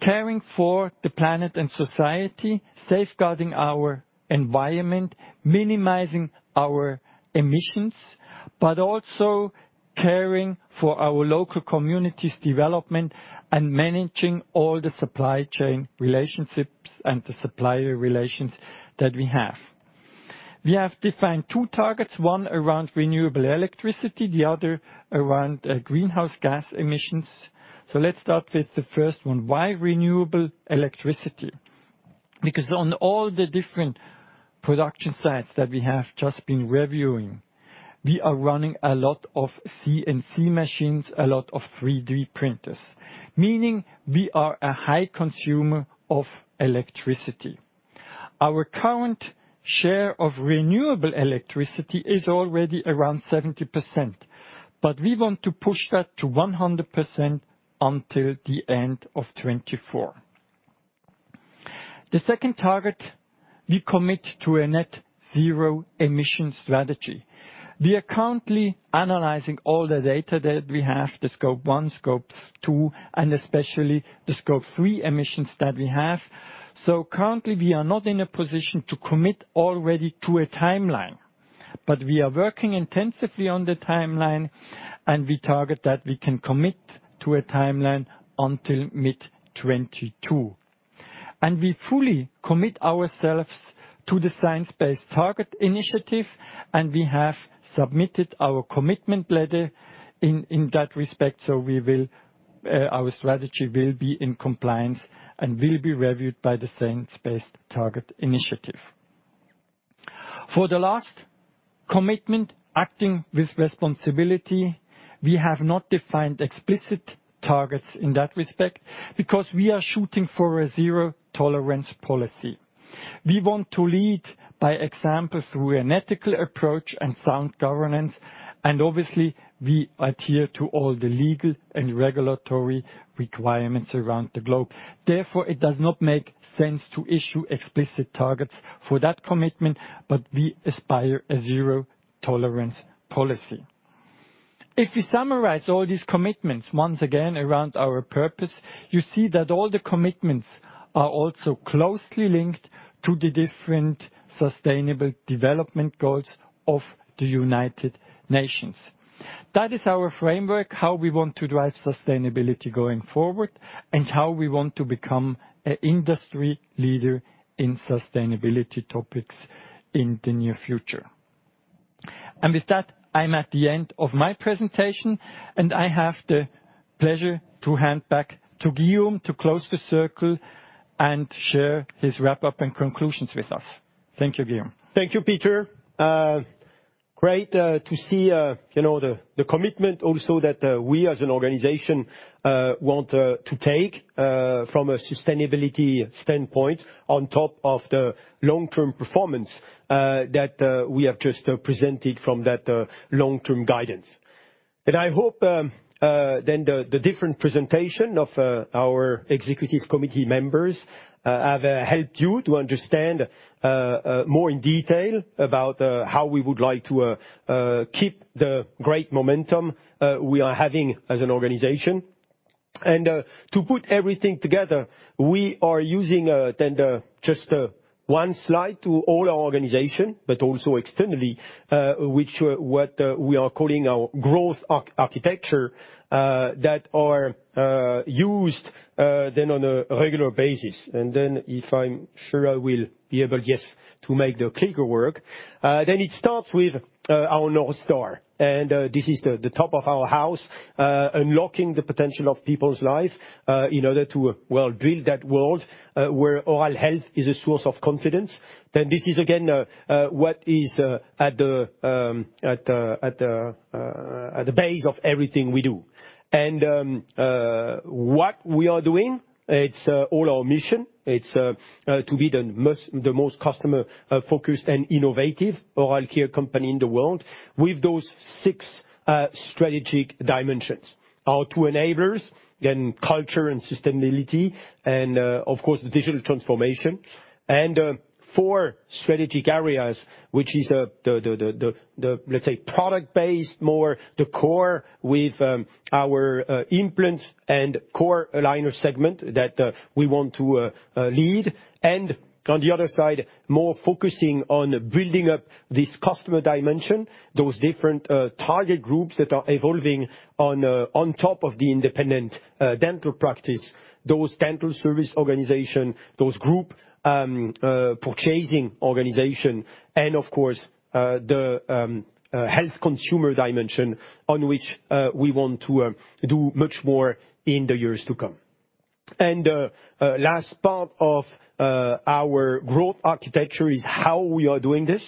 Caring for the planet and society, safeguarding our environment, minimizing our emissions, but also caring for our local communities' development and managing all the supply chain relationships and the supplier relations that we have. We have defined two targets, one around renewable electricity, the other around greenhouse gas emissions. Let's start with the first one. Why renewable electricity? Because on all the different production sites that we have just been reviewing, we are running a lot of CNC machines, a lot of 3D printers, meaning we are a high consumer of electricity. Our current share of renewable electricity is already around 70%, but we want to push that to 100% until the end of 2024. The second target, we commit to a net zero emission strategy. We are currently analyzing all the data that we have, the Scope 1, Scope 2, and especially the Scope 3 emissions that we have. Currently, we are not in a position to commit already to a timeline, but we are working intensively on the timeline, and we target that we can commit to a timeline until mid-2022. We fully commit ourselves to the Science Based Targets initiative, and we have submitted our commitment letter in that respect, so our strategy will be in compliance and will be reviewed by the Science Based Targets initiative. For the last commitment, acting with responsibility, we have not defined explicit targets in that respect because we are shooting for a zero-tolerance policy. We want to lead by example through an ethical approach and sound governance, and obviously, we adhere to all the legal and regulatory requirements around the globe. Therefore, it does not make sense to issue explicit targets for that commitment, but we aspire a zero-tolerance policy. If we summarize all these commitments once again around our purpose, you see that all the commitments are also closely linked to the different Sustainable Development Goals of the United Nations. That is our framework, how we want to drive sustainability going forward and how we want to become a industry leader in sustainability topics in the near future. With that, I'm at the end of my presentation, and I have the pleasure to hand back to Guillaume to close the circle and share his wrap-up and conclusions with us. Thank you, Guillaume. Thank you, Peter. Great to see you know the commitment also that we as an organization want to take from a sustainability standpoint on top of the long-term performance that we have just presented from that long-term guidance. I hope then the different presentation of our Executive Committee members have helped you to understand more in detail about how we would like to keep the great momentum we are having as an organization. To put everything together, we are using then just one slide to all our organization, but also externally, which we are calling our growth architecture that are used then on a regular basis. If I'm sure I will be able, yes, to make the clicker work. It starts with our North Star, and this is the top of our house, unlocking the potential of people's life in order to, well, build that world where oral health is a source of confidence. This is again what is at the base of everything we do. What we are doing is to be the most customer focused and innovative oral care company in the world with those six strategic dimensions. Our two enablers, then culture and sustainability, and of course, the digital transformation. Four strategic areas, which is the, let's say, product-based, more the core with our implants and core aligner segment that we want to lead. On the other side, more focusing on building up this customer dimension, those different target groups that are evolving on on top of the independent dental practice, those dental service organization, those group purchasing organization, and of course, the health consumer dimension on which we want to do much more in the years to come. Last part of our growth architecture is how we are doing this.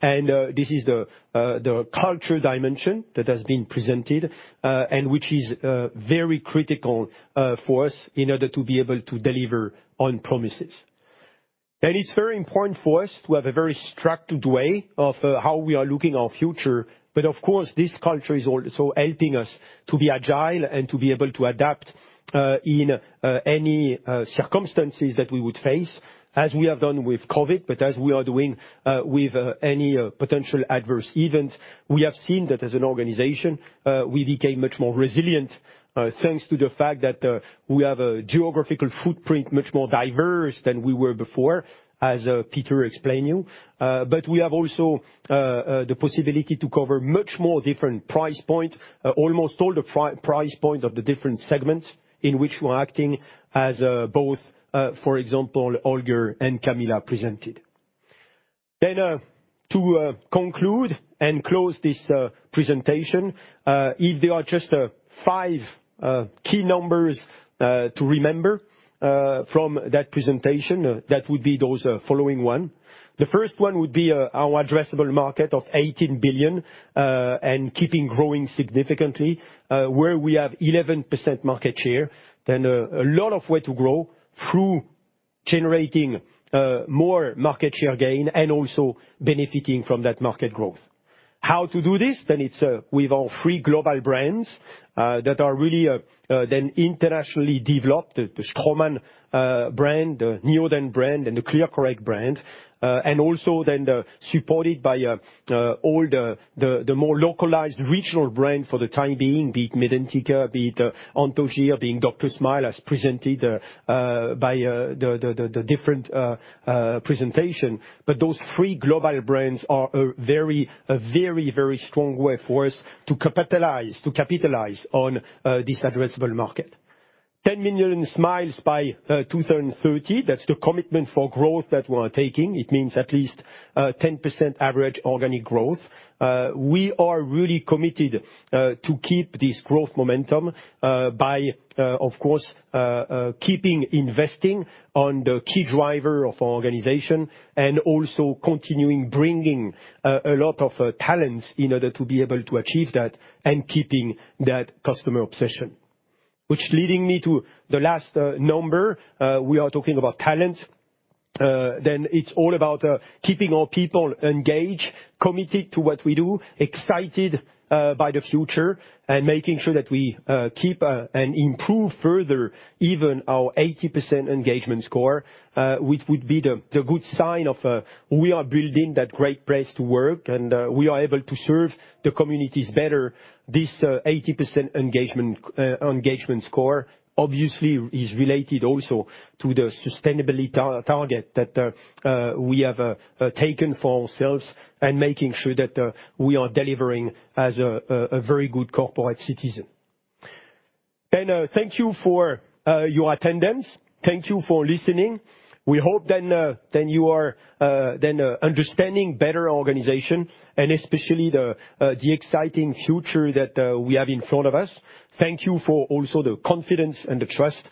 This is the culture dimension that has been presented and which is very critical for us in order to be able to deliver on promises. It's very important for us to have a very structured way of how we are looking our future. Of course, this culture is also helping us to be agile and to be able to adapt in any circumstances that we would face as we have done with COVID, but as we are doing with any potential adverse event. We have seen that as an organization, we became much more resilient thanks to the fact that we have a geographical footprint much more diverse than we were before, as Peter explained to you. We have also the possibility to cover much more different price point, almost all the price point of the different segments in which we're acting as both, for example, Holger and Camilla presented. To conclude and close this presentation, if there are just five key numbers to remember from that presentation, that would be those following one. The first one would be our addressable market of 18 billion and keeping growing significantly, where we have 11% market share, then a lot of way to grow through generating more market share gain and also benefiting from that market growth. How to do this? It's with our three global brands that are really internationally developed, the Straumann brand, the Neodent brand, and the ClearCorrect brand, and also supported by all the more localized regional brands for the time being, be it Medentika, be it Anthogyr, be it DrSmile, as presented by the different presentation. But those three global brands are a very strong way for us to capitalize on this addressable market. 10 million smiles by 2030. That's the commitment for growth that we are taking. It means at least 10% average organic growth. We are really committed to keep this growth momentum by, of course, keeping investing on the key driver of our organization and also continuing bringing a lot of talents in order to be able to achieve that and keeping that customer obsession. Which leads me to the last number we are talking about, talent. It's all about keeping our people engaged, committed to what we do, excited by the future, and making sure that we keep and improve further even our 80% engagement score, which would be the good sign of we are building that great place to work, and we are able to serve the communities better. This 80% engagement score obviously is related also to the sustainability target that we have taken for ourselves and making sure that we are delivering as a very good corporate citizen. Thank you for your attendance. Thank you for listening. We hope you are understanding better our organization and especially the exciting future that we have in front of us. Thank you also for the confidence and the trust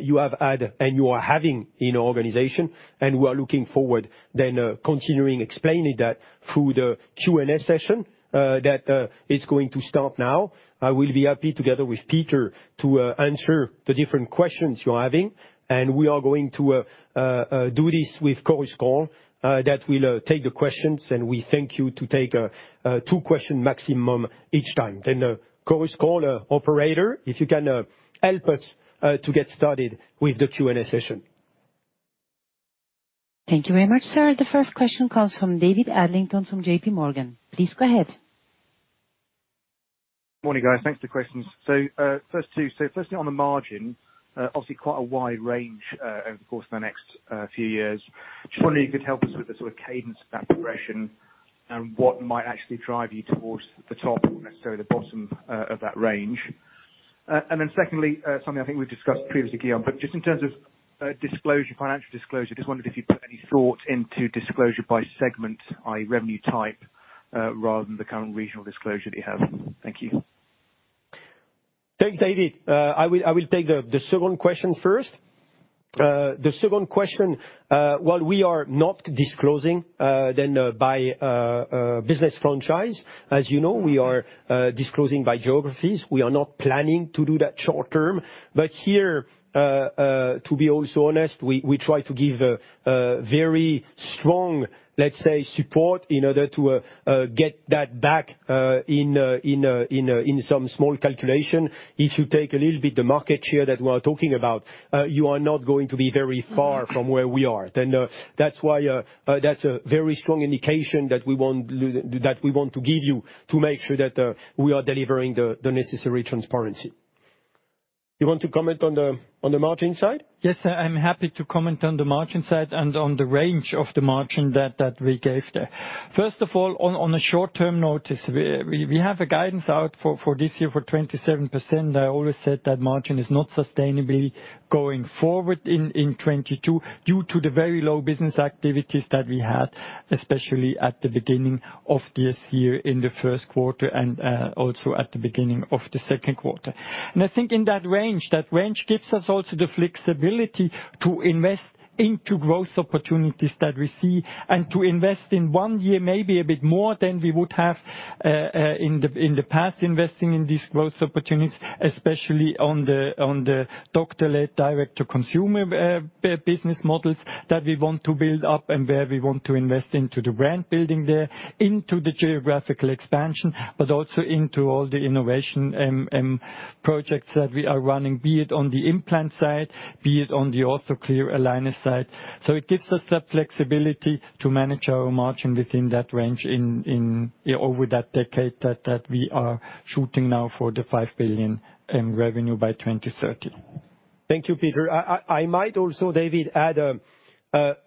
you have had and you are having in our organization, and we are looking forward continuing explaining that through the Q&A session that is going to start now. I will be happy together with Peter to answer the different questions you're having, and we are going to do this with Chorus Call that will take the questions, and we thank you to take two question maximum each time. Chorus Call operator, if you can help us to get started with the Q&A session. Thank you very much, sir. The first question comes from David Adlington from JPMorgan. Please go ahead. Morning, guys. Thanks for the questions. First two. Firstly on the margin, obviously quite a wide range over the course of the next few years. Just wondering if you could help us with the sort of cadence of that progression and what might actually drive you towards the top, not necessarily the bottom, of that range. Secondly, something I think we've discussed previously, Guillaume, but just in terms of disclosure, financial disclosure, just wondered if you put any thought into disclosure by segment, i.e. revenue type, rather than the current regional disclosure that you have. Thank you. Thanks, David. I will take the second question first. The second question, while we are not disclosing by business franchise, as you know, we are disclosing by geographies. We are not planning to do that short term. Here, to be also honest, we try to give a very strong, let's say, support in order to get that back in some small calculation. If you take a little bit the market share that we are talking about, you are not going to be very far from where we are. That's why, that's a very strong indication that we want to give you to make sure that we are delivering the necessary transparency. You want to comment on the margin side? Yes, I'm happy to comment on the margin side and on the range of the margin that we gave there. First of all, on a short-term notice, we have a guidance out for this year for 27%. I always said that margin is not sustainably going forward in 2022 due to the very low business activities that we had, especially at the beginning of this year in the first quarter and also at the beginning of the second quarter. I think in that range, that range gives us also the flexibility to invest into growth opportunities that we see and to invest in one year, maybe a bit more than we would have in the past, investing in these growth opportunities, especially on the doctor-led direct to consumer business models that we want to build up and where we want to invest into the brand building there, into the geographical expansion, but also into all the innovation projects that we are running, be it on the implant side, be it on the ClearCorrect aligner side. It gives us that flexibility to manage our margin within that range over that decade that we are shooting for 5 billion in revenue by 2030. Thank you, Peter. I might also, David, add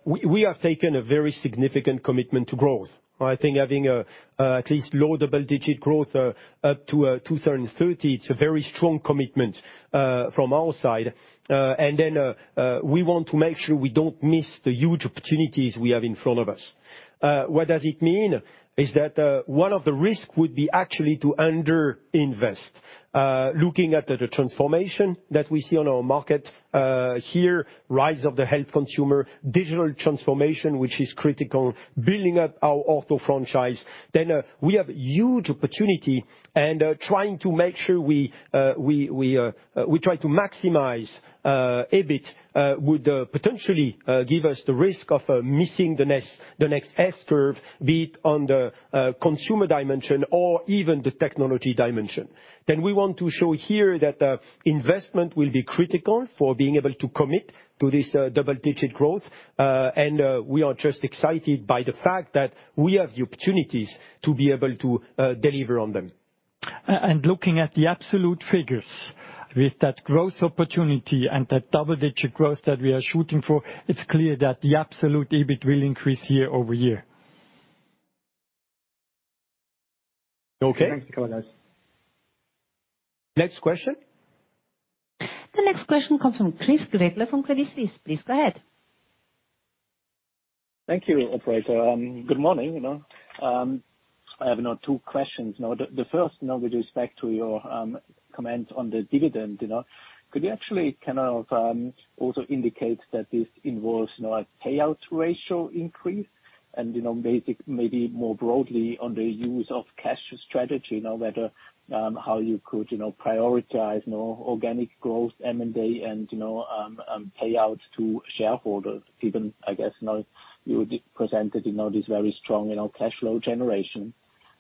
we have taken a very significant commitment to growth. I think having at least low double digit growth up to 2030, it's a very strong commitment from our side. We want to make sure we don't miss the huge opportunities we have in front of us. What does it mean? Is that one of the risk would be actually to under invest. Looking at the transformation that we see on our market, here, rise of the health consumer, digital transformation, which is critical, building up our ortho franchise. We have huge opportunity and trying to make sure we try to maximize EBIT would potentially give us the risk of missing the next S-curve, be it on the consumer dimension or even the technology dimension. We want to show here that investment will be critical for being able to commit to this double-digit growth. We are just excited by the fact that we have the opportunities to be able to deliver on them. Looking at the absolute figures with that growth opportunity and that double-digit growth that we are shooting for, it's clear that the absolute EBIT will increase year-over-year. Okay. Thank you guys. Next question. The next question comes from Christoph Gretler from Credit Suisse. Please go ahead. Thank you, operator. Good morning. I have now two questions. The first with respect to your comment on the dividend, you know. Could you actually kind of also indicate that this involves now a payout ratio increase and, you know, maybe more broadly on the use of cash strategy, now whether how you could, you know, prioritize, you know, organic growth M&A and, you know, payout to shareholders, even, I guess, now you presented, you know, this very strong, you know, cash flow generation.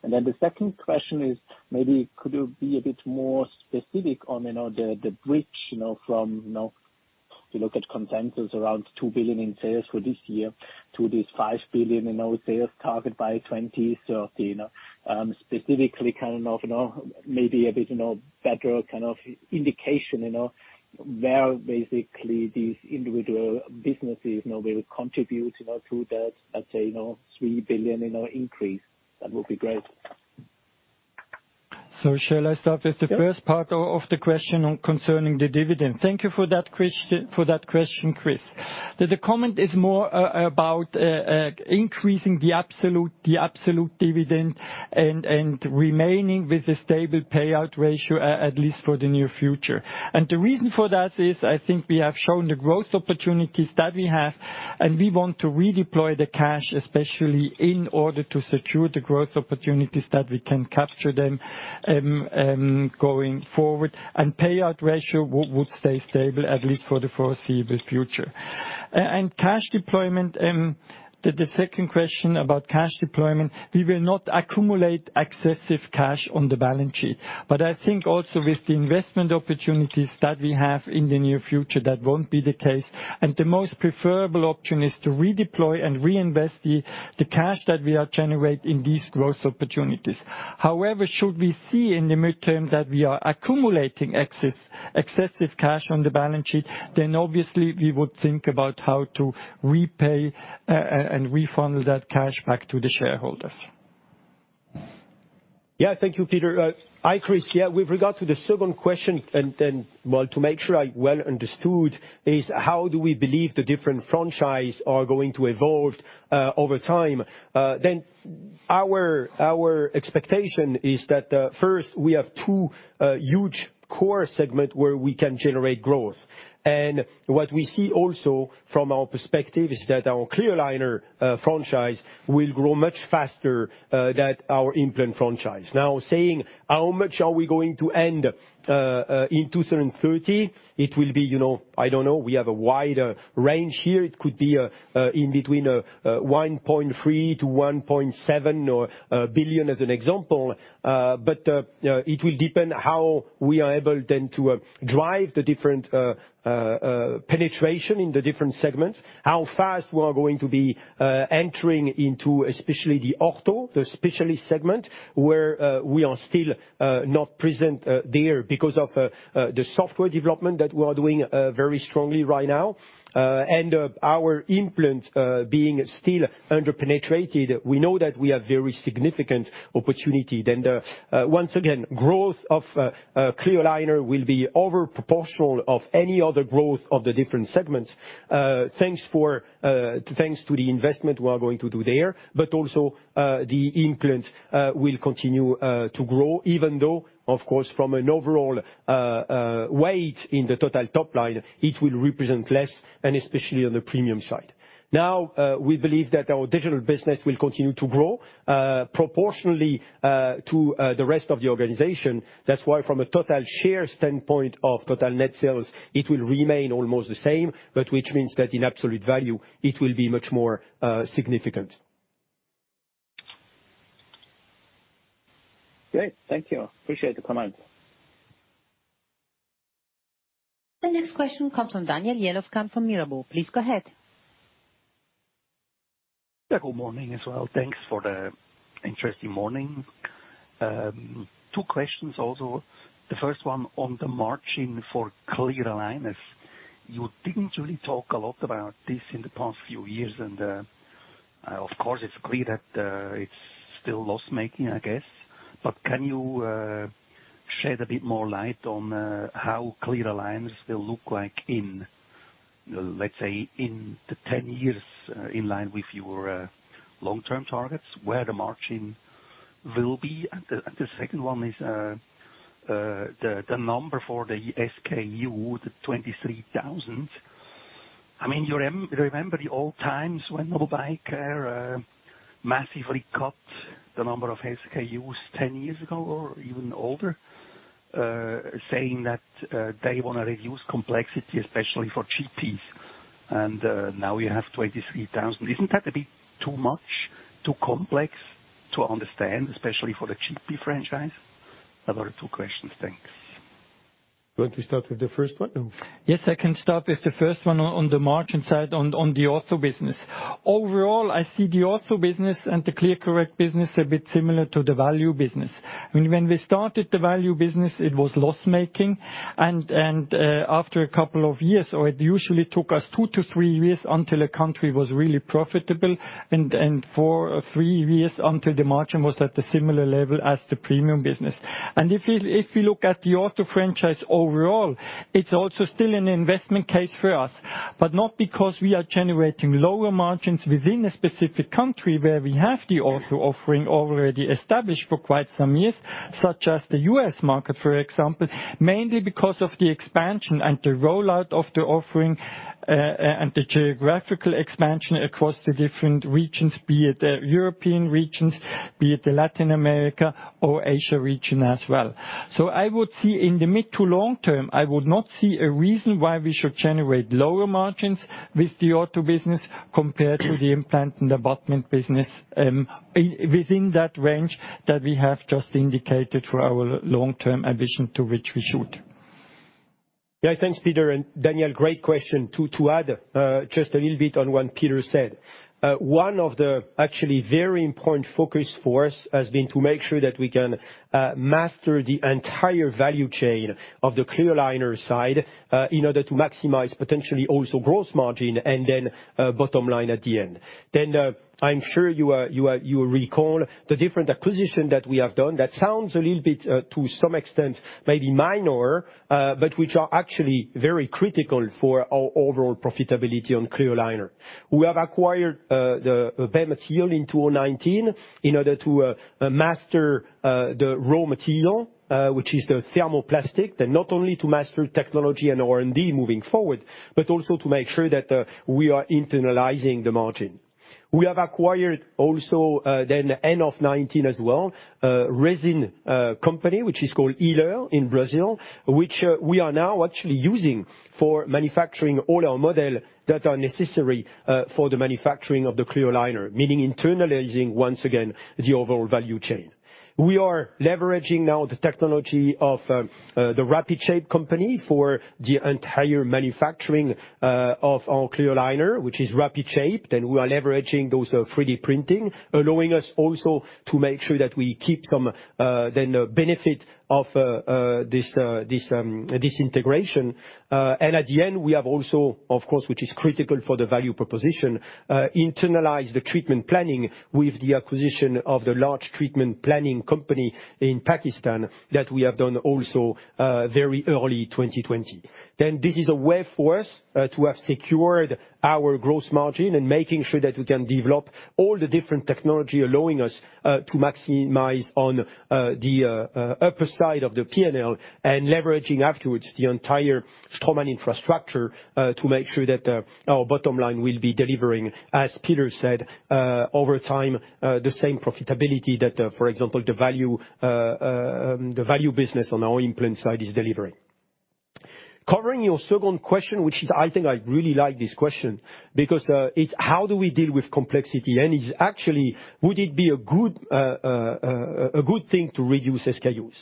Then the second question is maybe could you be a bit more specific on, you know, the bridge, you know, from, you know, you look at consensus around 2 billion in sales for this year to this 5 billion sales target by 2030, you know. Specifically kind of, you know, maybe a bit, you know, better kind of indication, you know, where basically these individual businesses, you know, will contribute, you know, to that, let's say, you know, 3 billion increase. That would be great. Shall I start with the first part of the question concerning the dividend? Thank you for that question, Chris. The comment is more about increasing the absolute dividend and remaining with a stable payout ratio, at least for the near future. The reason for that is, I think we have shown the growth opportunities that we have, and we want to redeploy the cash, especially in order to secure the growth opportunities that we can capture them going forward. Payout ratio would stay stable, at least for the foreseeable future. Cash deployment, the second question about cash deployment, we will not accumulate excessive cash on the balance sheet. But I think also with the investment opportunities that we have in the near future, that won't be the case. The most preferable option is to redeploy and reinvest the cash that we are generating in these growth opportunities. However, should we see in the medium term that we are accumulating excessive cash on the balance sheet, then obviously we would think about how to repay and refund that cash back to the shareholders. Yeah. Thank you, Peter. Hi, Chris. Yeah, with regard to the second question and, well, to make sure I well understood is how do we believe the different franchise are going to evolve over time? Our expectation is that first, we have two huge core segment where we can generate growth. What we see also from our perspective is that our clear aligner franchise will grow much faster than our implant franchise. Now, saying how much are we going to end in 2030, it will be, you know, I don't know, we have a wide range here. It could be in between 1.3 billion-1.7 billion as an example. It will depend how we are able then to drive the different penetration in the different segments, how fast we are going to be entering into especially the ortho, the specialty segment, where we are still not present there because of the software development that we are doing very strongly right now. Our implant being still under-penetrated, we know that we have very significant opportunity. Once again, growth of clear aligner will be disproportionate to any other growth of the different segments, thanks to the investment we are going to do there, but also, the implant will continue to grow, even though, of course, from an overall weight in the total top line, it will represent less and especially on the premium side. Now, we believe that our digital business will continue to grow proportionally to the rest of the organization. That's why from a total share standpoint of total net sales, it will remain almost the same, but which means that in absolute value, it will be much more significant. Great. Thank you. Appreciate the comment. The next question comes from Daniel Jelovcan from Mirabaud. Please go ahead. Yeah, good morning as well. Thanks for the interesting morning. Two questions also. The first one on the margin for clear aligners. You didn't really talk a lot about this in the past few years, and of course, it's clear that it's still loss-making, I guess. But can you shed a bit more light on how clear aligners will look like in, let's say, in 10 years in line with your long-term targets, where the margin will be? And the second one is the number for the SKU, the 23,000. I mean, you remember the old times when Nobel Biocare massively cut the number of SKUs 10 years ago or even older, saying that they wanna reduce complexity, especially for GPs. And now you have 23,000. Isn't that a bit too much, too complex to understand, especially for the GP franchise? Those are two questions. Thanks. Want to start with the first one? Yes, I can start with the first one on the margin side, on the ortho business. Overall, I see the ortho business and the ClearCorrect business a bit similar to the value business. I mean, when we started the value business, it was loss-making and after a couple of years, it usually took us two to three years until a country was really profitable and for three years until the margin was at the similar level as the premium business. If you look at the ortho franchise overall, it's also still an investment case for us, but not because we are generating lower margins within a specific country where we have the ortho offering already established for quite some years, such as the U.S. market, for example, mainly because of the expansion and the rollout of the offering, and the geographical expansion across the different regions, be it the European regions, be it the Latin America or Asia region as well. I would see in the mid to long term, I would not see a reason why we should generate lower margins with the ortho business compared to the implant and abutment business, within that range that we have just indicated for our long-term ambition to which we should. Yeah, thanks, Peter, and Daniel, great question. To add just a little bit on what Peter said. One of the actually very important focus for us has been to make sure that we can master the entire value chain of the clear aligner side in order to maximize potentially also gross margin and then bottom line at the end. Then, I'm sure you recall the different acquisition that we have done that sounds a little bit to some extent, maybe minor but which are actually very critical for our overall profitability on clear aligner. We have acquired the Bay Materials in 2019 in order to master the raw material, which is the thermoplastic, and not only to master technology and R&D moving forward, but also to make sure that we are internalizing the margin. We have acquired also, then end of 2019 as well, a resin company, which is called Yller in Brazil, which we are now actually using for manufacturing all our models that are necessary for the manufacturing of the clear aligner, meaning internalizing once again the overall value chain. We are leveraging now the technology of the Rapid Shape company for the entire manufacturing of our clear aligner, which is Rapid Shape, and we are leveraging those 3D printing, allowing us also to make sure that we keep some of the benefit of this integration. At the end, we have also, of course, which is critical for the value proposition, internalized the treatment planning with the acquisition of the large treatment planning company in Pakistan that we have done also very early 2020. This is a way for us to have secured our gross margin and making sure that we can develop all the different technology, allowing us to maximize on the upper side of the P&L and leveraging afterwards the entire Straumann infrastructure to make sure that our bottom line will be delivering, as Peter said, over time the same profitability that for example the value business on our implant side is delivering. Covering your second question, which is, I think I really like this question because it's how do we deal with complexity? It's actually would it be a good thing to reduce SKUs?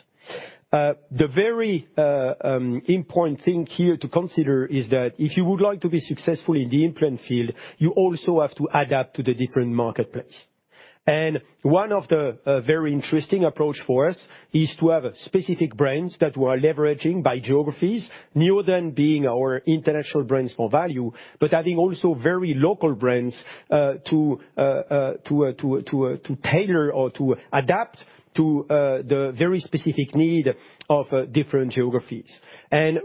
The very important thing here to consider is that if you would like to be successful in the implant field, you also have to adapt to the different marketplace. One of the very interesting approach for us is to have specific brands that we're leveraging by geographies rather than being our international brands for value, but having also very local brands to tailor or to adapt to the very specific need of different geographies.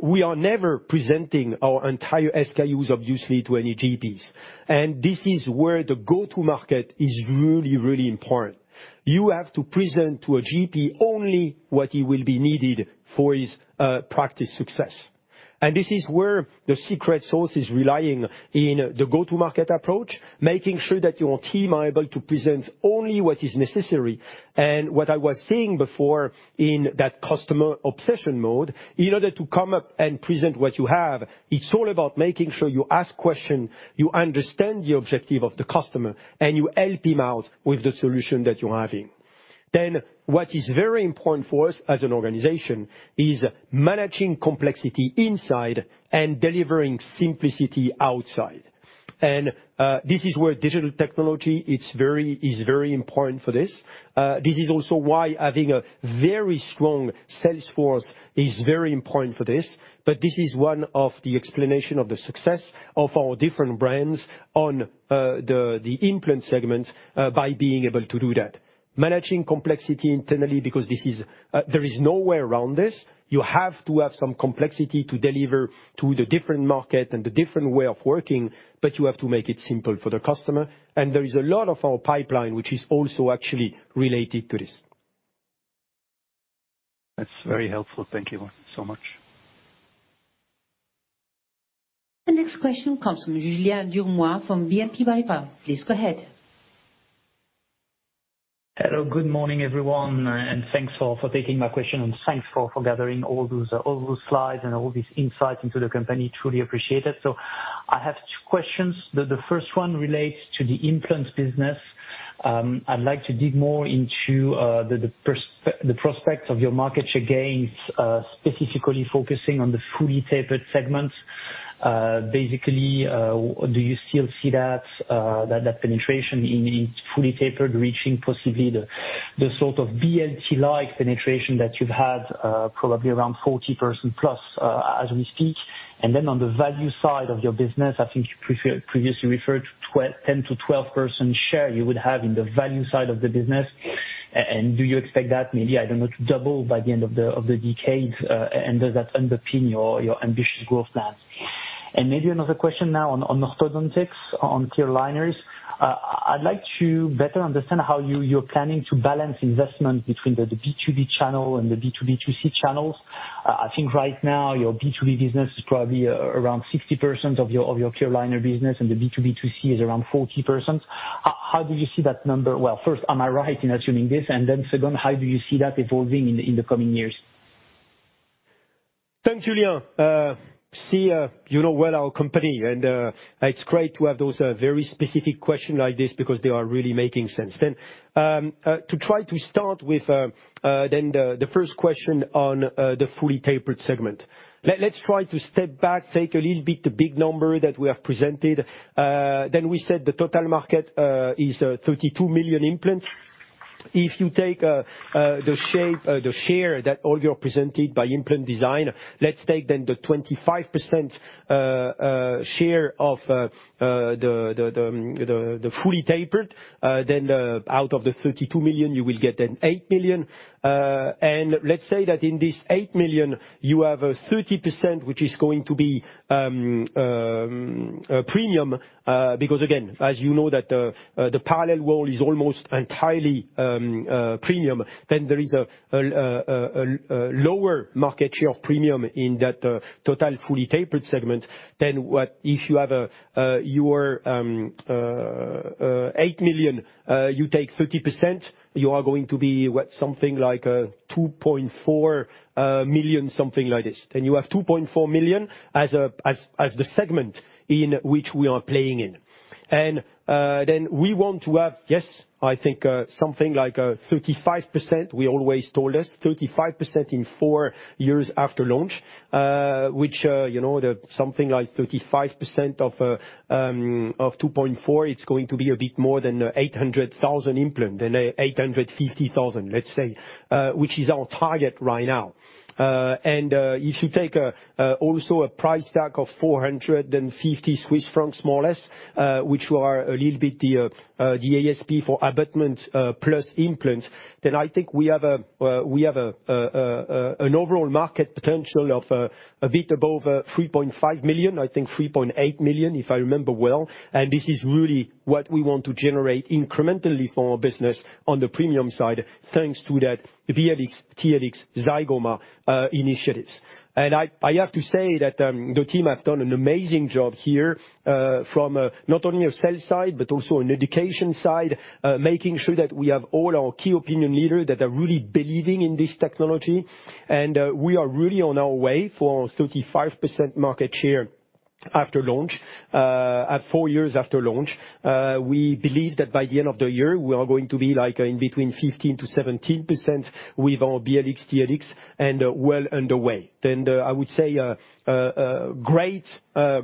We are never presenting our entire SKUs, obviously, to any GPs. This is where the go-to market is really, really important. You have to present to a GP only what he needs for his practice success. This is where the secret sauce is relying on the go-to-market approach, making sure that your team are able to present only what is necessary. What I was saying before in that customer obsession mode, in order to come up and present what you have, it's all about making sure you ask questions, you understand the objective of the customer, and you help him out with the solution that you are having. What is very important for us as an organization is managing complexity inside and delivering simplicity outside. This is where digital technology is very important for this. This is also why having a very strong sales force is very important for this. This is one of the explanations of the success of our different brands on the implant segments by being able to do that. Managing complexity internally, because this is. There is no way around this. You have to have some complexity to deliver to the different market and the different way of working, but you have to make it simple for the customer. There is a lot of our pipeline which is also actually related to this. That's very helpful. Thank you so much. The next question comes from Julien Dormois from BNP Paribas. Please go ahead. Hello, good morning, everyone, and thanks for taking my question and thanks for gathering all those slides and all these insights into the company. I truly appreciate it. I have two questions. The first one relates to the implants business. I'd like to dig more into the prospects of your market share gains, specifically focusing on the fully tapered segments. Basically, do you still see that penetration in fully tapered reaching possibly the sort of BLT-like penetration that you've had, probably around 40%+, as we speak. Then on the value side of your business, I think you previously referred to 10%-12% share you would have in the value side of the business. Do you expect that maybe, I don't know, to double by the end of the decade, and does that underpin your ambitious growth plans? Maybe another question now on orthodontics, on clear aligners. I'd like to better understand how you're planning to balance investment between the B2B channel and the B2B2C channels. I think right now your B2B business is probably around 60% of your clear aligner business and the B2B2C is around 40%. How do you see that number? Well, first, am I right in assuming this? And then second, how do you see that evolving in the coming years? Thanks, Julien. See, you know well our company, and it's great to have those very specific question like this because they are really making sense. To try to start with the first question on the fully tapered segment. Let's try to step back, take a little bit the big number that we have presented. We said the total market is 32 million implants. If you take the share that Olivier presented by implant design, let's take then the 25% share of the fully tapered, then out of the 32 million, you will get then 8 million. Let's say that in this 8 million you have a 30% which is going to be premium, because again, as you know that the parallel world is almost entirely premium. There is a lower market share of premium in that total fully tapered segment. If you have your 8 million, you take 30%, you are going to be something like 2.4 million, something like this. You have 2.4 million as the segment in which we are playing in. We want to have, yes, I think, something like 35%, we always told you. 35% in four years after launch, which, you know, something like 35% of 2.4 it's going to be a bit more than 850,000 implants, let's say, which is our target right now. If you take also a price tag of 450 Swiss francs more or less, which are a little bit the ASP for abutment plus implants, then I think we have an overall market potential of a bit above 3.5 million, I think 3.8 million if I remember well. This is really what we want to generate incrementally for our business on the premium side thanks to that BLX, TLX, Zygomatic initiatives. I have to say that the team have done an amazing job here from not only a sales side but also an education side making sure that we have all our key opinion leader that are really believing in this technology. We are really on our way for 35% market share after launch at four years after launch. We believe that by the end of the year we are going to be like in between 15%-17% with our BLX, TLX and well underway. I would say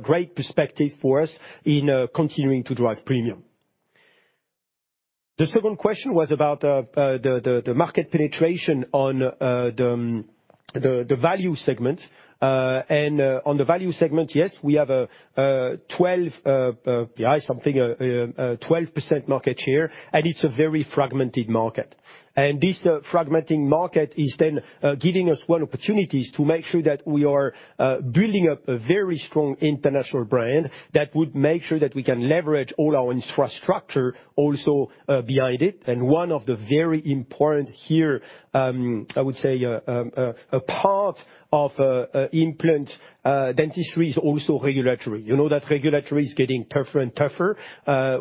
great perspective for us in continuing to drive premium. The second question was about the market penetration on the value segment. On the value segment, yes, we have a 12% market share, and it's a very fragmented market. This fragmented market is then giving us opportunities to make sure that we are building up a very strong international brand that would make sure that we can leverage all our infrastructure also behind it. One of the very important here, I would say, a part of implant dentistry is also regulatory. You know that regulatory is getting tougher and tougher.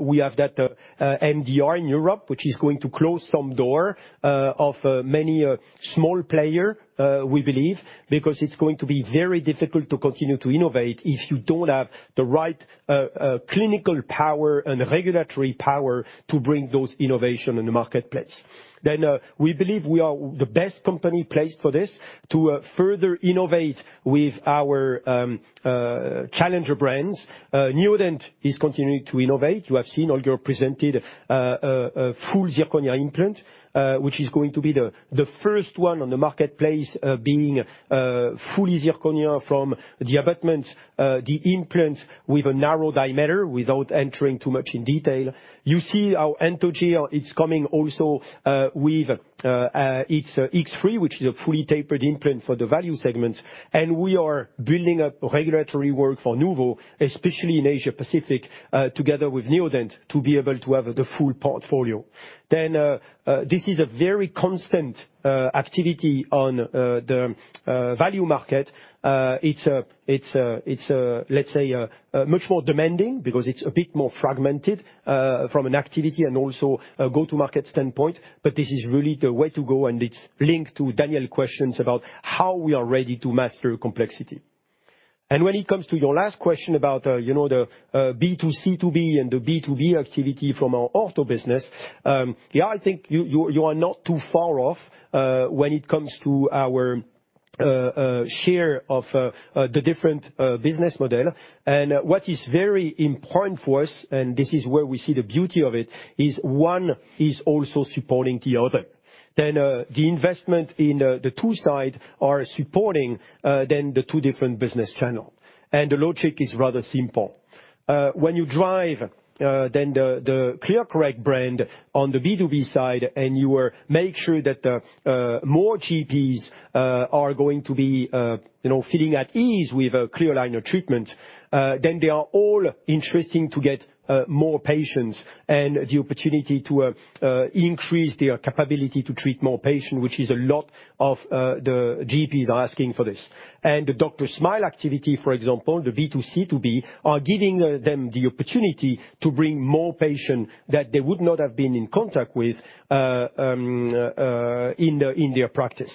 We have that MDR in Europe, which is going to close some doors for many small players, we believe, because it's going to be very difficult to continue to innovate if you don't have the right clinical power and regulatory power to bring those innovations in the marketplace. We believe we are the best-placed company for this to further innovate with our challenger brands. Neodent is continuing to innovate. You have seen Holger Haderer presented a full zirconia implant, which is going to be the first one on the marketplace, being fully zirconia from the abutments, the implants with a narrow diameter without entering too much in detail. You see our Anthogyr is coming also with its X3, which is a fully tapered implant for the value segment. We are building up regulatory work for NUVO, especially in Asia Pacific, together with Neodent, to be able to have the full portfolio. This is a very constant activity on the value market. It's a, let's say, much more demanding because it's a bit more fragmented from an activity and also a go-to-market standpoint. This is really the way to go, and it's linked to Daniel's questions about how we are ready to master complexity. When it comes to your last question about, you know, the B2C2B and the B2B activity from our ortho business, yeah, I think you are not too far off when it comes to our share of the different business model. What is very important for us, and this is where we see the beauty of it, is one is also supporting the other. The investment in the two side are supporting then the two different business channel. The logic is rather simple. When you drive the ClearCorrect brand on the B2B side, and you make sure that more GPs are going to be you know feeling at ease with a clear aligner treatment, then they are all interesting to get more patients and the opportunity to increase their capability to treat more patients, which is a lot of the GPs are asking for this. The DrSmile activity, for example, the B2C2B, are giving them the opportunity to bring more patients that they would not have been in contact with in their practice.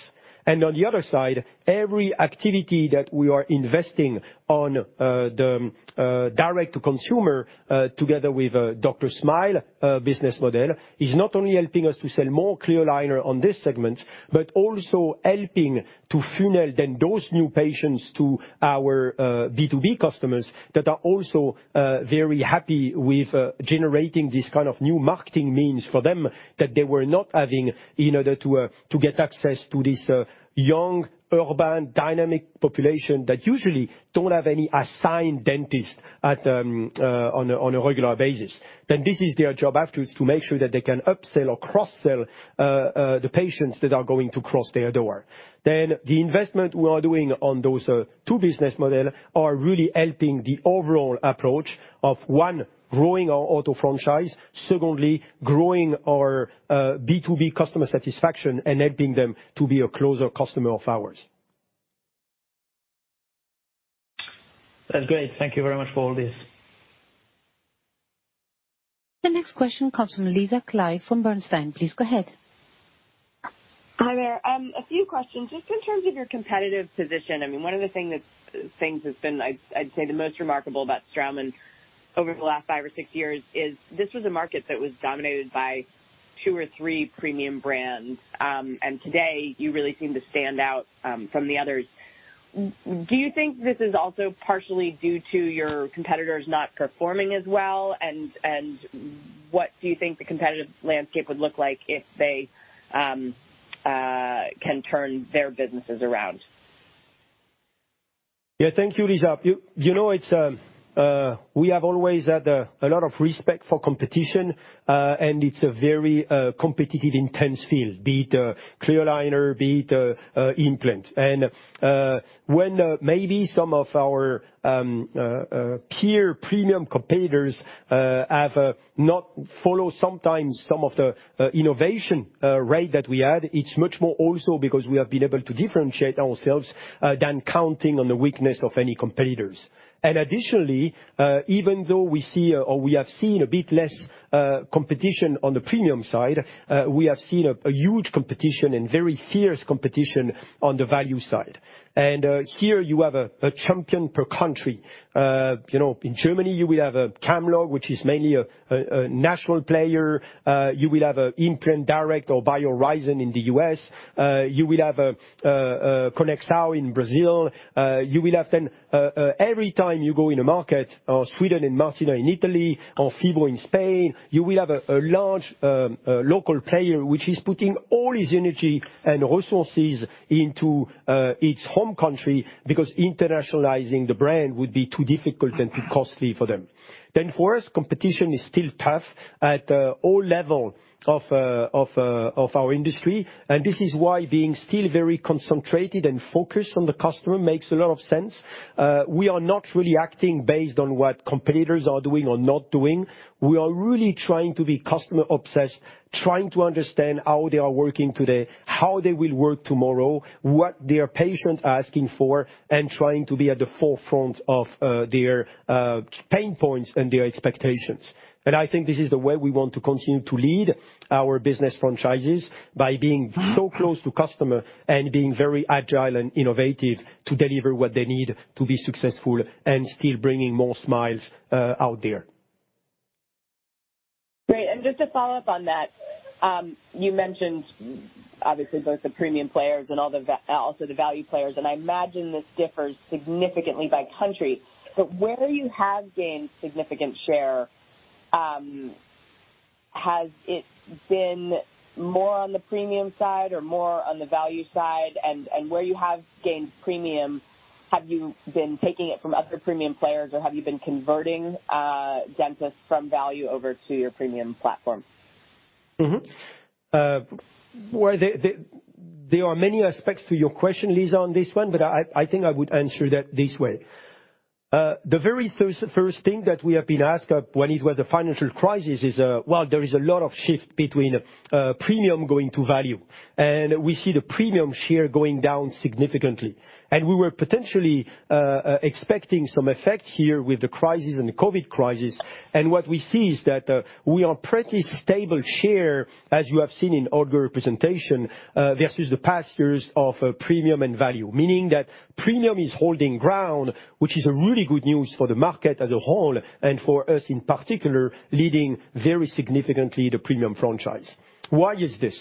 On the other side, every activity that we are investing on the direct-to-consumer, together with DrSmile, business model is not only helping us to sell more clear aligner on this segment, but also helping to funnel then those new patients to our B2B customers that are also very happy with generating this kind of new marketing means for them that they were not having in order to get access to this young, urban, dynamic population that usually don't have any assigned dentist on a regular basis. This is their job afterwards to make sure that they can upsell or cross-sell the patients that are going to cross their door. The investment we are doing on those two business model are really helping the overall approach of, one, growing our ortho franchise, secondly, growing our B2B customer satisfaction and helping them to be a closer customer of ours. That's great. Thank you very much for all this. The next question comes from Lisa Clive from Bernstein. Please go ahead. Hi there. A few questions. Just in terms of your competitive position, I mean, one of the things that's been, I'd say the most remarkable about Straumann over the last five or six years is this was a market that was dominated by two or three premium brands. Today, you really seem to stand out from the others. Do you think this is also partially due to your competitors not performing as well? What do you think the competitive landscape would look like if they can turn their businesses around? Thank you, Lisa. You know, it's we have always had a lot of respect for competition and it's a very competitive intense field, be it clear aligner, be it implant. When maybe some of our peer premium competitors have not follow sometimes some of the innovation rate that we had, it's much more also because we have been able to differentiate ourselves than counting on the weakness of any competitors. Additionally, even though we see or we have seen a bit less competition on the premium side, we have seen a huge competition and very fierce competition on the value side. Here you have a champion per country. You know, in Germany you will have a Camlog, which is mainly a national player. You will have an Implant Direct or BioHorizons in the U.S. You will have Conexão in Brazil. You will have then every time you go in a market, Sweden & Martina in Italy or Phibo in Spain, you will have a large local player which is putting all his energy and resources into its home country because internationalizing the brand would be too difficult and too costly for them. For us, competition is still tough at all levels of our industry, and this is why being still very concentrated and focused on the customer makes a lot of sense. We are not really acting based on what competitors are doing or not doing. We are really trying to be customer-obsessed, trying to understand how they are working today, how they will work tomorrow, what their patient asking for, and trying to be at the forefront of their pain points and their expectations. I think this is the way we want to continue to lead our business franchises by being so close to customer and being very agile and innovative to deliver what they need to be successful and still bringing more smiles out there. Great. Just to follow up on that, you mentioned obviously both the premium players and all the value players, and I imagine this differs significantly by country, but where you have gained significant share, has it been more on the premium side or more on the value side? Where you have gained premium, have you been taking it from other premium players, or have you been converting dentists from value over to your premium platform? Well, there are many aspects to your question, Lisa, on this one, but I think I would answer that this way. The very first thing that we have been asked when it was a financial crisis is, well, there is a lot of shift between premium going to value. We see the premium share going down significantly. We were potentially expecting some effect here with the crisis and the COVID crisis. What we see is that we are pretty stable share, as you have seen in Holger's presentation, versus the past years of premium and value. Meaning that premium is holding ground, which is a really good news for the market as a whole and for us in particular, leading very significantly the premium franchise. Why is this?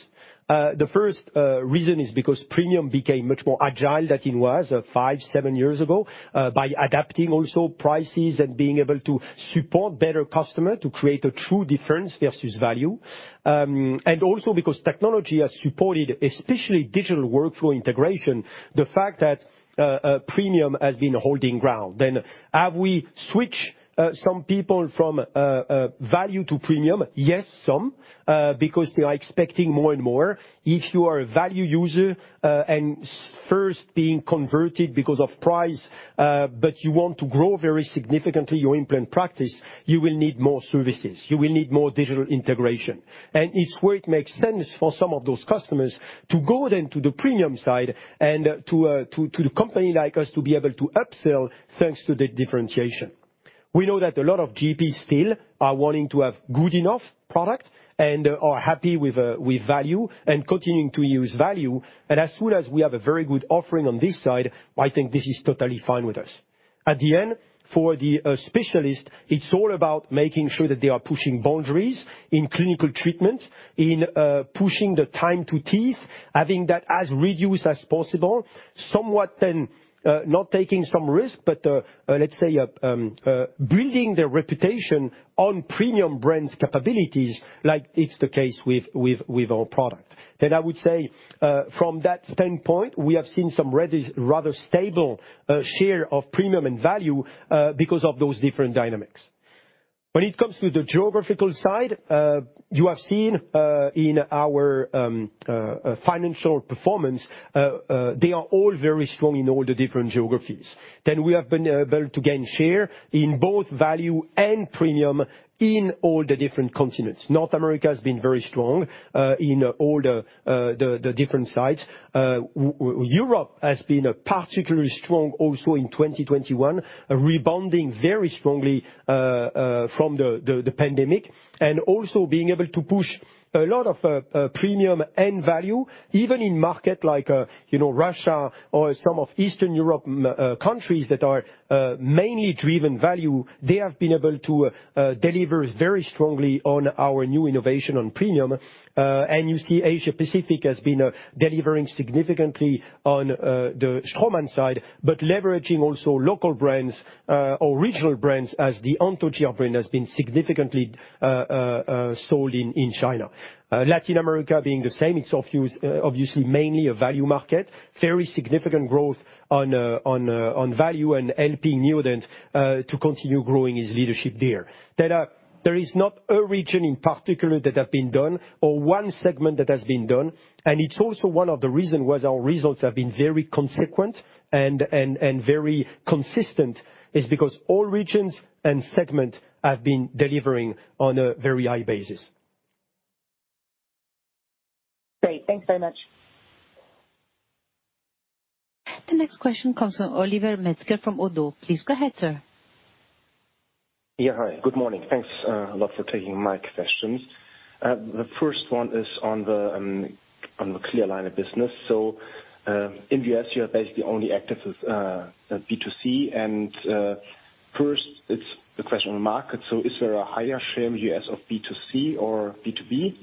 The first reason is because premium became much more agile than it was five, seven years ago by adapting also prices and being able to support better customer to create a true difference versus value. Also because technology has supported, especially digital workflow integration, the fact that premium has been holding ground. Have we switched some people from value to premium? Yes, some because they are expecting more and more. If you are a value user and first being converted because of price, but you want to grow very significantly your implant practice, you will need more services. You will need more digital integration. It's where it makes sense for some of those customers to go then to the premium side and to the company like us to be able to upsell, thanks to the differentiation. We know that a lot of GP still are wanting to have good enough product and are happy with value and continuing to use value. As soon as we have a very good offering on this side, I think this is totally fine with us. At the end, for the specialist, it's all about making sure that they are pushing boundaries in clinical treatment, pushing the time to teeth, having that as reduced as possible. Not taking some risk, but let's say building their reputation on premium brands capabilities like it's the case with our product. I would say, from that standpoint, we have seen some rather stable share of premium and value, because of those different dynamics. When it comes to the geographical side, you have seen in our financial performance they are all very strong in all the different geographies. We have been able to gain share in both value and premium in all the different continents. North America has been very strong in all the different sites. Europe has been a particularly strong, also in 2021, rebounding very strongly from the pandemic, and also being able to push a lot of premium and value even in markets like, you know, Russia or some of Eastern Europe countries that are mainly value-driven. They have been able to deliver very strongly on our new innovation on premium. You see Asia Pacific has been delivering significantly on the Straumann side, but leveraging also local brands or regional brands as the Anthogyr brand has been significantly sold in China. Latin America being the same, it's obviously mainly a value market. Very significant growth on value and helping Neodent to continue growing its leadership there. There is not a region in particular that has been down or one segment that has been down, and it's also one of the reasons why our results have been very consistent and very consistent, is because all regions and segments have been delivering on a very high basis. Great. Thanks so much. The next question comes from Oliver Metzger from Oddo. Please go ahead, sir. Yeah, hi. Good morning. Thanks a lot for taking my questions. The first one is on the clear aligner business. In the U.S., you are basically only active with B2C, and first it's the question on market. Is there a higher share in U.S. of B2C or B2B?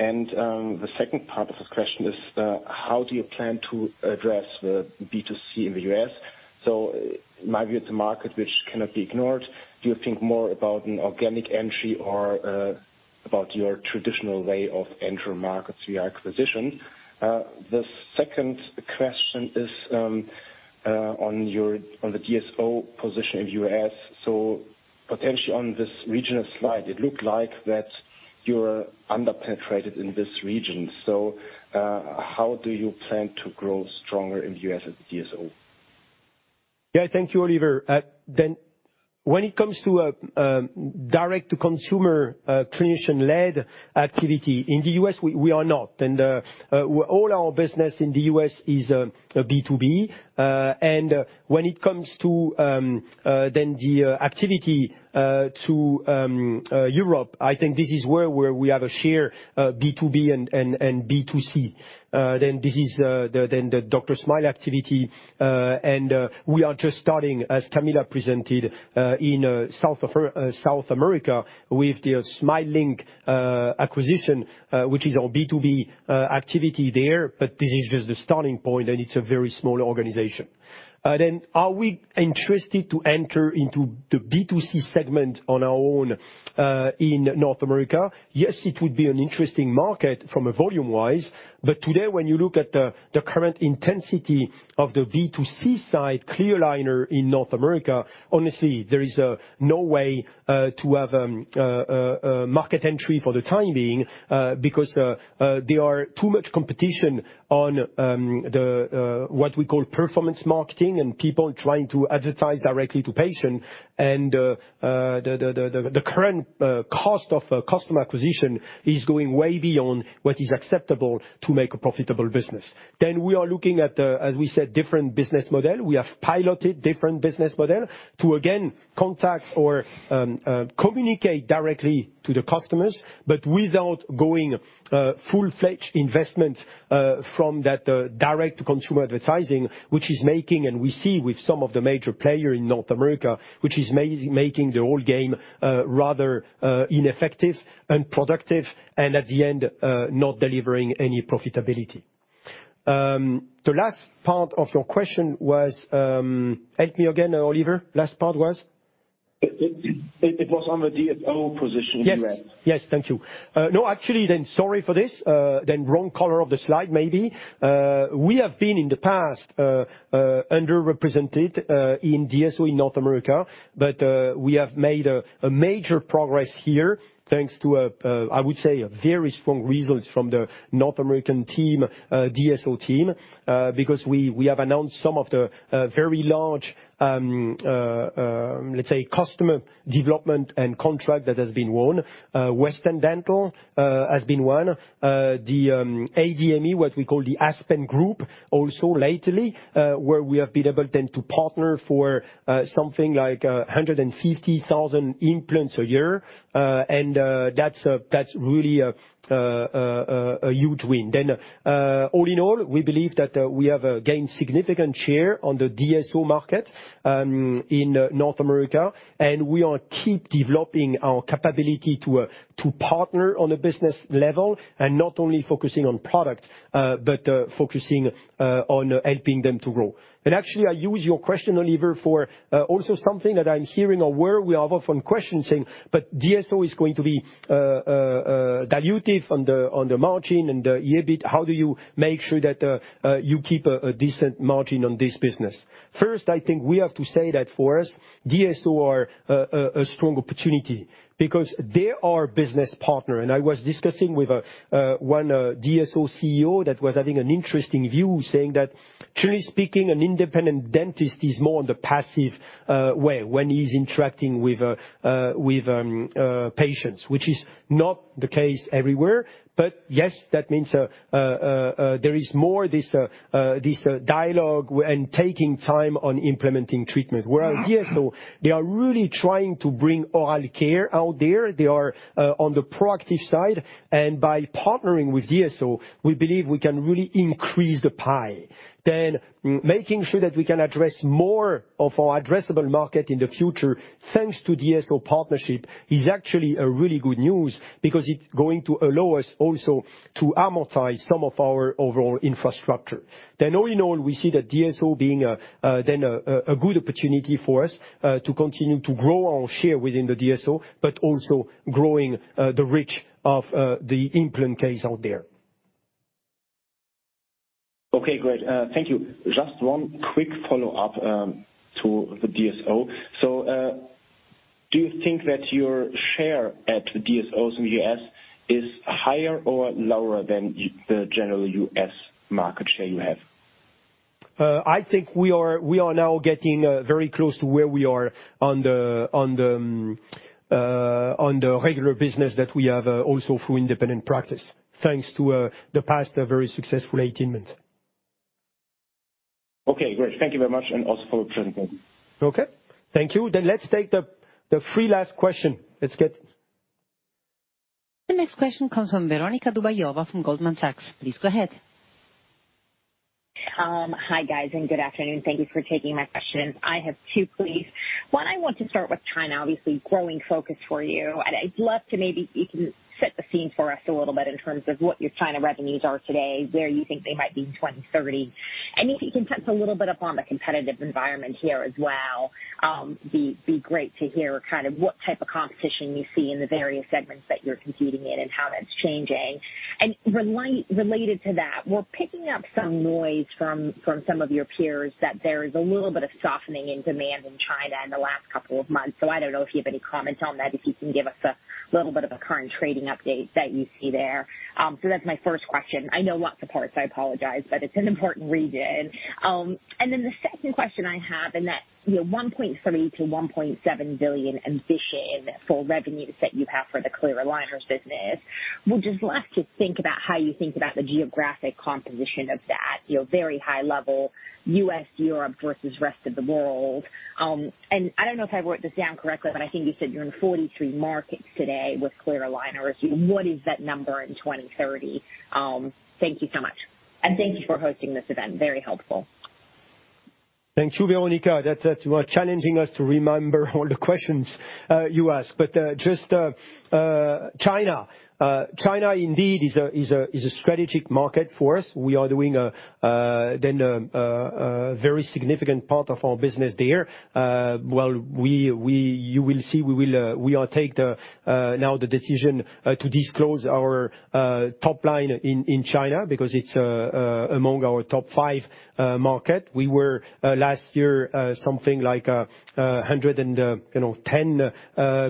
The second part of the question is how do you plan to address the B2B in the U.S.? In my view, it's a market which cannot be ignored. Do you think more about an organic entry or about your traditional way of entering markets via acquisition? The second question is on your DSO position in U.S. Potentially on this regional slide, it looked like that you're under-penetrated in this region. How do you plan to grow stronger in the U.S. as a DSO? Yeah. Thank you, Oliver. When it comes to direct to consumer clinician-led activity in the U.S., we are not. All our business in the U.S. is B2B. When it comes to the activity in Europe, I think this is where we have a share B2B and B2C. This is the DrSmile activity. We are just starting, as Camila presented, in South America with the Smilink acquisition, which is our B2B activity there. This is just the starting point, and it's a very small organization. Are we interested to enter into the B2C segment on our own in North America? Yes, it would be an interesting market from a volume-wise, but today, when you look at the current intensity of the B2C side, clear aligner in North America, honestly, there is no way to have a market entry for the time being, because there are too much competition on what we call performance marketing and people trying to advertise directly to patient. The current cost of customer acquisition is going way beyond what is acceptable to make a profitable business. We are looking at, as we said, different business model. We have piloted different business models to again contact or communicate directly to the customers, but without going full-fledged investment from that direct to consumer advertising, which is massive, making the whole game rather ineffective, unproductive, and at the end, not delivering any profitability. The last part of your question was, help me again, Oliver. Last part was? It was on the DSO position in U.S. Yes. Yes. Thank you. No, actually, sorry for this, the wrong color of the slide, maybe. We have been in the past underrepresented in DSO in North America, but we have made a major progress here thanks to, I would say, a very strong results from the North American team, DSO team, because we have announced some of the very large, let's say, customer development and contract that has been won. Western Dental has been won. The ADMI, what we call the Aspen Group also lately, where we have been able to partner for something like 150,000 implants a year. That's really a huge win. All in all, we believe that we have gained significant share on the DSO market in North America, and we are keep developing our capability to partner on a business level and not only focusing on product, but focusing on helping them to grow. Actually, I use your question, Oliver, for also something that I'm hearing or where we have often question saying, "But DSO is going to be dilutive on the margin and the EBIT. How do you make sure that you keep a decent margin on this business?" First, I think we have to say that for us, DSO are a strong opportunity because they are business partner. I was discussing with one DSO CEO that was having an interesting view, saying that generally speaking, an independent dentist is more on the passive way when he's interacting with patients, which is not the case everywhere. Yes, that means there is more this dialogue and taking time on implementing treatment. Where our DSO, they are really trying to bring oral care out there. They are on the proactive side, and by partnering with DSO, we believe we can really increase the pie. Making sure that we can address more of our addressable market in the future, thanks to DSO partnership, is actually a really good news because it's going to allow us also to amortize some of our overall infrastructure. All in all, we see that DSO being a good opportunity for us to continue to grow our share within the DSO, but also growing the reach of the implant case out there. Okay, great. Thank you. Just one quick follow-up to the DSO. Do you think that your share at the DSOs in U.S. is higher or lower than the general U.S. market share you have? I think we are now getting very close to where we are on the regular business that we have also through independent practice, thanks to the past very successful 18 months. Okay, great. Thank you very much, and also for the presentation. Okay, thank you. Let's take the three last question. Let's get- The next question comes from Veronika Dubajova from Goldman Sachs. Please go ahead. Hi, guys. Good afternoon. Thank you for taking my questions. I have 2, please. One, I want to start with China, obviously growing focus for you. I'd love to maybe you can set the scene for us a little bit in terms of what your China revenues are today, where you think they might be in 2030. If you can touch a little bit upon the competitive environment here as well, be great to hear kind of what type of competition you see in the various segments that you're competing in and how that's changing. Related to that, we're picking up some noise from some of your peers that there is a little bit of softening in demand in China in the last couple of months. I don't know if you have any comments on that. If you can give us a little bit of a current trading update that you see there. That's my first question. I know lots of parts, I apologize, but it's an important region. The second question I have, you know, 1.3 billion-1.7 billion ambition for revenues that you have for the clear aligners business. I would just like to think about how you think about the geographic composition of that, you know, very high level U.S., Europe versus rest of the world. I don't know if I wrote this down correctly, but I think you said you're in 43 markets today with clear aligners. What is that number in 2030? Thank you so much, and thank you for hosting this event. Very helpful. Thank you, Veronika. That's challenging us to remember all the questions you asked, but just China. China indeed is a strategic market for us. We are doing a very significant part of our business there. Well, you will see, we are taking now the decision to disclose our top line in China because it's among our top five market. We were last year something like 110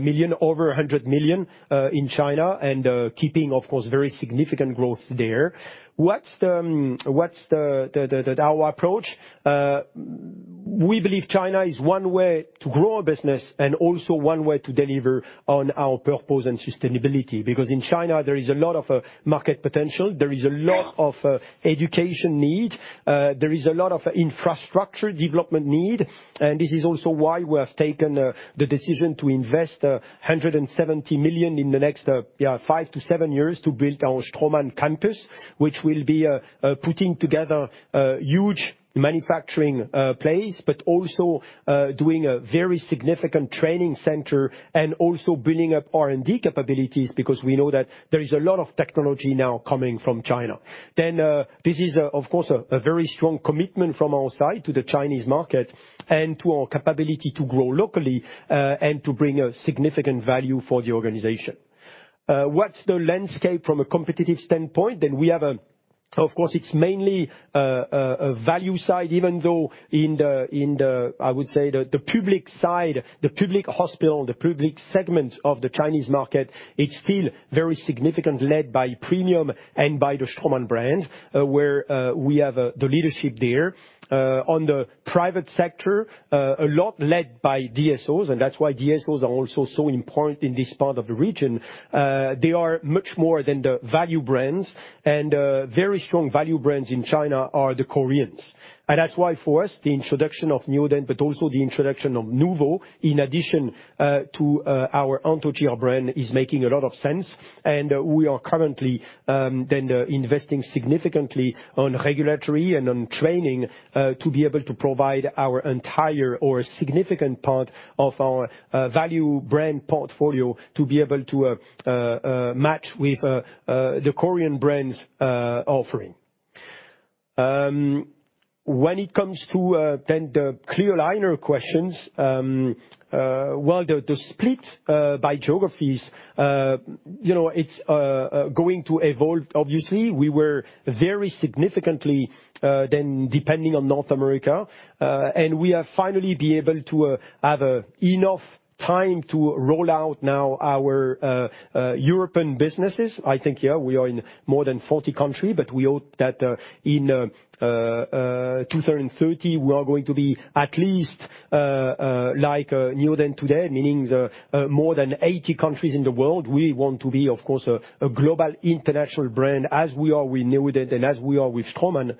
million, over 100 million, in China and keeping, of course, very significant growth there. What's our approach? We believe China is one way to grow our business and also one way to deliver on our purpose and sustainability, because in China there is a lot of market potential. There is a lot of education need, there is a lot of infrastructure development need. This is also why we have taken the decision to invest 170 million in the next 5-7 years to build our Straumann campus, which will be putting together a huge manufacturing place, but also doing a very significant training center and also building up R&D capabilities, because we know that there is a lot of technology now coming from China. This is of course a very strong commitment from our side to the Chinese market and to our capability to grow locally and to bring a significant value for the organization. What's the landscape from a competitive standpoint? Of course, it's mainly a value side, even though in the I would say the public side, the public hospital, the public segment of the Chinese market, it's still very significantly led by premium and by the Straumann brand, where we have the leadership there. On the private sector, a lot led by DSOs, and that's why DSOs are also so important in this part of the region. They are much more than the value brands and very strong value brands in China are the Koreans. That's why for us, the introduction of Neodent, but also the introduction of NUVO in addition to our Anthogyr brand is making a lot of sense. We are currently investing significantly on regulatory and on training to be able to provide our entire or a significant part of our value brand portfolio to be able to match with the Korean brands' offering. When it comes to the clear aligner questions, well, the split by geographies, you know, it's going to evolve. Obviously, we were very significantly depending on North America, and we have finally been able to have enough time to roll out now our European businesses. I think, yeah, we are in more than 40 countries, but we hope that in 2030, we are going to be at least like Neodent today, meaning more than 80 countries in the world. We want to be, of course, a global international brand as we are with Neodent, and as we are with Straumann.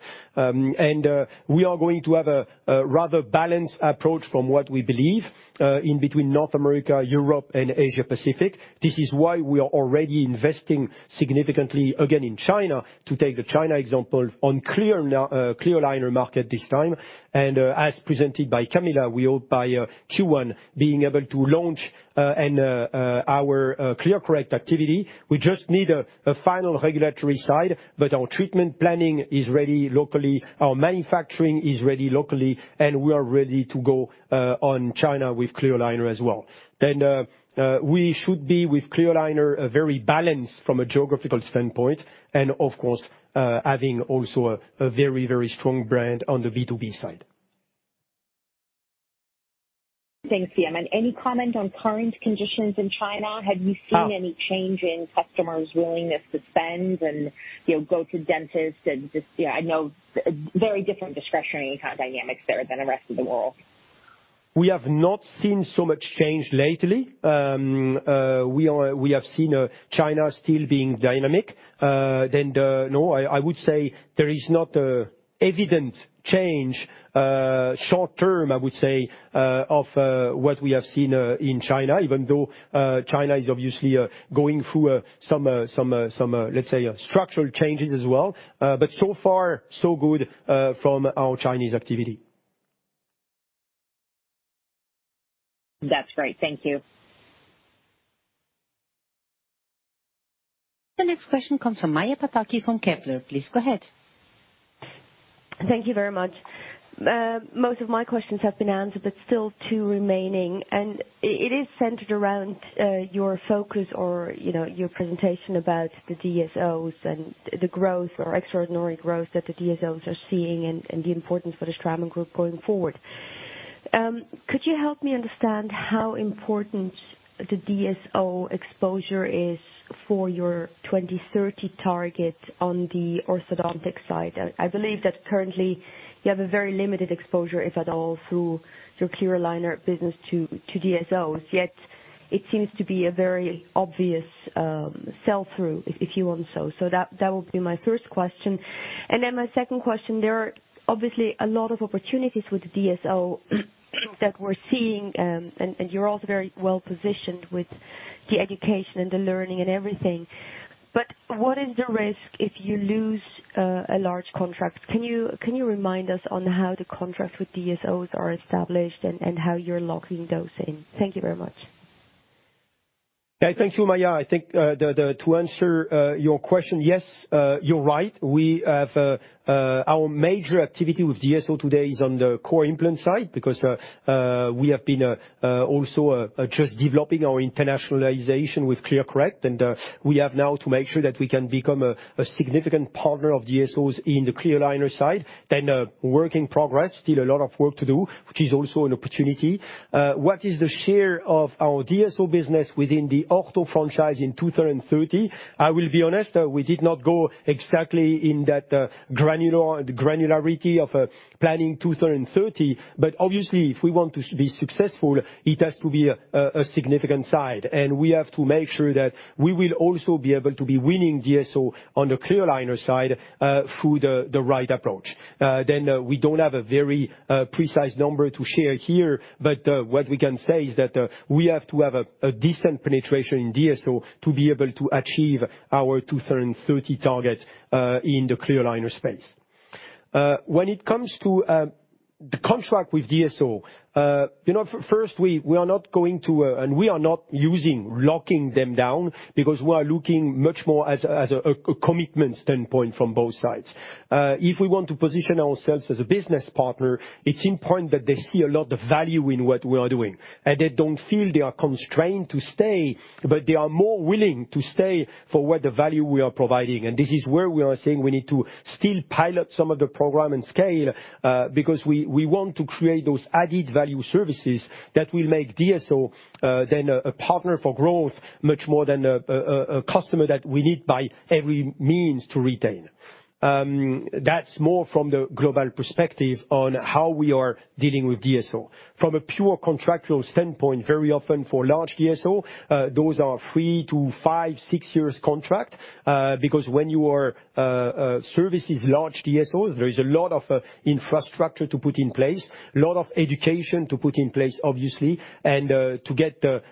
We are going to have a rather balanced approach from what we believe in between North America, Europe and Asia Pacific. This is why we are already investing significantly again in China. To take the China example on clear aligner market this time. As presented by Camila, we hope by Q1 being able to launch our ClearCorrect activity. We just need a final regulatory side, but our treatment planning is ready locally, our manufacturing is ready locally, and we are ready to go in China with clear aligner as well. We should be with clear aligner very balanced from a geographical standpoint and of course having also a very strong brand on the B2B side. Thanks, Guillaume. Any comment on current conditions in China? Have you seen any change in customers' willingness to spend and, you know, go to dentists and just, yeah, I know very different discretionary kind of dynamics there than the rest of the world. We have not seen so much change lately. We have seen China still being dynamic. I would say there is not an evident change short-term, I would say, of what we have seen in China, even though China is obviously going through some let's say structural changes as well. So far so good from our Chinese activity. That's great. Thank you. The next question comes from Maja Pataki from Kepler. Please go ahead. Thank you very much. Most of my questions have been answered, but still two remaining, and it is centered around your focus or, you know, your presentation about the DSOs and the growth or extraordinary growth that the DSOs are seeing and the importance for the Straumann Group going forward. Could you help me understand how important the DSO exposure is for your 2030 target on the orthodontic side? I believe that currently you have a very limited exposure, if at all, through your clear aligner business to DSOs. Yet it seems to be a very obvious sell through if you want so. That would be my first question. My second question, there are obviously a lot of opportunities with DSO that we're seeing, and you're also very well-positioned with the education and the learning and everything. But what is the risk if you lose a large contract? Can you remind us on how the contract with DSOs are established and how you're locking those in? Thank you very much. Yeah, thank you, Maya. I think, to answer your question, yes, you're right. We have our major activity with DSO today is on the core implant side because we have been also just developing our internationalization with ClearCorrect. We have now to make sure that we can become a significant partner of DSOs in the clear aligner side. It's a work in progress, still a lot of work to do, which is also an opportunity. What is the share of our DSO business within the ortho franchise in 2030? I will be honest, we did not go exactly in that granularity of planning 2030. Obviously, if we want to be successful, it has to be a significant side, and we have to make sure that we will also be able to be winning DSO on the clear aligner side through the right approach. We don't have a very precise number to share here, but what we can say is that we have to have a decent penetration in DSO to be able to achieve our 2030 target in the clear aligner space. When it comes to the contract with DSO, you know, first, we are not going to and we are not using locking them down because we are looking much more as a commitment standpoint from both sides. If we want to position ourselves as a business partner, it's important that they see a lot of value in what we are doing, and they don't feel they are constrained to stay, but they are more willing to stay for the value we are providing. This is where we are saying we need to still pilot some of the program and scale, because we want to create those added value services that will make DSO then a partner for growth much more than a customer that we need by every means to retain. That's more from the global perspective on how we are dealing with DSO. From a pure contractual standpoint, very often for large DSOs, those are three, five, six-year contracts because when you are servicing large DSOs, there is a lot of infrastructure to put in place, a lot of education to put in place, obviously. To get the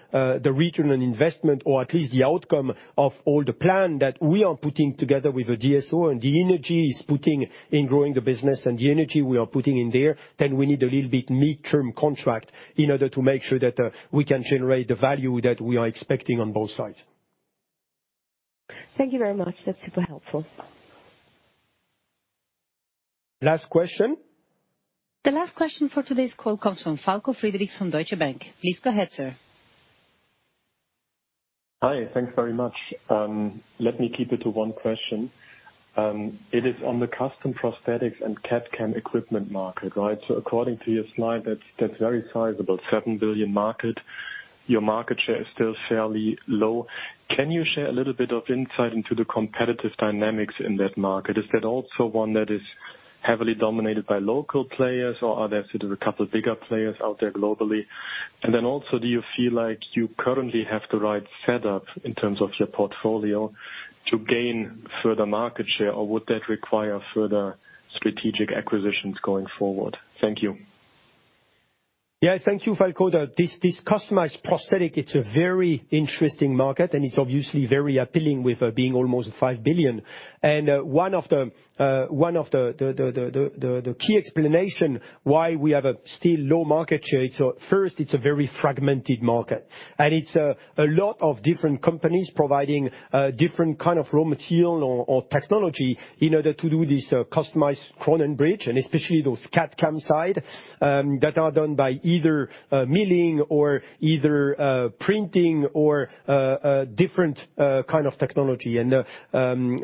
return on investment or at least the outcome of all the plans that we are putting together with the DSO and the energies putting in growing the business and the energy we are putting in there, then we need a little bit mid-term contracts in order to make sure that we can generate the value that we are expecting on both sides. Thank you very much. That's super helpful. Last question. The last question for today's call comes from Falko Friedrichs from Deutsche Bank. Please go ahead, sir. Hi. Thanks very much. Let me keep it to one question. It is on the custom prosthetics and CAD/CAM equipment market, right? According to your slide, that's very sizable, 7 billion market. Your market share is still fairly low. Can you share a little bit of insight into the competitive dynamics in that market? Is that also one that is heavily dominated by local players, or are there sort of a couple bigger players out there globally? And then also, do you feel like you currently have the right setup in terms of your portfolio to gain further market share, or would that require further strategic acquisitions going forward? Thank you. Yeah. Thank you, Falko. This customized prosthetic, it's a very interesting market, and it's obviously very appealing with being almost 5 billion. One of the key explanation why we have a still low market share, it's first it's a very fragmented market, and it's a lot of different companies providing different kind of raw material or technology in order to do this customized crown and bridge, and especially those CAD/CAM side that are done by either milling or printing or different kind of technology.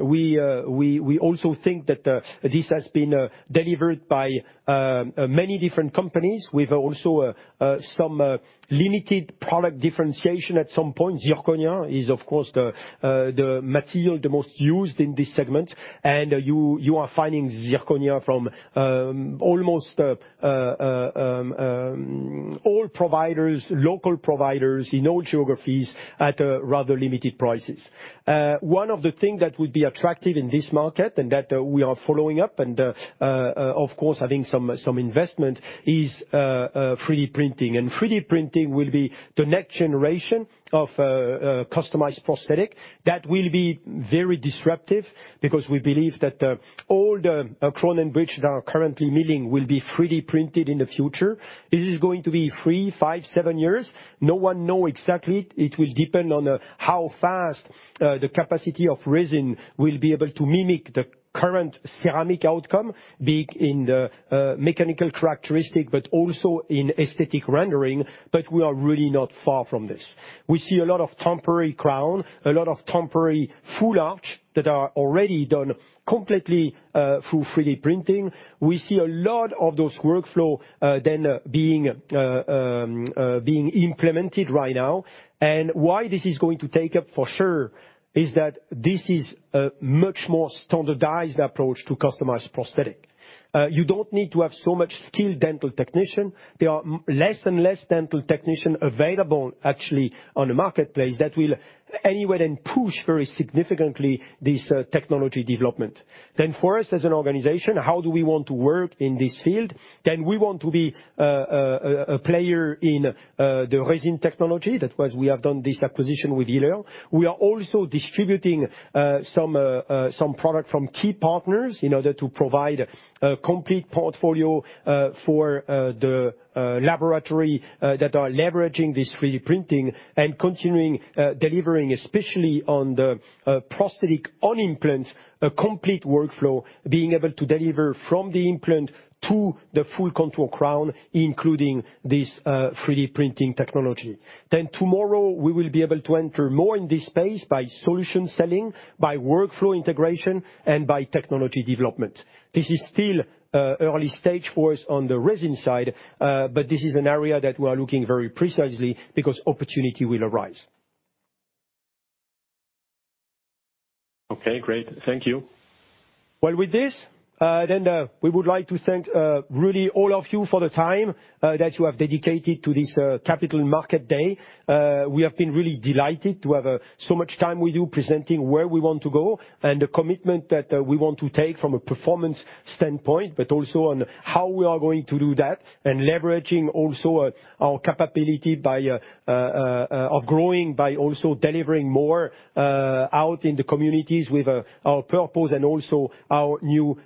We also think that this has been delivered by many different companies with also some limited product differentiation at some point. Zirconia is, of course, the material most used in this segment. You are finding zirconia from almost all providers, local providers in all geographies at rather limited prices. One of the thing that would be attractive in this market and that we are following up and of course having some investment is 3D printing. 3D printing will be the next generation of customized prosthetic that will be very disruptive because we believe that all the crown and bridge that are currently milling will be 3D printed in the future. This is going to be three, five, seven years. No one know exactly. It will depend on how fast the capacity of resin will be able to mimic the current ceramic outcome, be it in the mechanical characteristic, but also in aesthetic rendering, but we are really not far from this. We see a lot of temporary crown, a lot of temporary full arch that are already done completely through 3D printing. We see a lot of those workflow then being implemented right now. Why this is going to take up for sure is that this is a much more standardized approach to customized prosthetic. You don't need to have so much skilled dental technician. There are less and less dental technician available actually on the marketplace that will anyway then push very significantly this technology development. For us as an organization, how do we want to work in this field? We want to be a player in the resin technology. That is, we have done this acquisition with ILER. We are also distributing some product from key partners in order to provide a complete portfolio for the laboratory that are leveraging this 3D printing and continuing delivering especially on the prosthetics on implants, a complete workflow being able to deliver from the implant to the full contour crown, including this 3D printing technology. Tomorrow we will be able to enter more in this space by solution selling, by workflow integration, and by technology development. This is still early stage for us on the resin side, but this is an area that we are looking very precisely because opportunity will arise. Okay, great. Thank you. Well, with this, then, we would like to thank really all of you for the time that you have dedicated to this Capital Market Day. We have been really delighted to have so much time with you presenting where we want to go and the commitment that we want to take from a performance standpoint, but also on how we are going to do that, and leveraging also our capability by of growing by also delivering more out in the communities with our purpose and also our new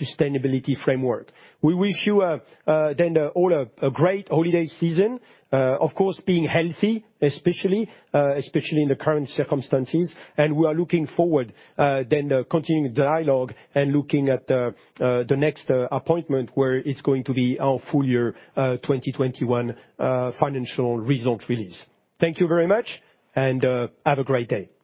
sustainability framework. We wish you then all a great holiday season. Of course, being healthy, especially especially in the current circumstances. We are looking forward, then continuing the dialogue and looking at the next appointment, where it's going to be our full-year 2021 financial result release. Thank you very much and have a great day.